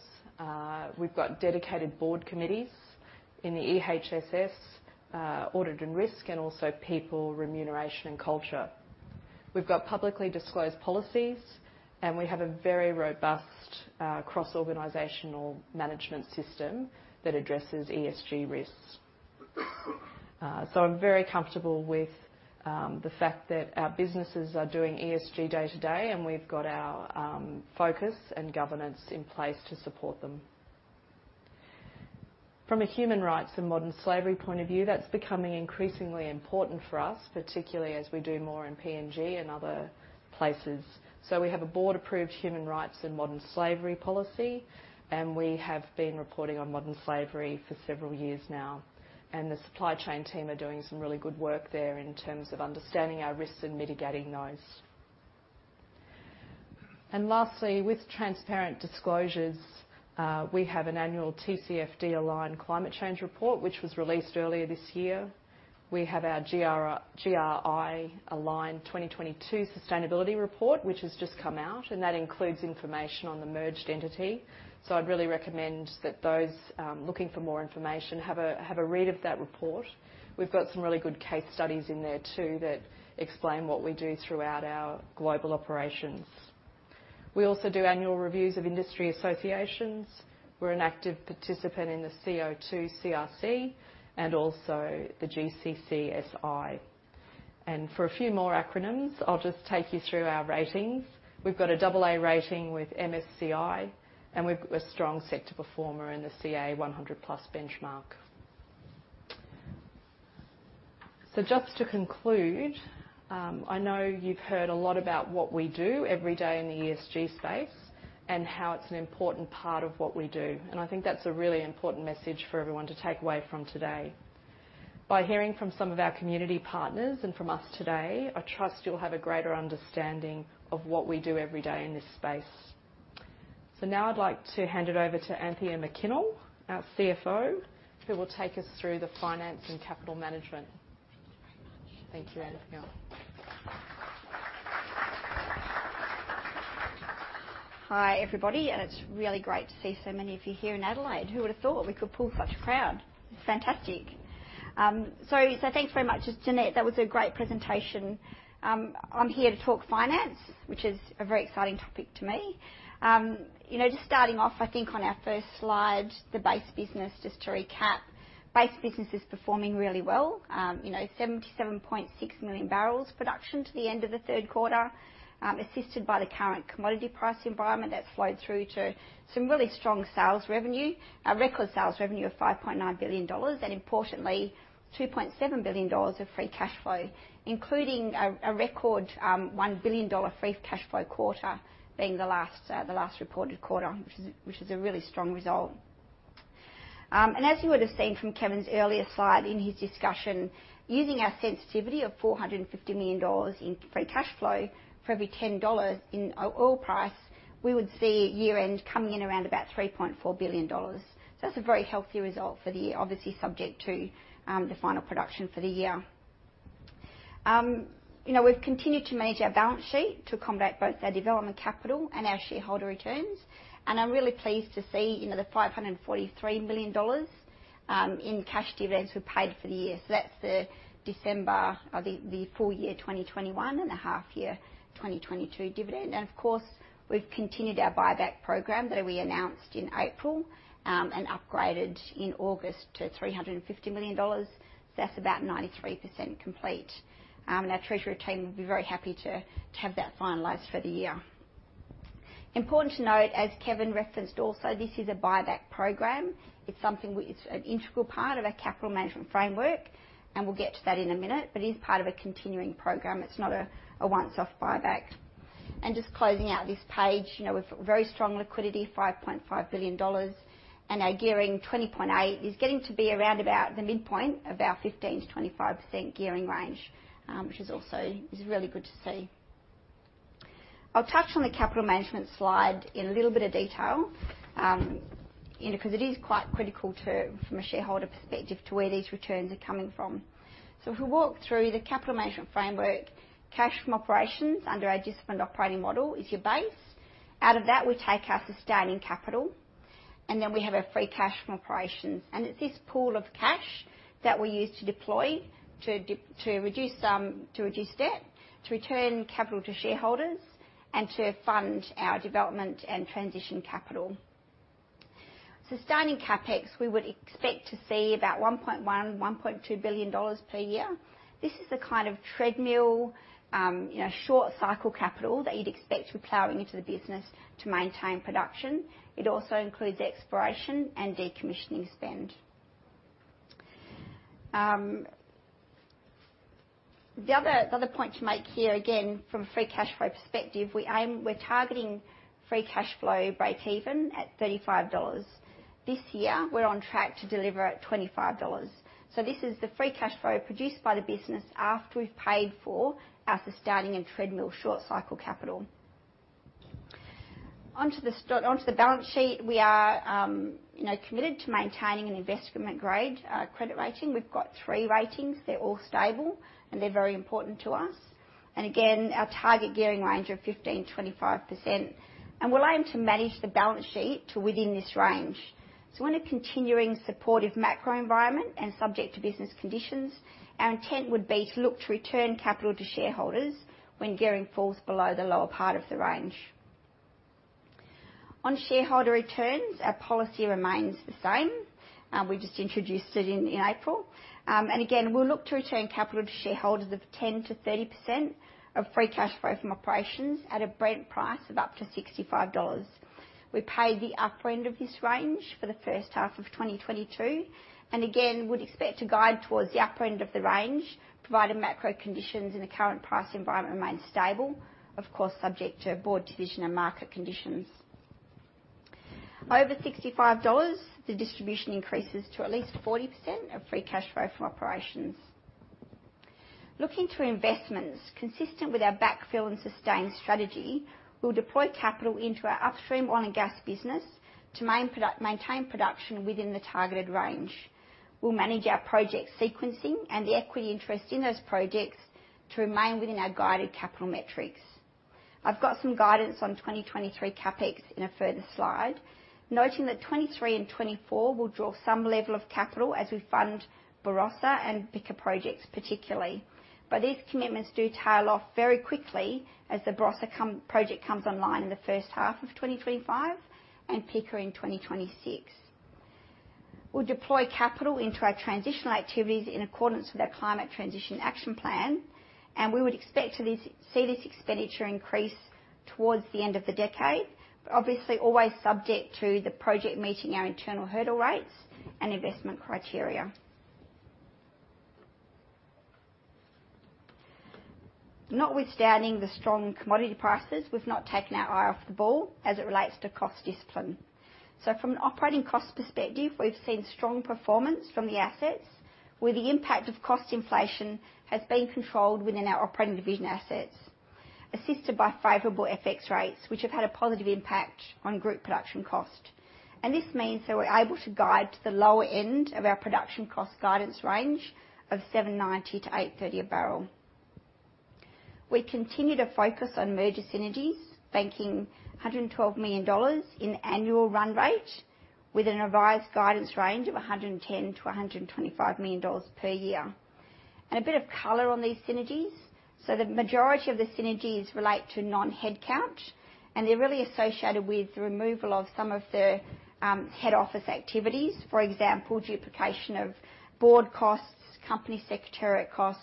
We've got dedicated Board committees in the EHSS, Audit and Risk, and also People, Remuneration and Culture. We've got publicly disclosed policies, and we have a very robust cross-organizational management system that addresses ESG risks. I'm very comfortable with the fact that our businesses are doing ESG day to day, and we've got our focus and governance in place to support them. From a human rights and modern slavery point of view, that's becoming increasingly important for us, particularly as we do more in PNG and other places. We have a board-approved human rights and modern slavery policy, and we have been reporting on modern slavery for several years now. The supply chain team are doing some really good work there in terms of understanding our risks and mitigating those. Lastly, with transparent disclosures, we have an annual TCFD-aligned climate change report, which was released earlier this year. We have our GRI-aligned 2022 sustainability report, which has just come out, and that includes information on the merged entity. I'd really recommend that those looking for more information have a read of that report. We've got some really good case studies in there too that explain what we do throughout our global operations. We also do annual reviews of industry associations. We're an active participant in the CO2CRC and also the GCCSI. For a few more acronyms, I'll just take you through our ratings. We've got a double A rating with MSCI, and we've a strong sector performer in the CA 100 plus benchmark. Just to conclude, I know you've heard a lot about what we do every day in the ESG space and how it's an important part of what we do, and I think that's a really important message for everyone to take away from today. By hearing from some of our community partners and from us today, I trust you'll have a greater understanding of what we do every day in this space. Now I'd like to hand it over to Anthea McKinnell, our CFO, who will take us through the finance and capital management. Thank you very much. Thank you, Anthea. Hi, everybody, it's really great to see so many of you here in Adelaide. Who would've thought we could pull such a crowd? It's fantastic. Thanks very much, Janette. That was a great presentation. I'm here to talk finance, which is a very exciting topic to me. Just starting off, I think, on our first slide, the base business, just to recap. Base business is performing really well. 77.6 million barrels production to the end of the third quarter, assisted by the current commodity price environment that flowed through to some really strong sales revenue. A record sales revenue of 5.9 billion dollars, importantly, 2.7 billion dollars of free cash flow, including a record 1 billion dollar free cash flow quarter being the last reported quarter, which is a really strong result. As you would've seen from Kevin's earlier slide in his discussion, using our sensitivity of 450 million dollars in free cash flow for every 10 dollars in oil price, we would see year-end coming in around about 3.4 billion dollars. That's a very healthy result for the year, obviously subject to the final production for the year. We've continued to manage our balance sheet to combat both our development capital and our shareholder returns, I'm really pleased to see the 543 million dollars in cash dividends we paid for the year. That's the December of the full year 2021 and a half year 2022 dividend. Of course, we've continued our buyback program that we announced in April, upgraded in August to 350 million dollars. That's about 93% complete. Our treasury team will be very happy to have that finalized for the year. Important to note, as Kevin referenced also, this is a buyback program. It's an integral part of our capital management framework, we'll get to that in a minute. It is part of a continuing program. It's not a once off buyback. Just closing out this page, we've very strong liquidity, 5.5 billion dollars, our gearing, 20.8, is getting to be around about the midpoint of our 15%-25% gearing range, which is also is really good to see. I'll touch on the capital management slide in a little bit of detail, because it is quite critical from a shareholder perspective to where these returns are coming from. If we walk through the capital management framework, cash from operations under our disciplined operating model is your base. Out of that, we take our sustaining capital, then we have our free cash from operations. It's this pool of cash that we use to deploy to reduce debt, to return capital to shareholders, and to fund our development and transition capital. Sustaining CapEx, we would expect to see about $1.1 billion-$1.2 billion per year. This is a kind of treadmill short cycle capital that you'd expect to be plowing into the business to maintain production. It also includes exploration and decommissioning spend. The other point to make here, again, from a free cash flow perspective, we're targeting free cash flow breakeven at $35. This year, we're on track to deliver at $25. This is the free cash flow produced by the business after we've paid for our sustaining and treadmill short cycle capital. On to the balance sheet, we are committed to maintaining an investment-grade credit rating. We've got three ratings. They're all stable, and they're very important to us. Again, our target gearing range of 15%-25%. We'll aim to manage the balance sheet to within this range. When a continuing supportive macro environment and subject to business conditions, our intent would be to look to return capital to shareholders when gearing falls below the lower part of the range. On shareholder returns, our policy remains the same. We just introduced it in April. Again, we'll look to return capital to shareholders of 10%-30% of free cash flow from operations at a Brent price of up to $65. We paid the upper end of this range for the first half of 2022, again, would expect to guide towards the upper end of the range, provided macro conditions in the current price environment remain stable. Of course, subject to board division and market conditions. Over $65, the distribution increases to at least 40% of free cash flow from operations. Looking to investments consistent with our backfill and sustain strategy, we'll deploy capital into our upstream oil and gas business to maintain production within the targeted range. We'll manage our project sequencing and the equity interest in those projects to remain within our guided capital metrics. I've got some guidance on 2023 CapEx in a further slide. Noting that 2023 and 2024 will draw some level of capital as we fund Barossa and Pikka projects particularly. These commitments do tail off very quickly as the Barossa project comes online in the first half of 2025 and Pikka in 2026. We'll deploy capital into our transitional activities in accordance with our Climate Transition Action Plan, we would expect to see this expenditure increase towards the end of the decade, obviously always subject to the project meeting our internal hurdle rates and investment criteria. Notwithstanding the strong commodity prices, we've not taken our eye off the ball as it relates to cost discipline. From an operating cost perspective, we've seen strong performance from the assets, where the impact of cost inflation has been controlled within our operating division assets, assisted by favorable FX rates, which have had a positive impact on group production cost. This means that we're able to guide to the lower end of our production cost guidance range of $790-$830 a barrel. We continue to focus on merger synergies, banking $112 million in annual run rate with a revised guidance range of $110 million-$125 million per year. A bit of color on these synergies. The majority of the synergies relate to non-headcount, and they're really associated with the removal of some of the head office activities. For example, duplication of board costs, company secretariat costs.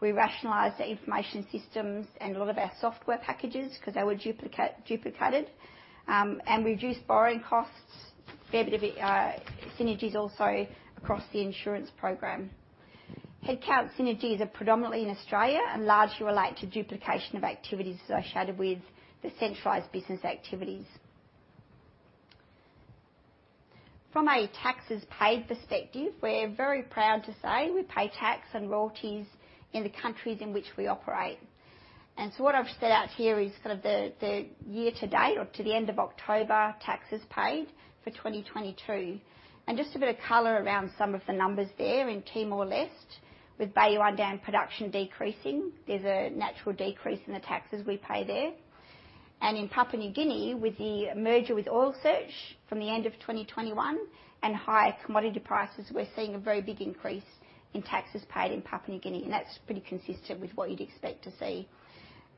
We rationalized the information systems and a lot of our software packages because they were duplicated. Reduced borrowing costs, fair bit of synergies also across the insurance program. Headcount synergies are predominantly in Australia and largely relate to duplication of activities associated with the centralized business activities. From a taxes paid perspective, we're very proud to say we pay tax and royalties in the countries in which we operate. What I've set out here is the year to date or to the end of October, taxes paid for 2022. Just a bit of color around some of the numbers there in Timor-Leste. With Bayu-Undan production decreasing, there's a natural decrease in the taxes we pay there. In Papua New Guinea, with the merger with Oil Search from the end of 2021 and higher commodity prices, we're seeing a very big increase in taxes paid in Papua New Guinea, and that's pretty consistent with what you'd expect to see.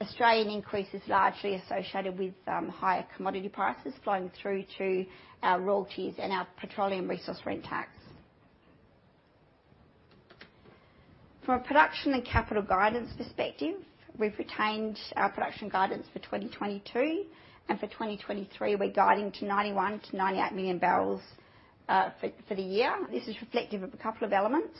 Australian increase is largely associated with higher commodity prices flowing through to our royalties and our Petroleum Resource Rent Tax. From a production and capital guidance perspective, we've retained our production guidance for 2022, and for 2023, we're guiding to 91 million-98 million barrels for the year. This is reflective of a couple of elements.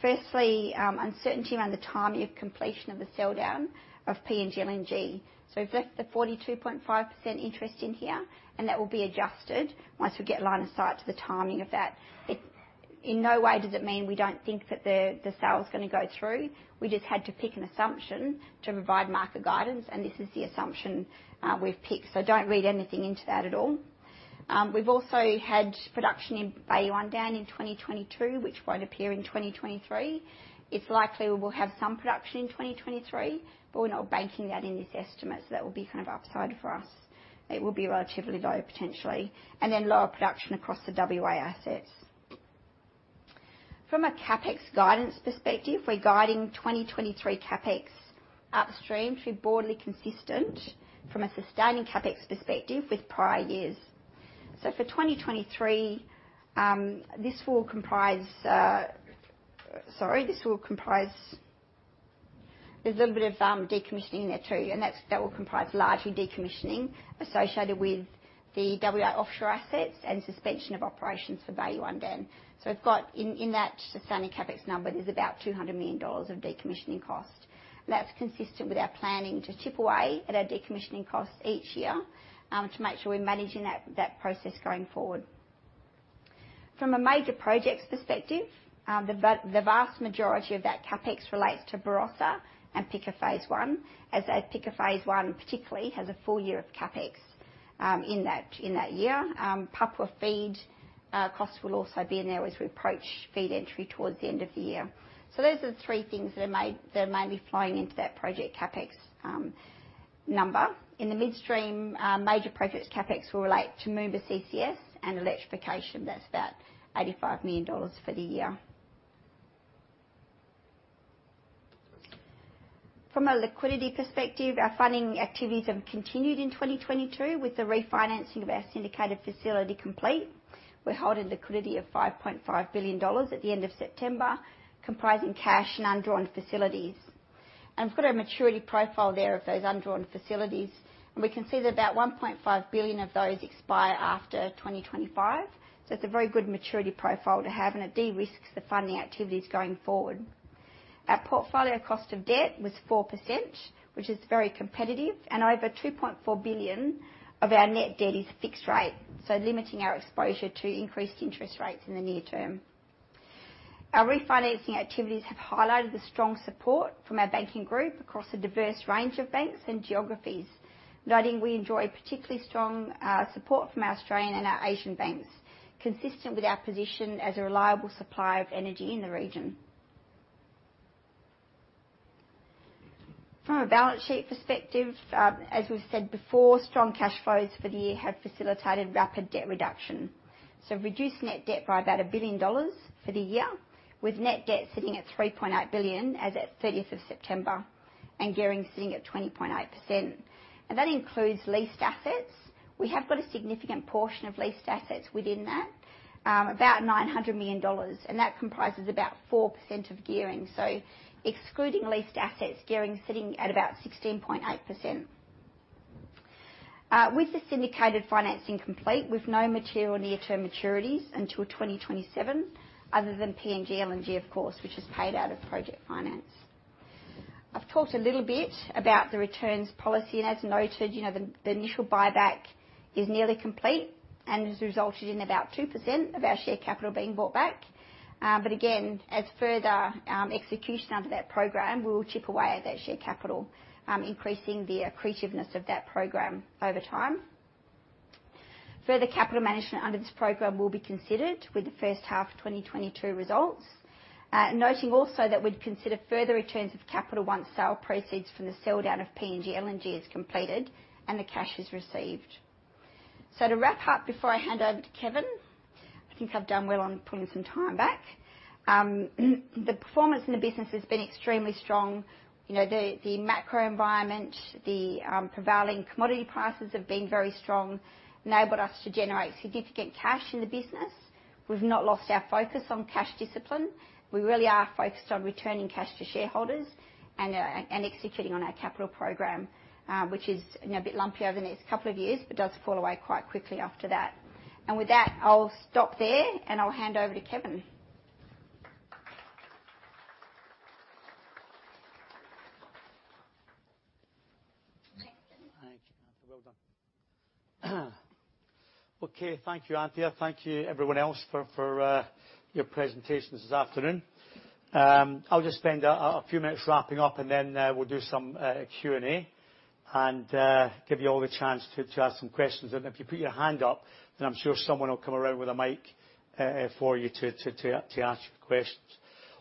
Firstly, uncertainty around the timing of completion of the sell-down of PNG LNG. We've left the 42.5% interest in here, and that will be adjusted once we get line of sight to the timing of that. In no way does it mean we don't think that the sale is going to go through. We just had to pick an assumption to provide market guidance, and this is the assumption we've picked. Don't read anything into that at all. We've also had production in Bayu-Undan in 2022, which won't appear in 2023. It's likely we will have some production in 2023, but we're not banking that in this estimate, so that will be upside for us. It will be relatively low, potentially. Lower production across the WA assets. From a CapEx guidance perspective, we're guiding 2023 CapEx upstream to be broadly consistent from a sustaining CapEx perspective with prior years. For 2023, this will comprise Sorry. There's a little bit of decommissioning there, too, and that will comprise largely decommissioning associated with the WA offshore assets and suspension of operations for Bayu-Undan. We've got in that sustaining CapEx number, there's about $200 million of decommissioning cost. That's consistent with our planning to chip away at our decommissioning costs each year, to make sure we're managing that process going forward. From a major projects perspective, the vast majority of that CapEx relates to Barossa and Pikka Phase 1, as Pikka Phase 1 particularly has a full year of CapEx in that year. Papua FEED costs will also be in there as we approach FEED entry towards the end of the year. Those are the three things that are mainly flowing into that project CapEx number. In the midstream, major projects CapEx will relate to Moomba CCS and electrification. That's about $85 million for the year. From a liquidity perspective, our funding activities have continued in 2022 with the refinancing of our syndicated facility complete. We're holding liquidity of $5.5 billion at the end of September, comprising cash and undrawn facilities. We've got a maturity profile there of those undrawn facilities, and we can see that about $1.5 billion of those expire after 2025. It's a very good maturity profile to have, and it de-risks the funding activities going forward. Our portfolio cost of debt was 4%, which is very competitive, and over $2.4 billion of our net debt is fixed rate, so limiting our exposure to increased interest rates in the near term. Our refinancing activities have highlighted the strong support from our banking group across a diverse range of banks and geographies. Noting we enjoy particularly strong support from our Australian and our Asian banks, consistent with our position as a reliable supplier of energy in the region. From a balance sheet perspective, as we've said before, strong cash flows for the year have facilitated rapid debt reduction. We've reduced net debt by about $1 billion for the year. With net debt sitting at $3.8 billion as at 30th of September, and gearing sitting at 20.8%, and that includes leased assets. We have got a significant portion of leased assets within that, about $900 million, and that comprises about 4% of gearing. Excluding leased assets, gearing is sitting at about 16.8%. With the syndicated financing complete, we've no material near-term maturities until 2027, other than PNG LNG, of course, which is paid out of project finance. I've talked a little bit about the returns policy, and as noted, the initial buyback is nearly complete and has resulted in about 2% of our share capital being bought back. Again, as further execution under that program, we will chip away at that share capital, increasing the accretiveness of that program over time. Further capital management under this program will be considered with the first half 2022 results. Noting also that we'd consider further returns of capital once sale proceeds from the sell-down of PNG LNG is completed and the cash is received. To wrap up, before I hand over to Kevin, I think I've done well on putting some time back. The performance in the business has been extremely strong. The macro environment, the prevailing commodity prices have been very strong, enabled us to generate significant cash in the business. We've not lost our focus on cash discipline. We really are focused on returning cash to shareholders and executing on our capital program, which is a bit lumpy over the next couple of years but does fall away quite quickly after that. With that, I'll stop there and I'll hand over to Kevin. Thank you. Well done. Okay, thank you, Anthea. Thank you everyone else for your presentations this afternoon. I'll just spend a few minutes wrapping up, then we'll do some Q&A, and give you all the chance to ask some questions. If you put your hand up, then I'm sure someone will come around with a mic for you to ask questions.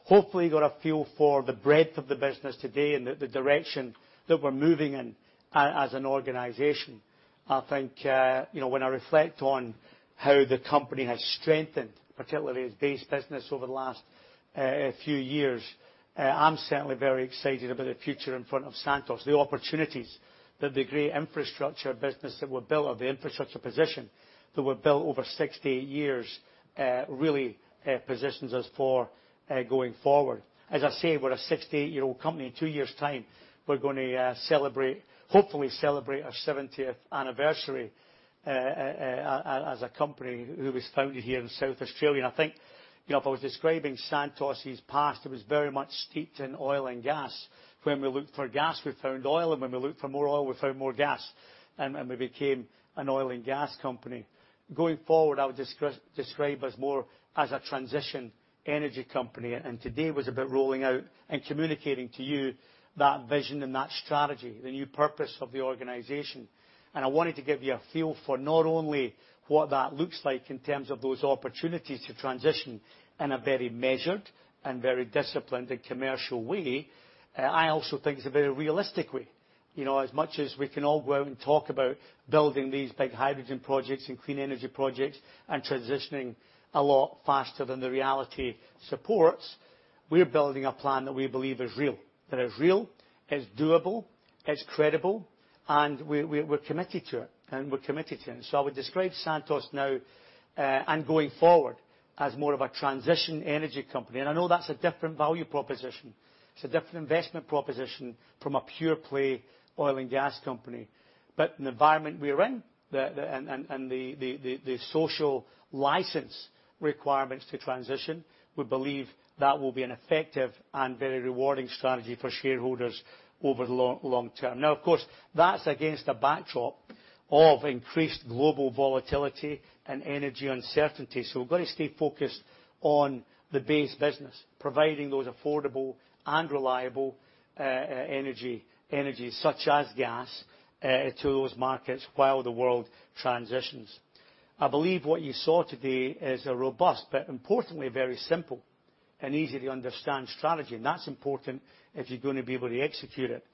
Hopefully, you got a feel for the breadth of the business today and the direction that we're moving in as an organization. I think when I reflect on how the company has strengthened, particularly its base business over the last few years, I'm certainly very excited about the future in front of Santos. The opportunities that the great infrastructure business that we've built or the infrastructure position that we've built over 68 years really positions us for going forward. As I say, we're a 68-year-old company. In two years' time, we're going to celebrate, hopefully celebrate our 70th anniversary as a company who was founded here in South Australia. I think if I was describing Santos' past, it was very much steeped in oil and gas. When we looked for gas, we found oil, when we looked for more oil, we found more gas, and we became an oil and gas company. Going forward, I would describe us more as a transition energy company, today was about rolling out and communicating to you that vision and that strategy, the new purpose of the organization. I wanted to give you a feel for not only what that looks like in terms of those opportunities to transition in a very measured and very disciplined and commercial way. I also think it's a very realistic way. As much as we can all go out and talk about building these big hydrogen projects and clean energy projects and transitioning a lot faster than the reality supports, we're building a plan that we believe is real. That is real, it's doable, it's credible, and we're committed to it. I would describe Santos now, and going forward, as more of a transition energy company. I know that's a different value proposition. It's a different investment proposition from a pure play oil and gas company. In the environment we're in, and the social license requirements to transition, we believe that will be an effective and very rewarding strategy for shareholders over the long term. Of course, that's against a backdrop of increased global volatility and energy uncertainty. We've got to stay focused on the base business, providing those affordable and reliable energies, such as gas, to those markets while the world transitions. I believe what you saw today is a robust, but importantly, very simple and easy-to-understand strategy. That's important if you're going to be able to execute it.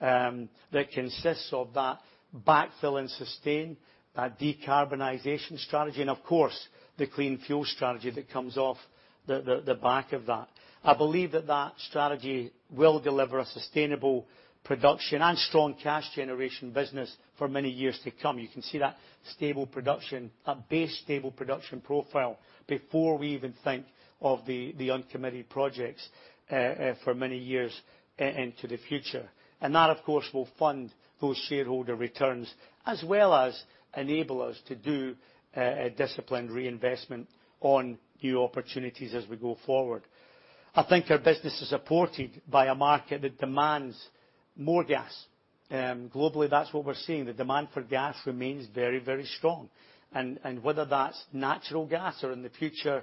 That consists of that backfill and sustain, that decarbonization strategy, of course, the clean fuel strategy that comes off the back of that. I believe that that strategy will deliver a sustainable production and strong cash generation business for many years to come. You can see that stable production, that base stable production profile before we even think of the uncommitted projects for many years into the future. That, of course, will fund those shareholder returns, as well as enable us to do a disciplined reinvestment on new opportunities as we go forward. I think our business is supported by a market that demands more gas. Globally, that's what we're seeing. The demand for gas remains very, very strong. Whether that's natural gas or in the future,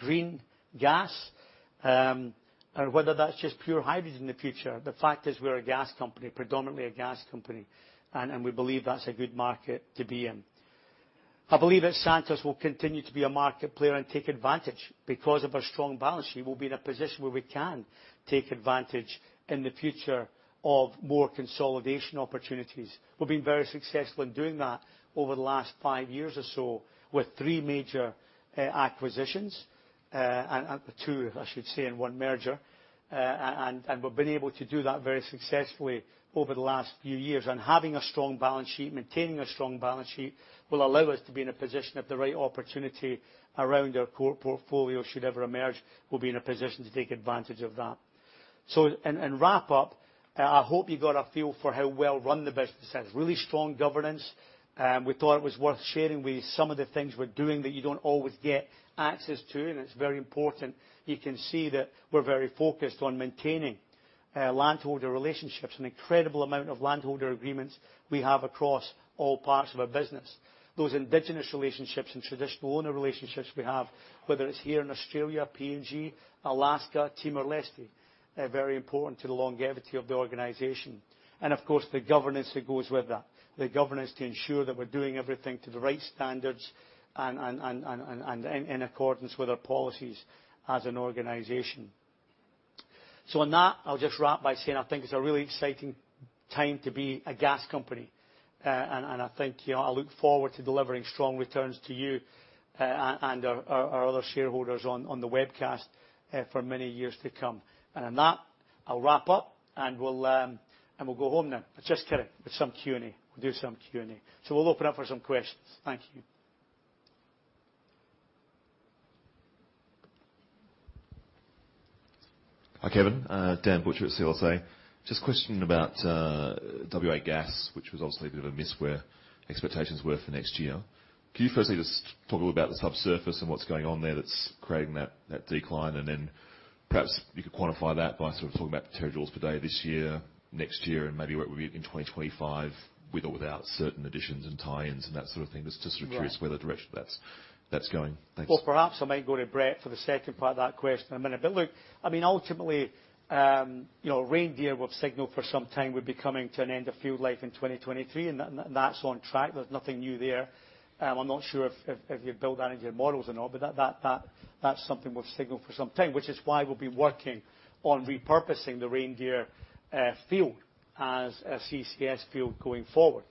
green gas, or whether that's just pure hydrogen in the future, the fact is we're a gas company, predominantly a gas company, and we believe that's a good market to be in. I believe that Santos will continue to be a market player and take advantage. Because of our strong balance sheet, we'll be in a position where we can take advantage in the future of more consolidation opportunities. We've been very successful in doing that over the last 5 years or so with 3 major acquisitions, 2, I should say, and 1 merger. We've been able to do that very successfully over the last few years. Having a strong balance sheet, maintaining a strong balance sheet, will allow us to be in a position, if the right opportunity around our core portfolio should ever emerge, we'll be in a position to take advantage of that. In wrap up, I hope you got a feel for how well-run the business is. Really strong governance. We thought it was worth sharing with you some of the things we're doing that you don't always get access to, and it's very important. You can see that we're very focused on maintaining landholder relationships, an incredible amount of landholder agreements we have across all parts of our business. Those indigenous relationships and traditional owner relationships we have, whether it's here in Australia, PNG, Alaska, Timor-Leste, they're very important to the longevity of the organization. Of course, the governance that goes with that, the governance to ensure that we're doing everything to the right standards and in accordance with our policies as an organization. On that, I'll just wrap by saying, I think it's a really exciting time to be a gas company. I look forward to delivering strong returns to you and our other shareholders on the webcast for many years to come. On that, I'll wrap up and we'll go home now. Just kidding. There's some Q&A. We'll do some Q&A. We'll open up for some questions. Thank you. Hi, Kevin. Dan Butcher at CLSA. Just a question about WA Gas, which was obviously a bit of a miss where expectations were for next year. Can you firstly just talk a little about the subsurface and what's going on there that's creating that decline? Then perhaps you could quantify that by sort of talking about the terajoules per day this year, next year, and maybe where it will be in 2025, with or without certain additions and tie-ins and that sort of thing. Just sort of curious where the direction of that's going. Thanks. Perhaps I might go to Brett for the second part of that question in a minute. Look, ultimately, Reindeer we've signaled for some time would be coming to an end of field life in 2023, and that's on track. There's nothing new there. I'm not sure if you've built that into your models or not, but that's something we've signaled for some time, which is why we'll be working on repurposing the Reindeer field as a CCS field going forward.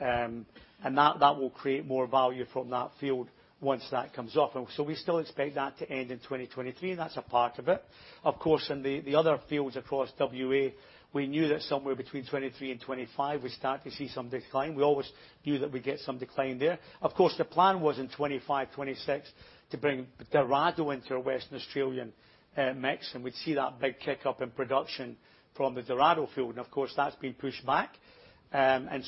That will create more value from that field once that comes off. So we still expect that to end in 2023, and that's a part of it. Of course, in the other fields across WA, we knew that somewhere between 2023 and 2025, we'd start to see some decline. We always knew that we'd get some decline there. Of course, the plan was in 2025, 2026 to bring Dorado into our Western Australian mix, and we'd see that big kick up in production from the Dorado field. Of course, that's been pushed back.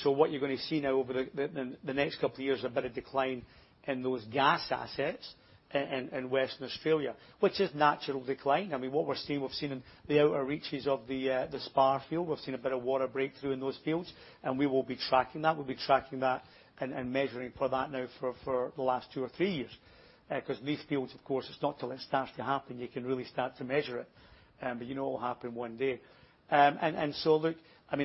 So what you're going to see now over the next couple of years, a bit of decline in those gas assets in Western Australia, which is natural decline. What we're seeing, we've seen in the outer reaches of the Spar field, we've seen a bit of water breakthrough in those fields, and we will be tracking that. We've been tracking that and measuring for that now for the last two or three years. Because these fields, of course, it's not till it starts to happen, you can really start to measure it. You know it will happen one day. Look,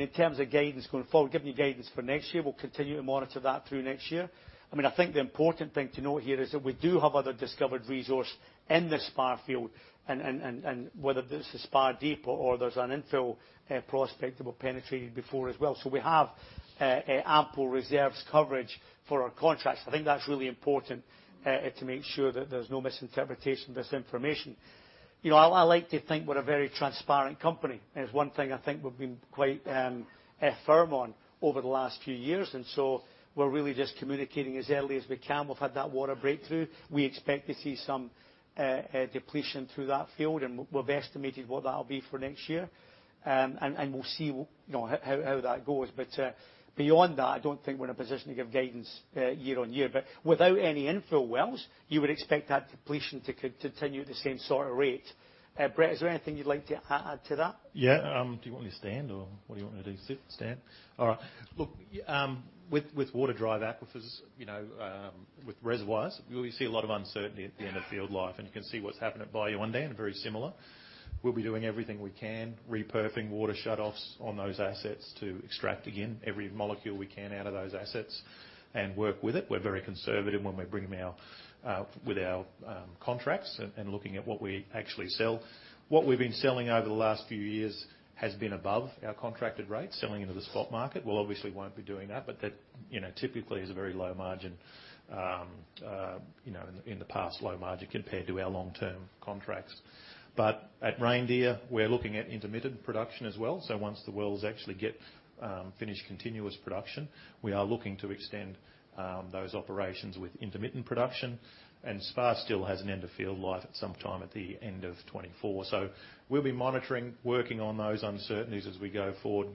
in terms of guidance going forward, giving you guidance for next year, we'll continue to monitor that through next year. I think the important thing to note here is that we do have other discovered resource in the Spar field, and whether this is Spar deep or there's an infill prospect that we've penetrated before as well. We have ample reserves coverage for our contracts. I think that's really important to make sure that there's no misinterpretation of this information. I like to think we're a very transparent company. It's one thing I think we've been quite firm on over the last few years, we're really just communicating as early as we can. We've had that water breakthrough. We expect to see some depletion through that field, and we've estimated what that will be for next year. We'll see how that goes. Beyond that, I don't think we're in a position to give guidance year on year. Without any infill wells, you would expect that depletion to continue at the same sort of rate. Brett, is there anything you'd like to add to that? Yeah. Do you want me to stand or what do you want me to do? Sit? Stand? All right. Look, with water drive aquifers, with reservoirs, we see a lot of uncertainty at the end of field life, and you can see what's happened at Bayu-Undan, very similar. We'll be doing everything we can, repurposing water shutoffs on those assets to extract again every molecule we can out of those assets and work with it. We're very conservative when we bring them with our contracts and looking at what we actually sell. What we've been selling over the last few years has been above our contracted rates, selling into the spot market. We obviously won't be doing that, but that typically is a very low margin, in the past, low margin compared to our long-term contracts. At Reindeer, we're looking at intermittent production as well. Once the wells actually get finished continuous production, we are looking to extend those operations with intermittent production. Spar still has an end of field life at some time at the end of 2024. We'll be monitoring, working on those uncertainties as we go forward,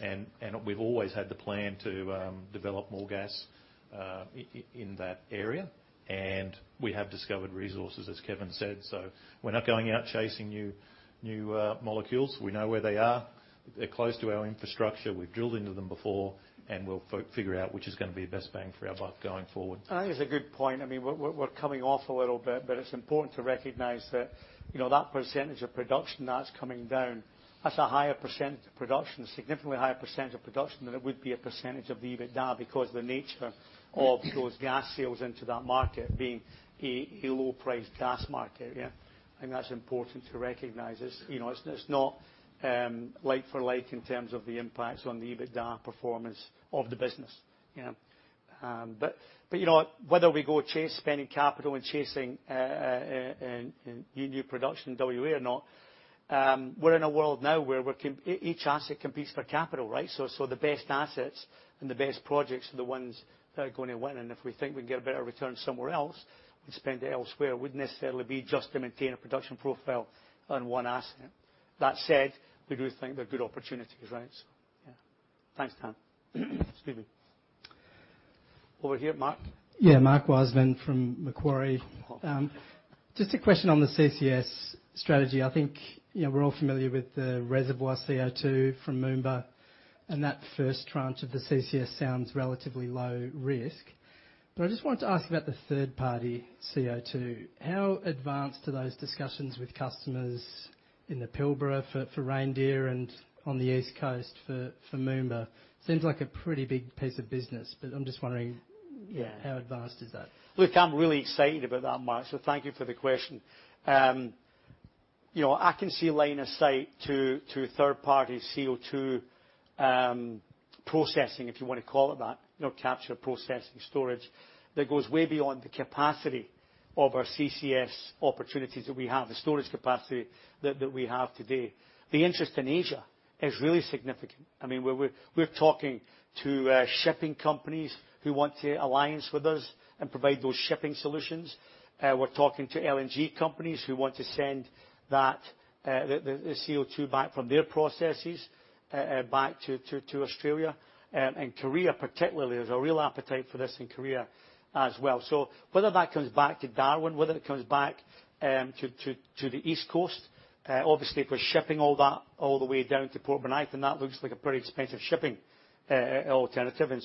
and we've always had the plan to develop more gas in that area. We have discovered resources, as Kevin said. We're not going out chasing new molecules. We know where they are. They're close to our infrastructure. We've drilled into them before, and we'll figure out which is going to be the best bang for our buck going forward. I think it's a good point. We're coming off a little bit, but it's important to recognize that that percentage of production that's coming down, that's a higher percentage of production, significantly higher percentage of production than it would be a percentage of the EBITDA because the nature of those gas sales into that market being a low-priced gas market. Yeah. I think that's important to recognize. It's not like for like in terms of the impacts on the EBITDA performance of the business. Whether we go chase spending capital and chasing new production in WA or not, we're in a world now where each asset competes for capital, right? The best assets and the best projects are the ones that are going to win. If we think we can get a better return somewhere else, we'd spend it elsewhere. Wouldn't necessarily be just to maintain a production profile on one asset. That said, we do think they're good opportunities, right? Yeah. Thanks, Tom. Excuse me. Over here, Mark. Yeah. Mark Wiseman from Macquarie. Mark. Just a question on the CCS strategy. I think we're all familiar with the reservoir CO2 from Moomba, and that first tranche of the CCS sounds relatively low risk. I just wanted to ask about the third party CO2. How advanced are those discussions with customers in the Pilbara for Reindeer and on the East Coast for Moomba? Seems like a pretty big piece of business, but I'm just wondering. Yeah How advanced is that? Look, I'm really excited about that, Mark. Thank you for the question. I can see line of sight to third party CO2 processing, if you want to call it that, capture, processing, storage, that goes way beyond the capacity of our CCS opportunities that we have, the storage capacity that we have today. The interest in Asia is really significant. We're talking to shipping companies who want to alliance with us and provide those shipping solutions. We're talking to LNG companies who want to send the CO2 back from their processes back to Australia. Korea particularly, there's a real appetite for this in Korea as well. Whether that comes back to Darwin, whether it comes back to the East Coast, obviously if we're shipping all that all the way down to Port Bonython, that looks like a pretty expensive shipping alternative.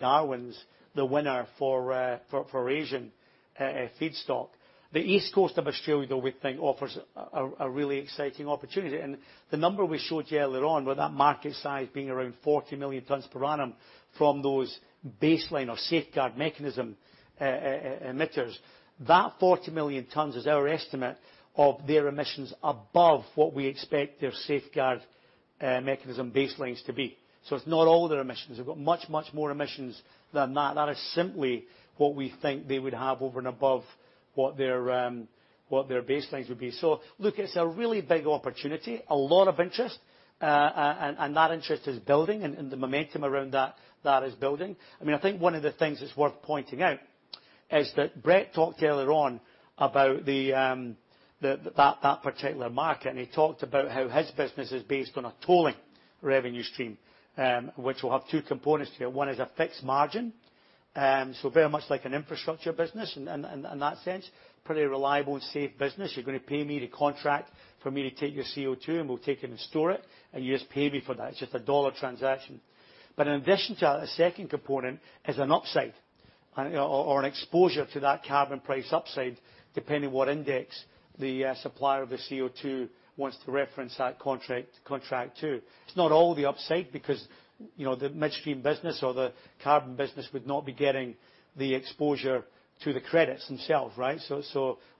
Darwin's the winner for Asian feedstock. The east coast of Australia, though, we think offers a really exciting opportunity. The number we showed you earlier on, with that market size being around 40 million tons per annum from those baseline or Safeguard Mechanism emitters, that 40 million tons is our estimate of their emissions above what we expect their Safeguard Mechanism baselines to be. It's not all of their emissions. They've got much, much more emissions than that. That is simply what we think they would have over and above what their baselines would be. It's a really big opportunity, a lot of interest, and that interest is building, and the momentum around that is building. I think one of the things that's worth pointing out is that Brett talked earlier on about that particular market, and he talked about how his business is based on a tolling revenue stream, which will have two components to it. One is a fixed margin. Very much like an infrastructure business in that sense, pretty reliable and safe business. You're going to pay me to contract for me to take your CO2, and we'll take it and store it, and you just pay me for that. It's just a dollar transaction. In addition to that, the second component is an upside or an exposure to that carbon price upside, depending what index the supplier of the CO2 wants to reference that contract to. It's not all the upside because the midstream business or the carbon business would not be getting the exposure to the credits themselves, right?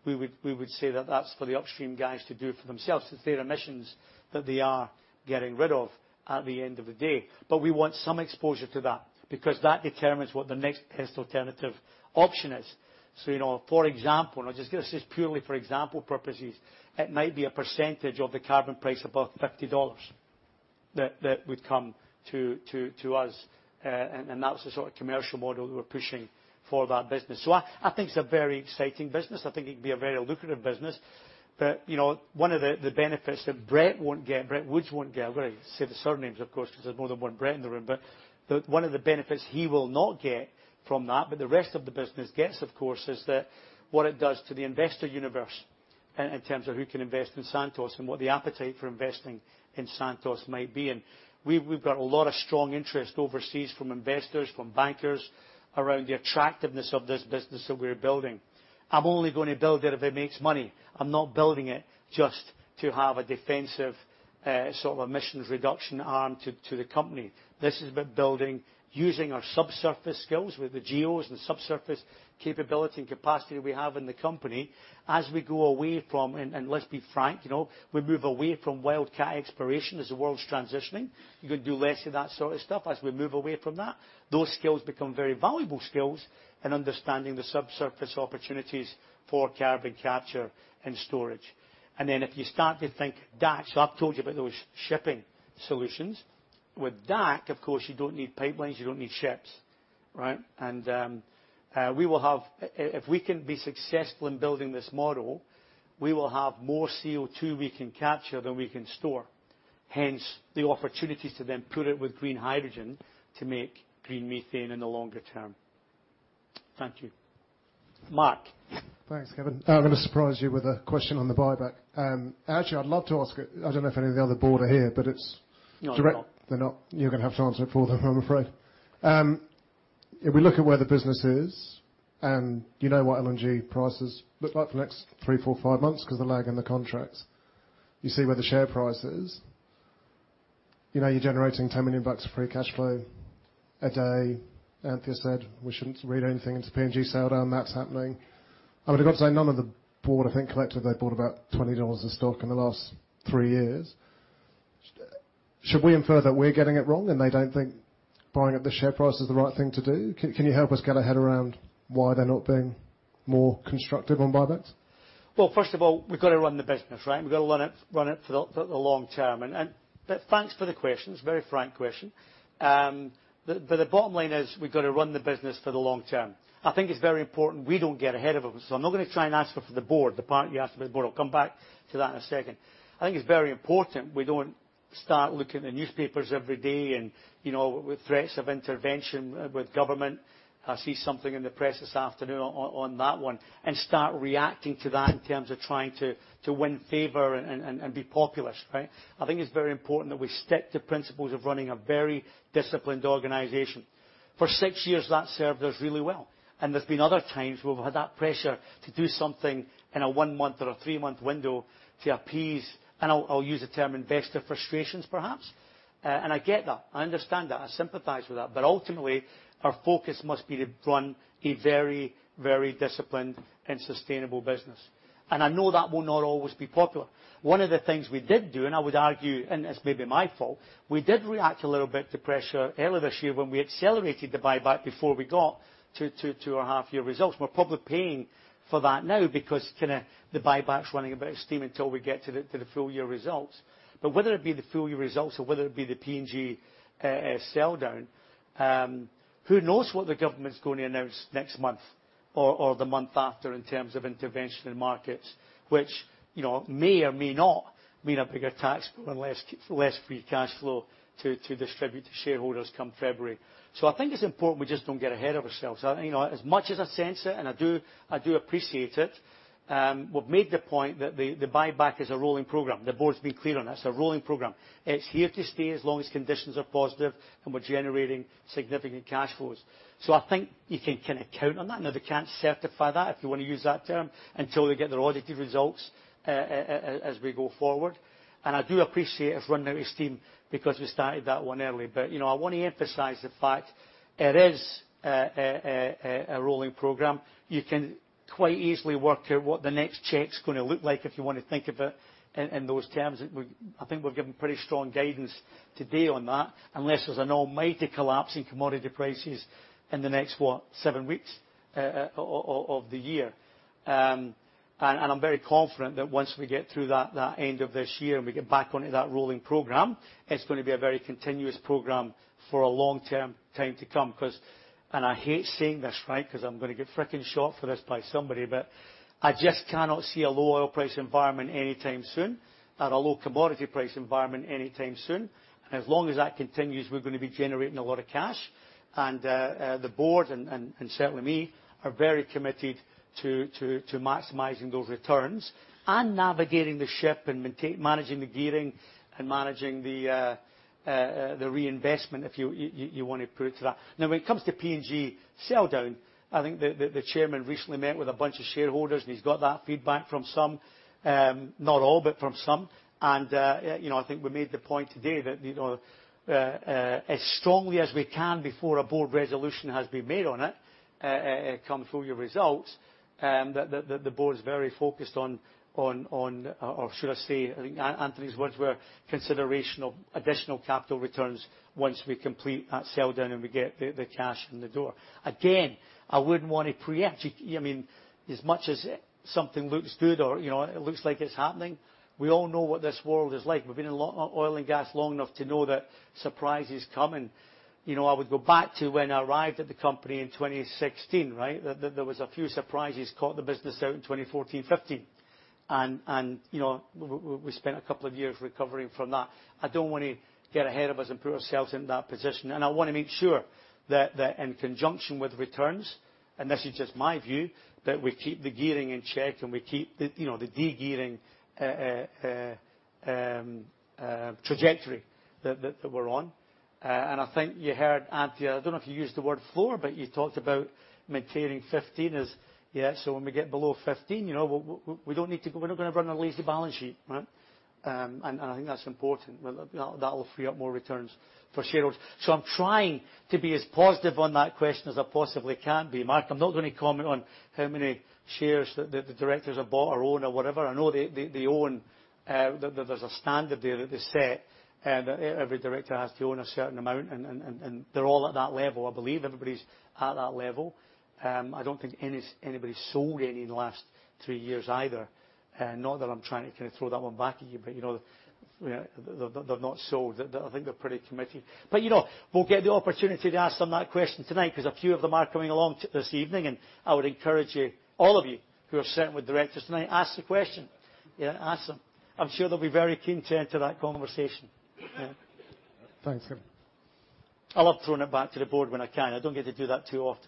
We would say that that's for the upstream guys to do for themselves. It's their emissions that they are getting rid of at the end of the day. We want some exposure to that because that determines what the next best alternative option is. For example, and I'll just give this as purely for example purposes, it might be a percentage of the carbon price above 50 dollars that would come to us, and that's the sort of commercial model we're pushing for that business. I think it's a very exciting business. I think it can be a very lucrative business. One of the benefits that Brett won't get, Brett Woods won't get, I've got to say the surnames, of course, because there's more than one Brett in the room, one of the benefits he will not get from that, but the rest of the business gets, of course, is that what it does to the investor universe in terms of who can invest in Santos and what the appetite for investing in Santos might be. We've got a lot of strong interest overseas from investors, from bankers around the attractiveness of this business that we're building. I'm only going to build it if it makes money. I'm not building it just to have a defensive sort of emissions reduction arm to the company. This is about building using our subsurface skills with the geos and subsurface capability and capacity we have in the company as we go away from, and let's be frank, we move away from wildcat exploration as the world's transitioning. You can do less of that sort of stuff. As we move away from that, those skills become very valuable skills in understanding the subsurface opportunities for carbon capture and storage. If you start to think DAC, I've told you about those shipping solutions. With DAC, of course, you don't need pipelines, you don't need ships, right? If we can be successful in building this model, we will have more CO2 we can capture than we can store. Hence, the opportunities to then put it with green hydrogen to make green methane in the longer term. Thank you. Mark. Thanks, Kevin. I'm going to surprise you with a question on the buyback. Actually, I'd love to ask it, I don't know if any of the other board are here, but it's. No, they're not. They're not. You're going to have to answer it for them, I'm afraid. If we look at where the business is, you know what LNG prices look like for the next three, four, five months because the lag in the contracts. You see where the share price is. You know you're generating 10 million bucks of free cash flow a day. Anthea said we shouldn't read anything into PNG sale down, that's happening. I would have got to say none of the board, I think collectively bought about 20 dollars of stock in the last three years. Should we infer that we're getting it wrong? They don't think buying up the share price is the right thing to do? Can you help us get our head around why they're not being more constructive on buybacks? Well, first of all, we've got to run the business, right? We've got to run it for the long term. Thanks for the question. It's a very frank question. The bottom line is, we've got to run the business for the long term. I think it's very important we don't get ahead of it. I'm not going to try and ask for the board, the part you asked about the board, I'll come back to that in a second. I think it's very important we don't start looking at newspapers every day and, with threats of intervention with government. I see something in the press this afternoon on that one, and start reacting to that in terms of trying to win favor and be populist. I think it's very important that we stick to principles of running a very disciplined organization. For six years, that served us really well. There's been other times where we've had that pressure to do something in a one-month or a three-month window to appease, and I'll use the term investor frustrations, perhaps. I get that. I understand that. I sympathize with that. Ultimately, our focus must be to run a very, very disciplined and sustainable business. I know that will not always be popular. One of the things we did do, and I would argue, and this may be my fault, we did react a little bit to pressure earlier this year when we accelerated the buyback before we got to our half-year results. We're probably paying for that now because the buyback's running a bit of steam until we get to the full-year results. Whether it be the full-year results or whether it be the PNG sell-down, who knows what the government's going to announce next month or the month after in terms of intervention in markets, which may or may not mean a bigger tax bill and less free cash flow to distribute to shareholders come February. I think it's important we just don't get ahead of ourselves. As much as I sense it, and I do appreciate it, we've made the point that the buyback is a rolling program. The board's been clear on it. It's a rolling program. It's here to stay as long as conditions are positive and we're generating significant cash flows. I think you can count on that. Now, they can't certify that, if you want to use that term, until they get their audited results as we go forward. I do appreciate it's run out of steam because we started that one early. I want to emphasize the fact it is a rolling program. You can quite easily work out what the next check's going to look like, if you want to think of it in those terms. I think we've given pretty strong guidance to date on that, unless there's an almighty collapse in commodity prices in the next, what, seven weeks of the year. I'm very confident that once we get through that end of this year and we get back onto that rolling program, it's going to be a very continuous program for a long time to come, because I hate saying this, because I'm going to get freaking shot for this by somebody, I just cannot see a low oil price environment anytime soon, and a low commodity price environment anytime soon. As long as that continues, we're going to be generating a lot of cash. The board, and certainly me, are very committed to maximizing those returns and navigating the ship and managing the gearing and managing the reinvestment, if you want to put it to that. When it comes to PNG sell-down, I think the chairman recently met with a bunch of shareholders and he's got that feedback from some. Not all, but from some. I think we made the point today that as strongly as we can before a board resolution has been made on it, come full year results, that the board is very focused on, or should I say, I think Anthony's words were consideration of additional capital returns once we complete that sell-down and we get the cash in the door. Again, I wouldn't want to pre-empt. As much as something looks good or it looks like it's happening, we all know what this world is like. We've been in oil and gas long enough to know that surprises come. I would go back to when I arrived at the company in 2016. There was a few surprises, caught the business out in 2014, 2015. We spent a couple of years recovering from that. I don't want to get ahead of us and put ourselves in that position. I want to make sure that in conjunction with returns, and this is just my view, that we keep the gearing in check and we keep the de-gearing trajectory that we're on. I think you heard Anthea, I don't know if you used the word floor, but you talked about maintaining 15 as, yeah, so when we get below 15, we don't need to go, we're not going to run a lazy balance sheet. I think that's important. That'll free up more returns for shareholders. I'm trying to be as positive on that question as I possibly can be, Mark. I'm not going to comment on how many shares the directors have bought or own or whatever. There's a standard there that they set, that every director has to own a certain amount, and they're all at that level. I believe everybody's at that level. I don't think anybody's sold any in the last three years either. Not that I'm trying to throw that one back at you, but they've not sold. I think they're pretty committed. We'll get the opportunity to ask them that question tonight because a few of them are coming along this evening, and I would encourage you, all of you who are sitting with directors tonight, ask the question. Ask them. I'm sure they'll be very keen to enter that conversation. Thanks, Kevin. I love throwing it back to the board when I can. I don't get to do that too often.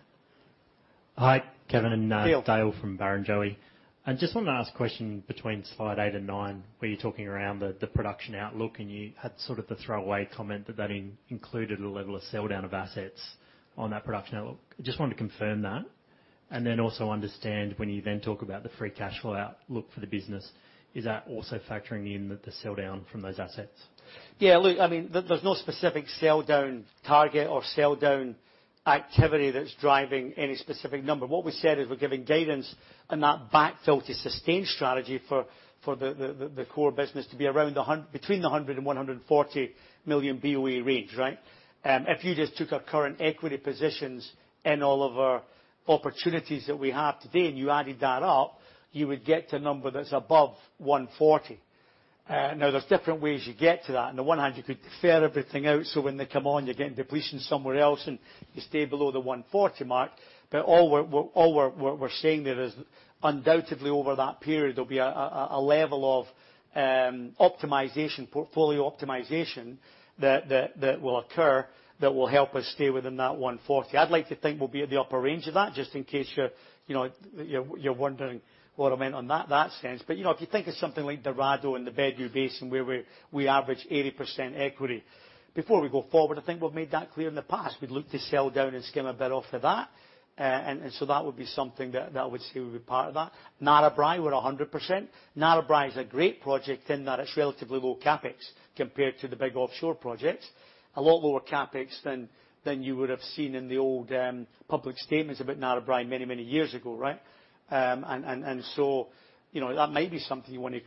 Hi, Kevin. Dale. Dale from Barrenjoey. I just wanted to ask a question between slide eight and nine, where you're talking around the production outlook, and you had sort of the throwaway comment that that included a level of sell-down of assets on that production outlook. I just wanted to confirm that. Also understand when you then talk about the free cash flow outlook for the business, is that also factoring in the sell down from those assets? Yeah. Look, there's no specific sell down target or sell down activity that's driving any specific number. What we said is we're giving guidance and that backfill to sustain strategy for the core business to be between the 100 and 140 million BOE range. Right? If you just took our current equity positions in all of our opportunities that we have today, and you added that up, you would get to a number that's above 140. Now, there's different ways you get to that. On the one hand, you could defer everything out, so when they come on, you're getting depletion somewhere else, and you stay below the 140 mark. All we're saying there is, undoubtedly over that period, there'll be a level of optimization, portfolio optimization that will occur that will help us stay within that 140. I'd like to think we'll be at the upper range of that, just in case you're wondering what I meant on that sense. If you think of something like Dorado and the Bedout Basin, where we average 80% equity. Before we go forward, I think we've made that clear in the past. We'd look to sell down and skim a bit off of that. That would be something that I would say would be part of that. Narrabri, we're 100%. Narrabri is a great project in that it's relatively low CapEx compared to the big offshore projects. A lot lower CapEx than you would have seen in the old public statements about Narrabri many, many years ago. Right? That may be something you want to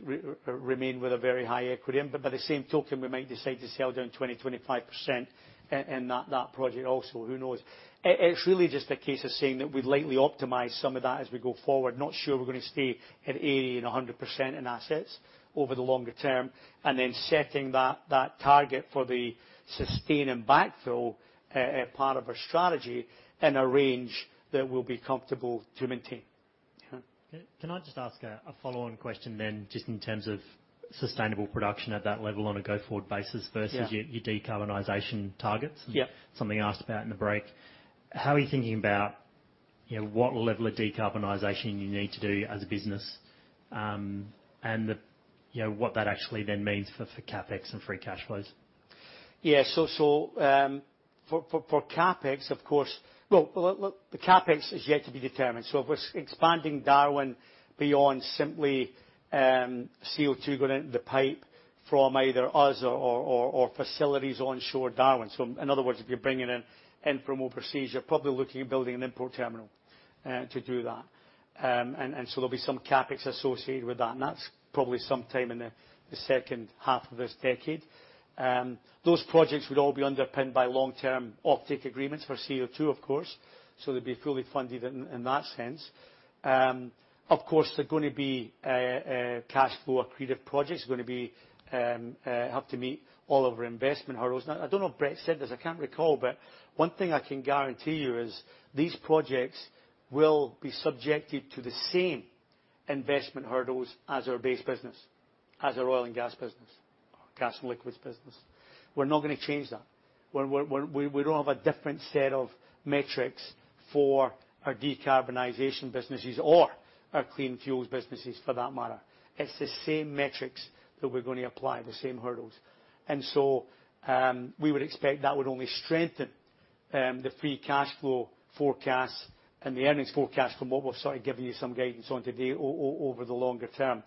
remain with a very high equity in. By the same token, we might decide to sell down 20%, 25% in that project also. Who knows? It's really just a case of saying that we'd lightly optimize some of that as we go forward. Not sure we're going to stay at 80% and 100% in assets over the longer term. Setting that target for the sustain and backfill part of our strategy in a range that we'll be comfortable to maintain. Yeah. Can I just ask a follow-on question then, just in terms of sustainable production at that level on a go-forward basis- Yeah versus your decarbonization targets? Yeah. Something you asked about in the break. How are you thinking about what level of decarbonization you need to do as a business? What that actually then means for CapEx and free cash flows. Yeah. For CapEx, of course, the CapEx is yet to be determined. If we're expanding Darwin beyond simply CO2 going into the pipe from either us or facilities onshore Darwin. In other words, if you're bringing in from overseas, you're probably looking at building an import terminal to do that. There'll be some CapEx associated with that. That's probably sometime in the second half of this decade. Those projects would all be underpinned by long-term offtake agreements for CO2, of course. They'd be fully funded in that sense. They're going to be cash flow accretive projects, are going to have to meet all of our investment hurdles. I don't know if Brett said this, I can't recall, but one thing I can guarantee you is these projects will be subjected to the same investment hurdles as our base business, as our oil and gas business, or gas and liquids business. We're not going to change that. We don't have a different set of metrics for our decarbonization businesses or our clean fuels businesses for that matter. It's the same metrics that we're going to apply, the same hurdles. We would expect that would only strengthen the free cash flow forecast and the earnings forecast from what we've sort of given you some guidance on today over the longer term.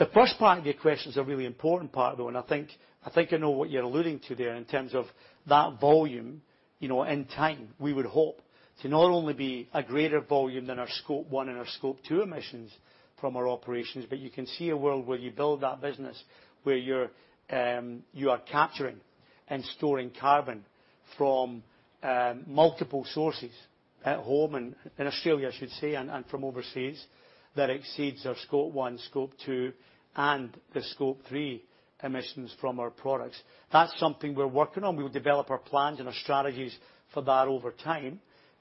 The first part of your question is a really important part, though, and I think I know what you're alluding to there in terms of that volume in time. We would hope to not only be a greater volume than our Scope 1 and our Scope 2 emissions from our operations, but you can see a world where you build that business where you are capturing and storing carbon from multiple sources at home, in Australia, I should say, and from overseas, that exceeds our Scope 1, Scope 2, and the Scope 3 emissions from our products. That's something we're working on. We will develop our plans and our strategies for that over time.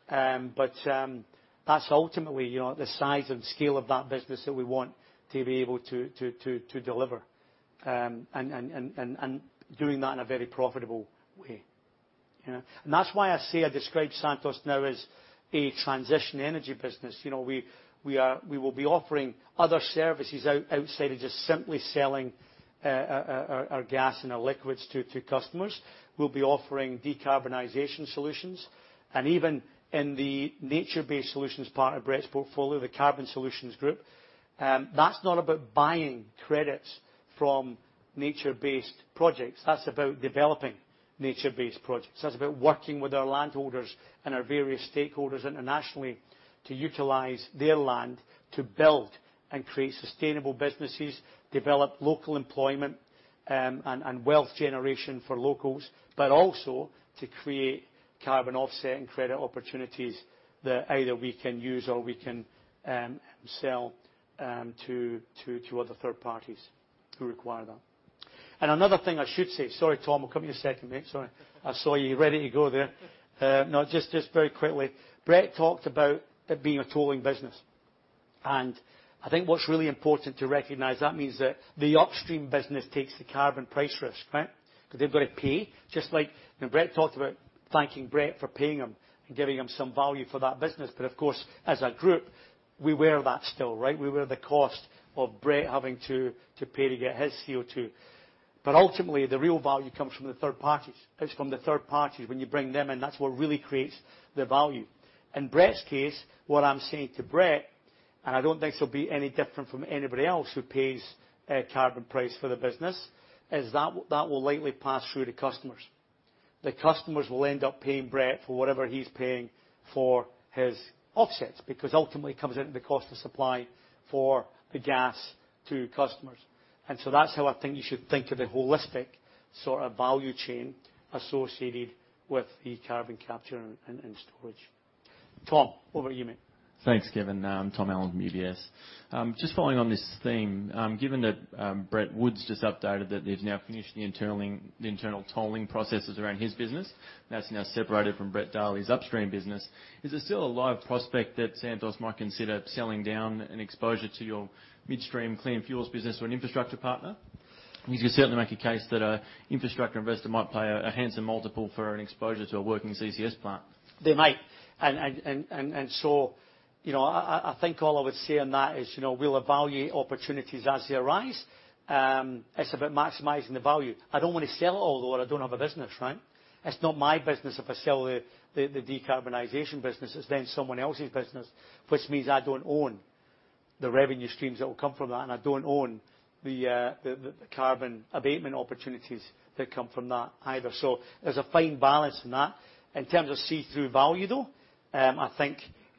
That's ultimately the size and scale of that business that we want to be able to deliver, and doing that in a very profitable way. That's why I say I describe Santos now as a transition energy business. We will be offering other services outside of just simply selling our gas and our liquids to customers. We'll be offering decarbonization solutions. Even in the nature-based solutions part of Brett's portfolio, the Carbon Solutions Group, that's not about buying credits from nature-based projects. That's about developing nature-based projects. That's about working with our landowners and our various stakeholders internationally to utilize their land to build and create sustainable businesses, develop local employment, and wealth generation for locals. Also to create carbon offset and credit opportunities that either we can use or we can sell to other third parties who require that. Another thing I should say. Sorry, Tom, I'll come to you in a second, mate. Sorry. I saw you ready to go there. Just very quickly. Brett talked about it being a tolling business. I think what's really important to recognize, that means that the upstream business takes the carbon price risk, right? Because they've got to pay, just like Brett talked about thanking Brett for paying them and giving him some value for that business. Of course, as a group, we wear that still, right? We wear the cost of Brett having to pay to get his CO2. Ultimately, the real value comes from the third parties. It's from the third parties. When you bring them in, that's what really creates the value. In Brett's case, what I'm saying to Brett, I don't think this will be any different from anybody else who pays a carbon price for the business, is that will likely pass through to customers. The customers will end up paying Brett for whatever he's paying for his offsets, because ultimately, it comes out in the cost of supply for the gas to customers. That's how I think you should think of the holistic value chain associated with the carbon capture and storage. Tom, over to you, mate. Thanks, Kevin. Tom Allen from UBS. Just following on this theme, given that Brett Woods just updated that they've now finished the internal tolling processes around his business, that's now separated from Brett Darley's upstream business. Is there still a live prospect that Santos might consider selling down an exposure to your Midstream and Clean Fuels business or an infrastructure partner? You could certainly make a case that an infrastructure investor might pay a handsome multiple for an exposure to a working CCS plant. They might. I think all I would say on that is, we'll evaluate opportunities as they arise. It's about maximizing the value. I don't want to sell it all or I don't have a business, right? It's not my business if I sell the decarbonization business. It's then someone else's business, which means I don't own the revenue streams that will come from that, and I don't own the carbon abatement opportunities that come from that either. There's a fine balance in that. In terms of see-through value, though, I think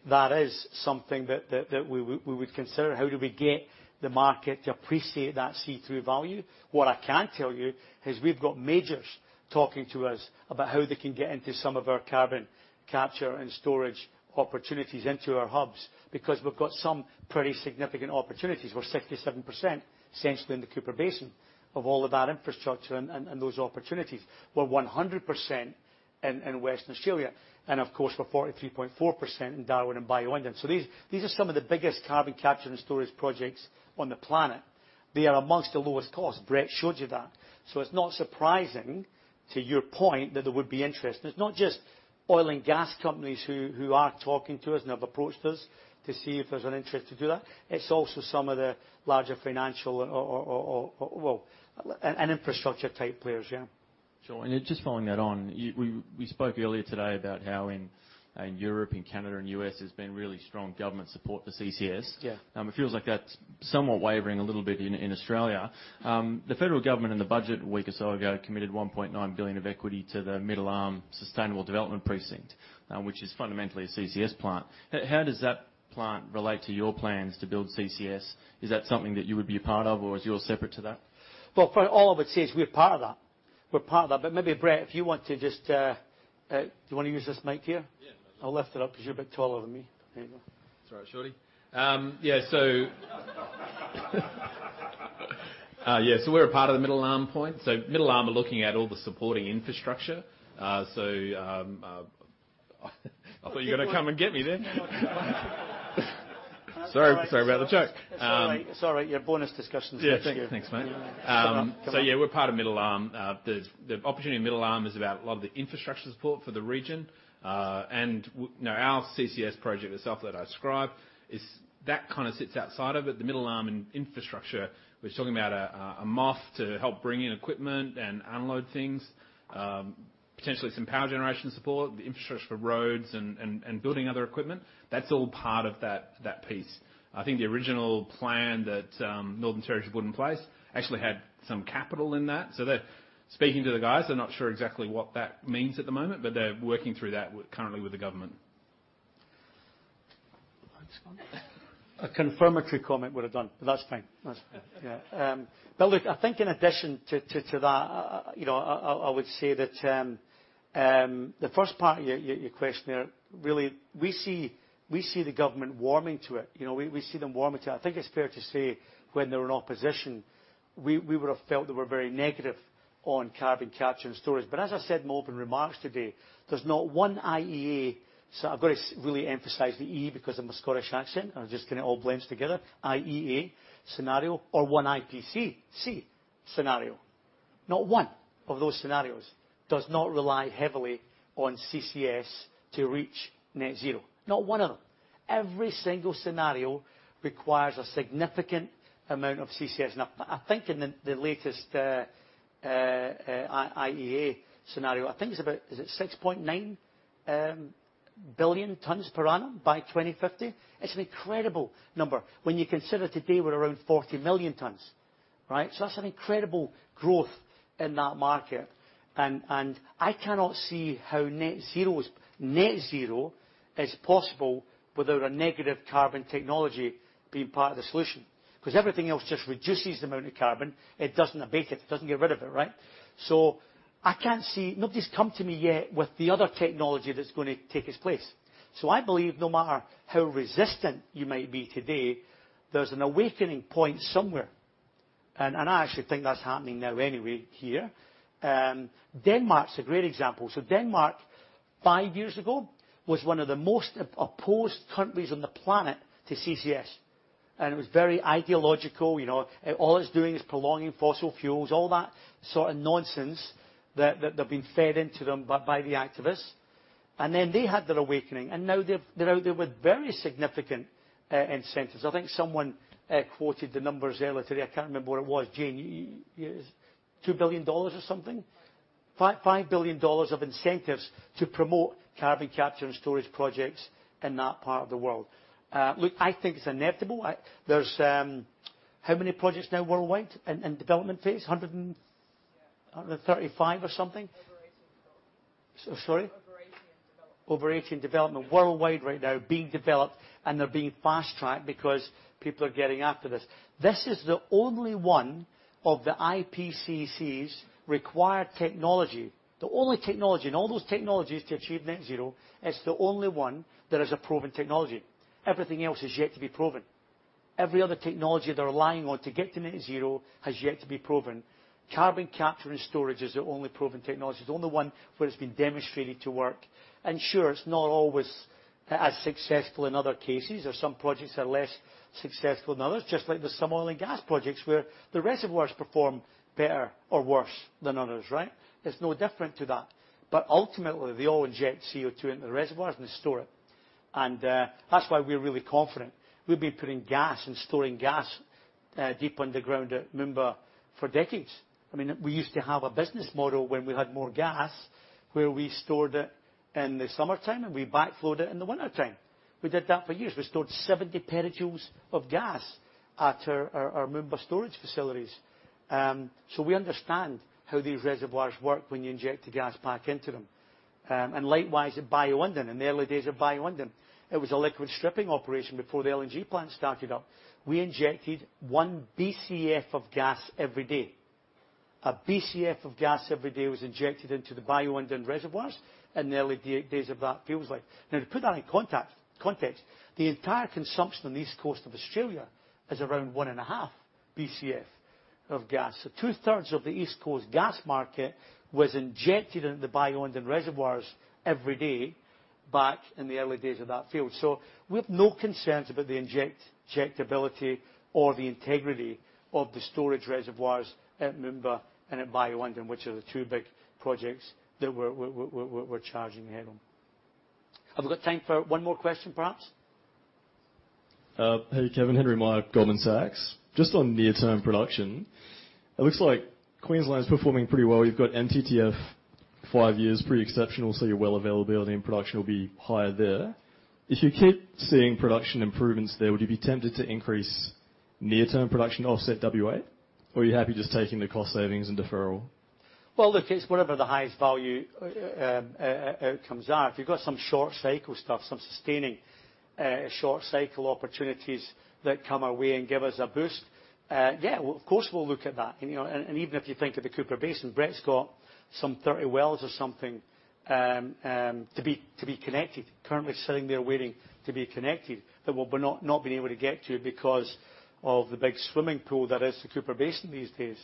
that is something that we would consider. How do we get the market to appreciate that see-through value? What I can tell you is we've got majors talking to us about how they can get into some of our carbon capture and storage opportunities into our hubs, because we've got some pretty significant opportunities. We're 67% essentially in the Cooper Basin of all of our infrastructure and those opportunities. We're 100% in Western Australia and of course, we're 43.4% in Darwin and Bayu-Undan. These are some of the biggest carbon capture and storage projects on the planet. They are amongst the lowest cost. Brett showed you that. It's not surprising, to your point, that there would be interest. It's not just oil and gas companies who are talking to us and have approached us to see if there's an interest to do that. It's also some of the larger financial and infrastructure type players, yeah. Sure. Just following that on, we spoke earlier today about how in Europe and Canada and U.S., there's been really strong government support for CCS. Yeah. It feels like that's somewhat wavering a little bit in Australia. The federal government in the budget a week or so ago committed AUD 1.9 billion of equity to the Middle Arm Sustainable Development Precinct, which is fundamentally a CCS plant. How does that plant relate to your plans to build CCS? Is that something that you would be a part of, or is yours separate to that? All I would say is we're part of that. We're part of that. Maybe, Brett, if you want to just Do you want to use this mic here? Yeah. I'll lift it up because you're a bit taller than me. There you go. Sorry, shorty. We're a part of the Middle Arm point. Middle Arm are looking at all the supporting infrastructure. I thought you were going to come and get me then. Sorry about the joke. It's all right. You have bonus discussions next year. Yeah. Thank you. Thanks, mate. Come on. Yeah, we're part of Middle Arm. The opportunity in Middle Arm is about a lot of the infrastructure support for the region. Our CCS project itself that I described, that sits outside of it. The Middle Arm infrastructure, we're talking about a wharf to help bring in equipment and unload things. Potentially, some power generation support, the infrastructure for roads and building other equipment. That's all part of that piece. I think the original plan that Northern Territory put in place actually had some capital in that. They're speaking to the guys. They're not sure exactly what that means at the moment, but they're working through that currently with the government. A confirmatory comment would have done, but that's fine. Look, I think in addition to that, I would say that the first part of your question there, really, we see the government warming to it. We see them warming to it. I think it's fair to say when they were in opposition, we would have felt they were very negative on carbon capture and storage. As I said in my opening remarks today, there's not one IEA So I've got to really emphasize the E because of my Scottish accent, or it just kind of all blends together. IEA scenario or one IPCC scenario. Not one of those scenarios does not rely heavily on CCS to reach net zero. Not one of them. Every single scenario requires a significant amount of CCS. I think in the latest IEA scenario, I think it's about, is it 6.9 billion tons per annum by 2050? It's an incredible number when you consider today we're around 40 million tons. Right? That's an incredible growth in that market. I cannot see how net zero is possible without a negative carbon technology being part of the solution. Everything else just reduces the amount of carbon. It doesn't abate it. It doesn't get rid of it, right? I can't see, nobody's come to me yet with the other technology that's going to take its place. I believe no matter how resistant you might be today, there's an awakening point somewhere. I actually think that's happening now anyway here. Denmark is a great example. Denmark, five years ago, was one of the most opposed countries on the planet to CCS. It was very ideological. All it's doing is prolonging fossil fuels, all that sort of nonsense that have been fed into them by the activists. Then they had their awakening, and now they're out there with very significant incentives. I think someone quoted the numbers earlier today. I can't remember what it was. Jane, it was 2 billion dollars or something? Five. 5 billion dollars of incentives to promote carbon capture and storage projects in that part of the world. I think it's inevitable. There's how many projects now worldwide in development phase? 135 or something? Over 18 development. Sorry. Over 18 in development. Over 18 in development worldwide right now are being developed, and they're being fast-tracked because people are getting after this. This is the only one of the IPCCs required technology, the only technology in all those technologies to achieve net zero. It's the only one that is a proven technology. Everything else is yet to be proven. Every other technology they're relying on to get to net zero has yet to be proven. Carbon capture and storage is the only proven technology. It's the only one where it's been demonstrated to work. Sure, it's not always as successful in other cases, or some projects are less successful than others, just like there's some oil and gas projects where the reservoirs perform better or worse than others, right. Ultimately, they all inject CO2 into the reservoirs and they store it. That's why we're really confident. We've been putting gas and storing gas deep underground at Moomba for decades. We used to have a business model when we had more gas, where we stored it in the summertime, and we back flowed it in the wintertime. We did that for years. We stored 70 petajoules of gas at our Moomba storage facilities. We understand how these reservoirs work when you inject the gas back into them. Likewise, at Bayu-Undan. In the early days of Bayu-Undan, it was a liquid stripping operation before the LNG plant started up. We injected one Bcf of gas every day. A Bcf of gas every day was injected into the Bayu-Undan reservoirs in the early days of that field. To put that in context, the entire consumption on the east coast of Australia is around one and a half Bcf of gas. Two-thirds of the East Coast gas market was injected into Bayu-Undan reservoirs every day back in the early days of that field. We've no concerns about the injectability or the integrity of the storage reservoirs at Moomba and at Bayu-Undan, which are the two big projects that we're charging ahead on. Have we got time for one more question, perhaps? Hey, Kevin. Henry Meyer, Goldman Sachs. Just on near-term production, it looks like Queensland is performing pretty well. You've got MTBF five years pretty exceptional, so your well availability and production will be higher there. If you keep seeing production improvements there, would you be tempted to increase near-term production to offset WA, or are you happy just taking the cost savings and deferral? Well, look, it's whatever the highest value outcomes are. If you've got some short cycle stuff, some sustaining short cycle opportunities that come our way and give us a boost, yeah, of course, we'll look at that. Even if you think of the Cooper Basin, Brett's got some 30 wells or something to be connected, currently sitting there waiting to be connected, that we've not been able to get to because of the big swimming pool that is the Cooper Basin these days.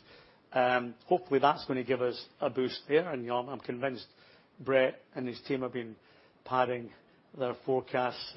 Hopefully, that's going to give us a boost there. I'm convinced Brett and his team have been padding their forecasts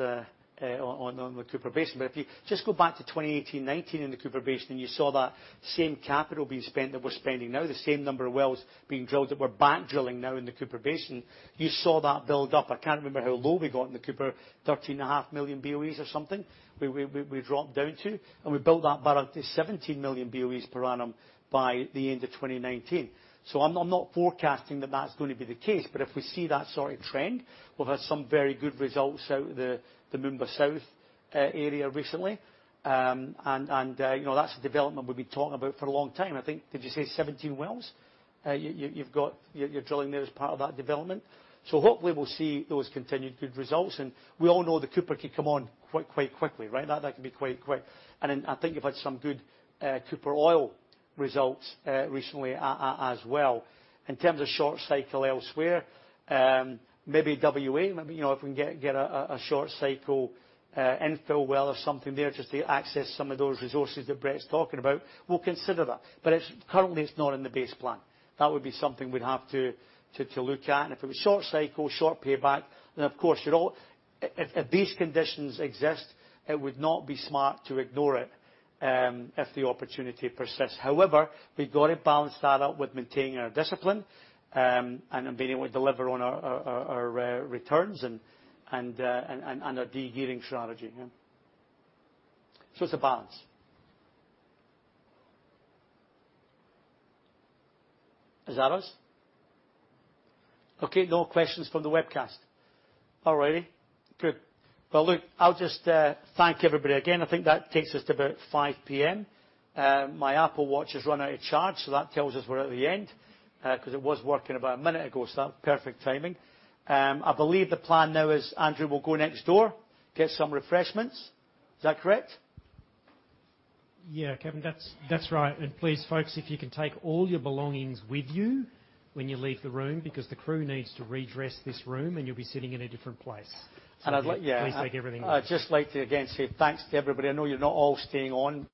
on the Cooper Basin. If you just go back to 2018, 2019 in the Cooper Basin, and you saw that same capital being spent that we're spending now, the same number of wells being drilled that we're back drilling now in the Cooper Basin. You saw that build up. I can't remember how low we got in the Cooper, 13.5 million BOEs or something we dropped down to, and we built that back up to 17 million BOEs per annum by the end of 2019. I'm not forecasting that that's going to be the case. If we see that sort of trend, we've had some very good results out of the Moomba South area recently. That's a development we've been talking about for a long time. I think, did you say 17 wells you're drilling there as part of that development? Hopefully we'll see those continued good results. We all know the Cooper can come on quite quickly, right? That can be quite quick. Then I think you've had some good Cooper Oil results recently as well. In terms of short cycle elsewhere, maybe WA. If we can get a short cycle infill well or something there just to access some of those resources that Brett's talking about, we'll consider that. Currently it's not in the base plan. That would be something we'd have to look at. If it was short cycle, short payback, of course if these conditions exist, it would not be smart to ignore it if the opportunity persists. However, we've got to balance that out with maintaining our discipline, and being able to deliver on our returns and our de-gearing strategy. It's a balance. Is that us? Okay. No questions from the webcast. Alrighty. Good. Well, look, I'll just thank everybody again. I think that takes us to about 5:00 P.M. My Apple Watch has run out of charge, that tells us we're at the end, because it was working about a minute ago, perfect timing. I believe the plan now is Andrew will go next door, get some refreshments. Is that correct? Yeah, Kevin, that's right. Please, folks, if you can take all your belongings with you when you leave the room, because the crew needs to redress this room, you'll be sitting in a different place. I'd like to- Please take everything with you. I'd just like to, again, say thanks to everybody. I know you're not all staying on.